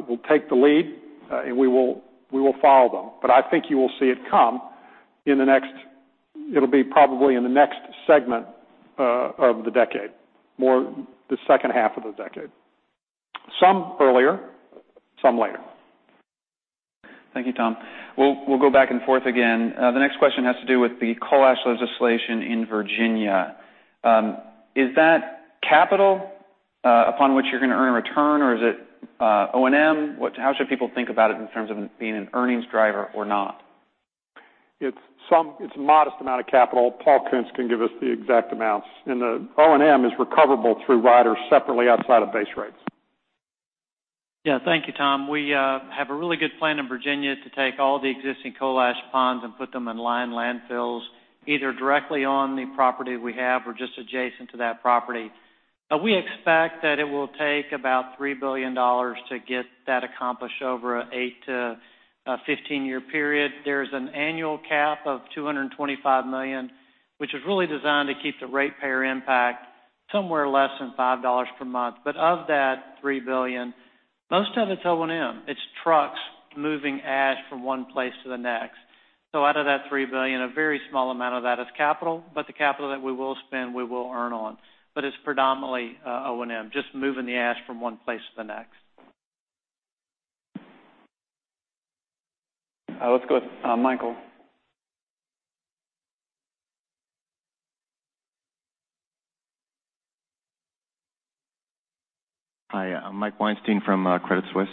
will take the lead, and we will follow them. I think you will see it come in the next, it'll be probably in the next segment of the decade, more the second half of the decade. Some earlier, some later. Thank you, Tom. We'll go back and forth again. The next question has to do with the coal ash legislation in Virginia. Is that capital upon which you're going to earn a return, or is it O&M? How should people think about it in terms of it being an earnings driver or not? It's a modest amount of capital. Paul Koonce can give us the exact amounts. The O&M is recoverable through riders separately outside of base rates. Yeah, thank you, Tom. We have a really good plan in Virginia to take all the existing coal ash ponds and put them in line landfills, either directly on the property we have or just adjacent to that property. We expect that it will take about $3 billion to get that accomplished over an 8-15-year period. There's an annual cap of $225 million, which is really designed to keep the ratepayer impact somewhere less than $5 per month. Of that $3 billion, most of it's O&M. It's trucks moving ash from one place to the next. Out of that $3 billion, a very small amount of that is capital, but the capital that we will spend, we will earn on. It's predominantly O&M, just moving the ash from one place to the next. Let's go with Michael. Hi, I'm Mike Weinstein from Credit Suisse.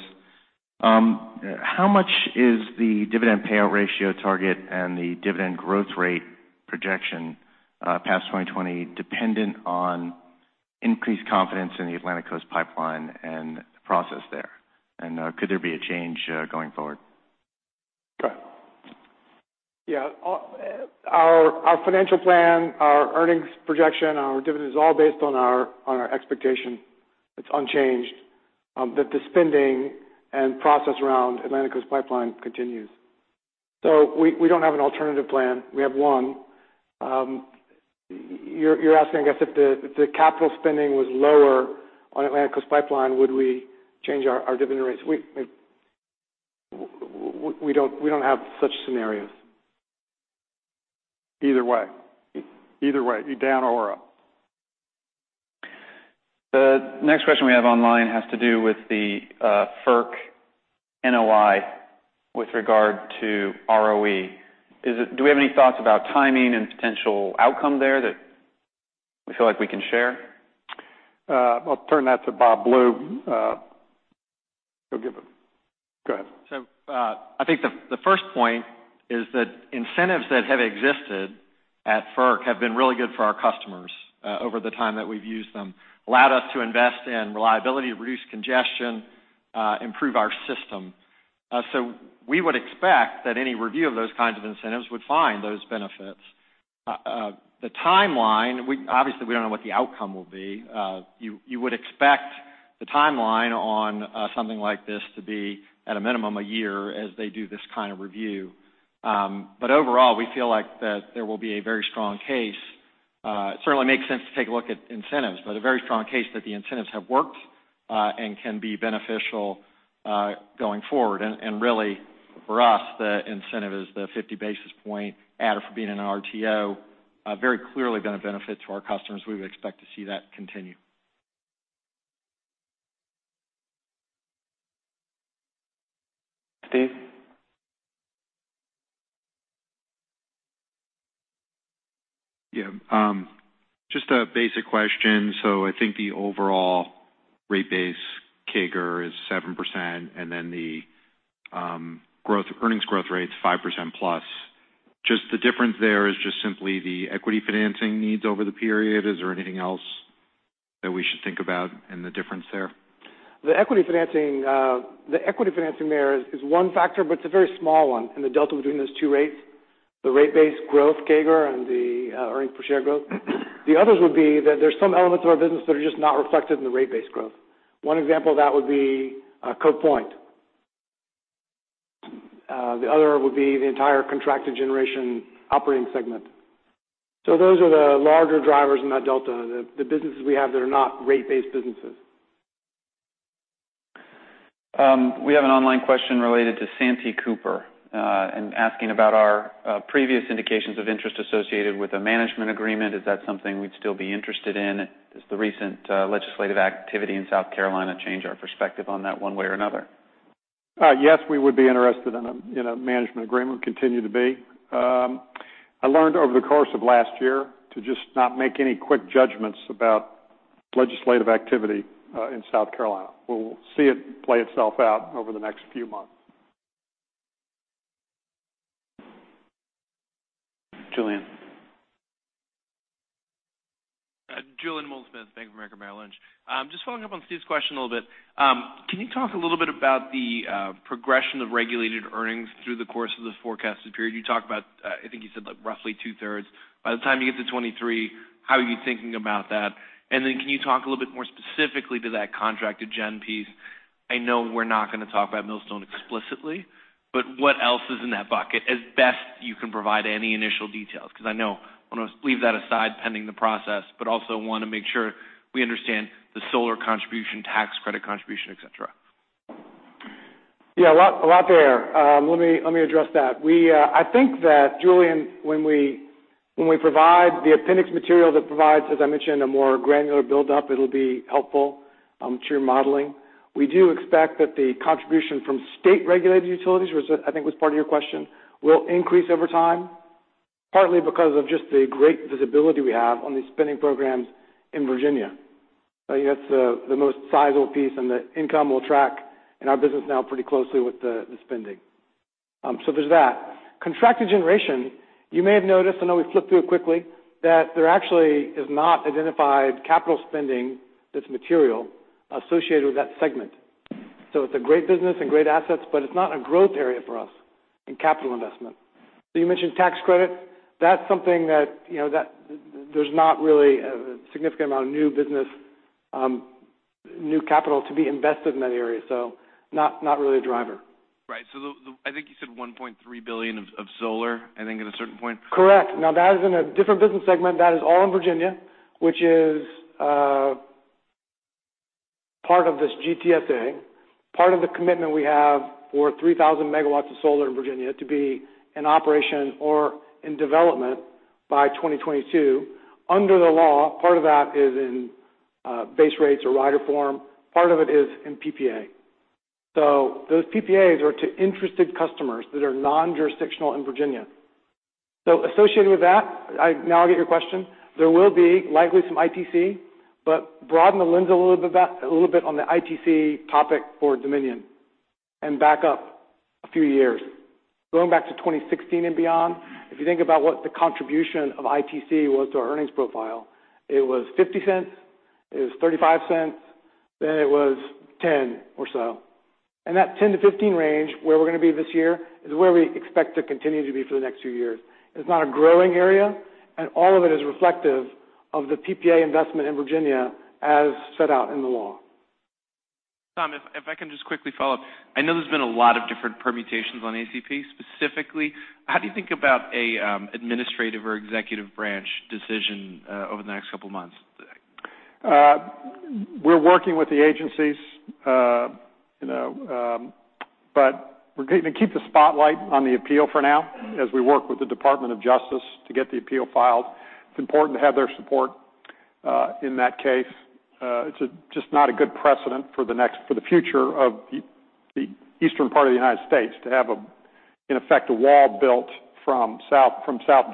How much is the dividend payout ratio target and the dividend growth rate projection past 2020 dependent on increased confidence in the Atlantic Coast Pipeline and the process there? Could there be a change going forward? Sure. Yeah. Our financial plan, our earnings projection, our dividend is all based on our expectation. It's unchanged that the spending and process around Atlantic Coast Pipeline continues. We don't have an alternative plan. We have one. You're asking, I guess, if the capital spending was lower on Atlantic Coast Pipeline, would we change our dividend rates? We don't have such scenarios. Either way. Either way, down or up. The next question we have online has to do with the FERC NOI with regard to ROE. Do we have any thoughts about timing and potential outcome there that we feel like we can share? I'll turn that to Bob Blue. Go ahead. I think the first point is that incentives that have existed at FERC have been really good for our customers over the time that we've used them, allowed us to invest in reliability, reduce congestion, improve our system. We would expect that any review of those kinds of incentives would find those benefits. The timeline, obviously, we don't know what the outcome will be. You would expect the timeline on something like this to be at a minimum one year as they do this kind of review. Overall, we feel like that there will be a very strong case. It certainly makes sense to take a look at incentives, but a very strong case that the incentives have worked and can be beneficial going forward. Really for us, the incentive is the 50 basis point adder for being in an RTO, very clearly been a benefit to our customers. We would expect to see that continue. Steve? Just a basic question. I think the overall rate base CAGR is 7%, and then the earnings growth rate's 5% plus. The difference there is just simply the equity financing needs over the period. Is there anything else that we should think about in the difference there? The equity financing there is one factor, but it's a very small one in the delta between those two rates, the rate base growth CAGR and the earnings per share growth. The others would be that there's some elements of our business that are just not reflected in the rate base growth. One example of that would be Cove Point. The other would be the entire Contracted Generation Operating Segment. Those are the larger drivers in that delta, the businesses we have that are not rate-based businesses. We have an online question related to Santee Cooper and asking about our previous indications of interest associated with a management agreement. Is that something we'd still be interested in? Does the recent legislative activity in South Carolina change our perspective on that one way or another? Yes, we would be interested in a management agreement, continue to be. I learned over the course of last year to just not make any quick judgments about legislative activity in South Carolina. We'll see it play itself out over the next few months. Julien. Julien Dumoulin-Smith, Bank of America, Merrill Lynch. Just following up on Steve's question a little bit. Can you talk a little bit about the progression of regulated earnings through the course of the forecasted period? You talked about, I think you said roughly two-thirds. By the time you get to 2023, how are you thinking about that? Can you talk a little bit more specifically to that Contracted Gen piece? I know we're not going to talk about Millstone explicitly, but what else is in that bucket? As best you can provide any initial details, because I know you want to leave that aside pending the process, but also want to make sure we understand the solar contribution, tax credit contribution, et cetera. Yeah, a lot there. Let me address that. I think that, Julien, when we provide the appendix material that provides, as I mentioned, a more granular buildup, it'll be helpful to your modeling. We do expect that the contribution from state-regulated utilities, which I think was part of your question, will increase over time, partly because of just the great visibility we have on these spending programs in Virginia. I think that's the most sizable piece, the income will track in our business now pretty closely with the spending. There's that. Contracted Generation, you may have noticed, I know we flipped through it quickly, that there actually is not identified capital spending that's material associated with that segment. It's a great business and great assets, but it's not a growth area for us in capital investment. You mentioned tax credit. That's something that there's not really a significant amount of new business, new capital to be invested in that area. Not really a driver. Right. I think you said $1.3 billion of solar, I think at a certain point. Correct. Now, that is in a different business segment. That is all in Virginia, which is part of this GTSA, part of the commitment we have for 3,000 MW of solar in Virginia to be in operation or in development by 2022. Under the law, part of that is in base rates or rider form. Part of it is in PPA. Those PPAs are to interested customers that are non-jurisdictional in Virginia. Associated with that, now I get your question, there will be likely some ITC, broaden the lens a little bit on the ITC topic for Dominion and back up a few years. Going back to 2016 and beyond, if you think about what the contribution of ITC was to our earnings profile, it was $0.50, it was $0.35, then it was $0.10 or so. That $0.10-$0.15 range, where we're going to be this year, is where we expect to continue to be for the next few years. It's not a growing area, all of it is reflective of the PPA investment in Virginia as set out in the law. Tom, if I can just quickly follow up. I know there's been a lot of different permutations on ACP specifically. How do you think about an administrative or executive branch decision over the next couple of months? We're working with the agencies, but we're going to keep the spotlight on the appeal for now as we work with the Department of Justice to get the appeal filed. It's important to have their support in that case. It's just not a good precedent for the future of the eastern part of the United States to have, in effect, a wall built from South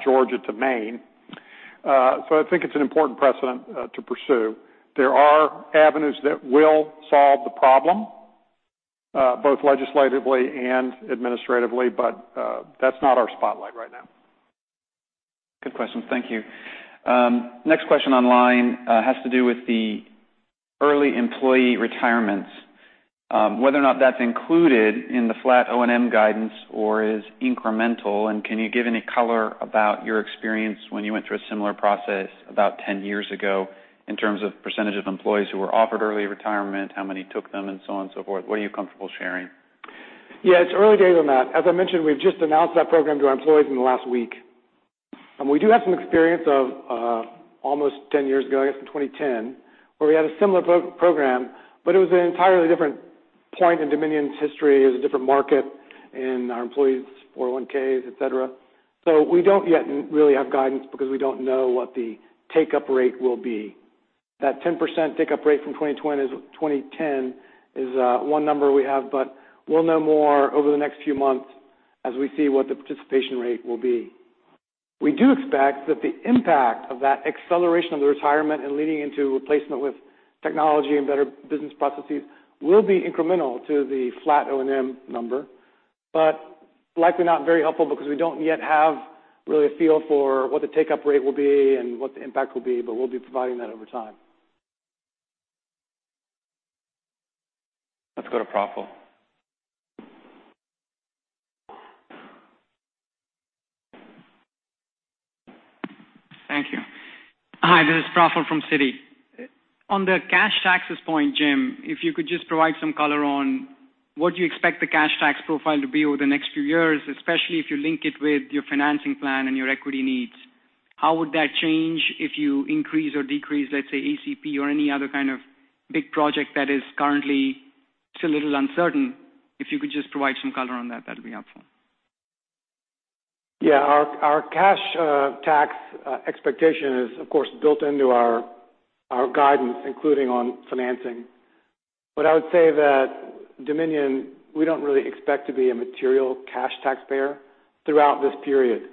Georgia to Maine. I think it's an important precedent to pursue. There are avenues that will solve the problem, both legislatively and administratively, that's not our spotlight right now. Good question. Thank you. Next question online has to do with the early employee retirements, whether or not that's included in the flat O&M guidance or is incremental. Can you give any color about your experience when you went through a similar process about 10 years ago in terms of % of employees who were offered early retirement, how many took them, and so on and so forth? What are you comfortable sharing? Yeah, it's early days on that. As I mentioned, we've just announced that program to our employees in the last week. We do have some experience of almost 10 years ago, I guess in 2010, where we had a similar program, it was an entirely different point in Dominion's history. It was a different market in our employees' 401(k)s, et cetera. We don't yet really have guidance because we don't know what the take-up rate will be. That 10% take-up rate from 2010 is one number we have, we'll know more over the next few months as we see what the participation rate will be. We do expect that the impact of that acceleration of the retirement and leading into replacement with technology and better business processes will be incremental to the flat O&M number, likely not very helpful because we don't yet have really a feel for what the take-up rate will be and what the impact will be. We'll be providing that over time. Let's go to Praful. Thank you. Hi, this is Praful from Citi. On the cash taxes point, Jim, if you could just provide some color on what you expect the cash tax profile to be over the next few years, especially if you link it with your financing plan and your equity needs. How would that change if you increase or decrease, let's say, ACP or any other kind of big project that is currently still a little uncertain? If you could just provide some color on that'd be helpful. Yeah. Our cash tax expectation is, of course, built into our guidance, including on financing. I would say that Dominion, we don't really expect to be a material cash taxpayer throughout this period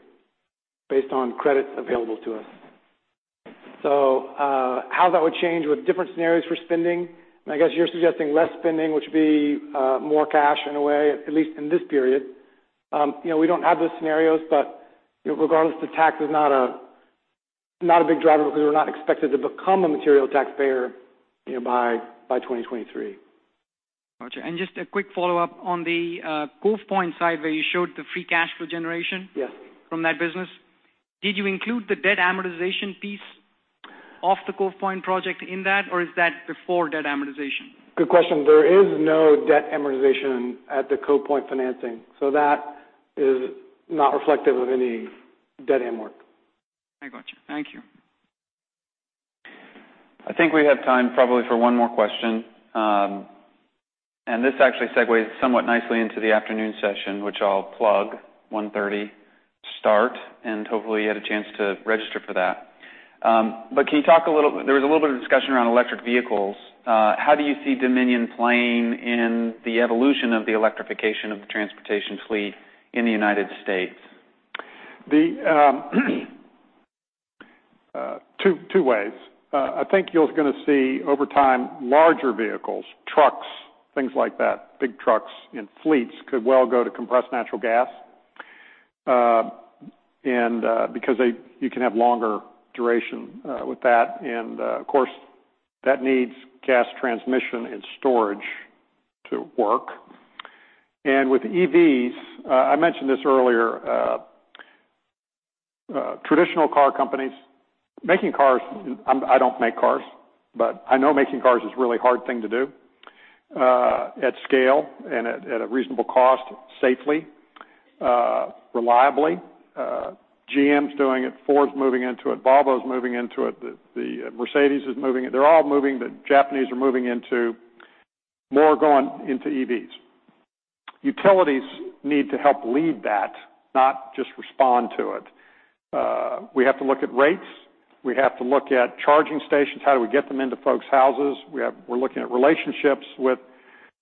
based on credits available to us. How that would change with different scenarios for spending, and I guess you're suggesting less spending, which would be more cash in a way, at least in this period. We don't have those scenarios, regardless, the tax is not a big driver because we're not expected to become a material taxpayer by 2023. Got you. Just a quick follow-up on the Cove Point side, where you showed the free cash flow generation- Yes from that business. Did you include the debt amortization piece of the Cove Point project in that, or is that before debt amortization? Good question. There is no debt amortization at the Cove Point financing, so that is not reflective of any debt amortization. I got you. Thank you. I think we have time probably for one more question. This actually segues somewhat nicely into the afternoon session, which I'll plug, 1:30 P.M. start, and hopefully you had a chance to register for that. There was a little bit of discussion around electric vehicles. How do you see Dominion playing in the evolution of the electrification of the transportation fleet in the U.S.? Two ways. I think you're going to see, over time, larger vehicles, trucks, things like that, big trucks in fleets could well go to compressed natural gas, because you can have longer duration with that. Of course, that needs gas transmission and storage to work. With EVs, I mentioned this earlier, traditional car companies making cars. I don't make cars, I know making cars is a really hard thing to do at scale and at a reasonable cost, safely, reliably. GM's doing it. Ford's moving into it. Volvo's moving into it. Mercedes is moving. They're all moving. The Japanese are moving into more going into EVs. Utilities need to help lead that, not just respond to it. We have to look at rates. We have to look at charging stations. How do we get them into folks' houses? We're looking at relationships with.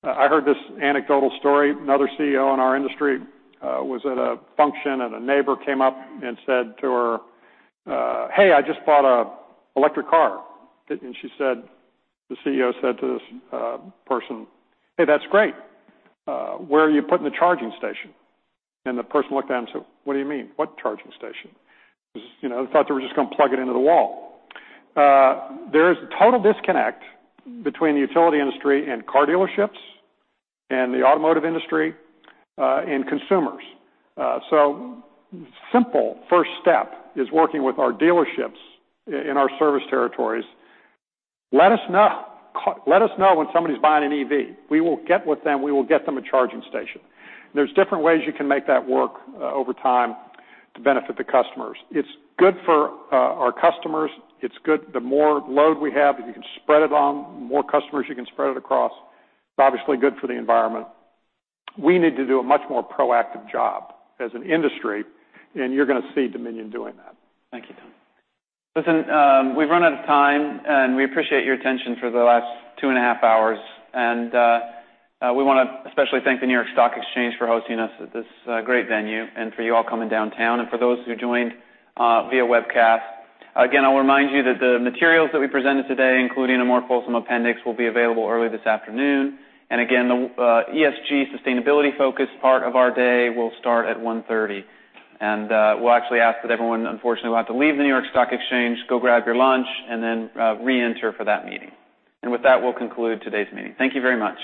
I heard this anecdotal story. Another CEO in our industry was at a function, a neighbor came up and said to her, "Hey, I just bought an electric car." The CEO said to this person, "Hey, that's great. Where are you putting the charging station?" The person looked at him and said, "What do you mean? What charging station?" They thought they were just going to plug it into the wall. There is a total disconnect between the utility industry and car dealerships and the automotive industry and consumers. Simple first step is working with our dealerships in our service territories. Let us know when somebody's buying an EV. We will get with them. We will get them a charging station. There's different ways you can make that work over time to benefit the customers. It's good for our customers. The more load we have, if you can spread it on more customers, you can spread it across. It's obviously good for the environment. We need to do a much more proactive job as an industry, you're going to see Dominion doing that. Thank you, Tom. Listen, we've run out of time. We appreciate your attention for the last two and a half hours. We want to especially thank the New York Stock Exchange for hosting us at this great venue and for you all coming downtown and for those who joined via webcast. Again, I'll remind you that the materials that we presented today, including a more fulsome appendix, will be available early this afternoon. Again, the ESG sustainability-focused part of our day will start at 1:30 P.M. We'll actually ask that everyone, unfortunately, who have to leave the New York Stock Exchange, go grab your lunch, and then reenter for that meeting. With that, we'll conclude today's meeting. Thank you very much.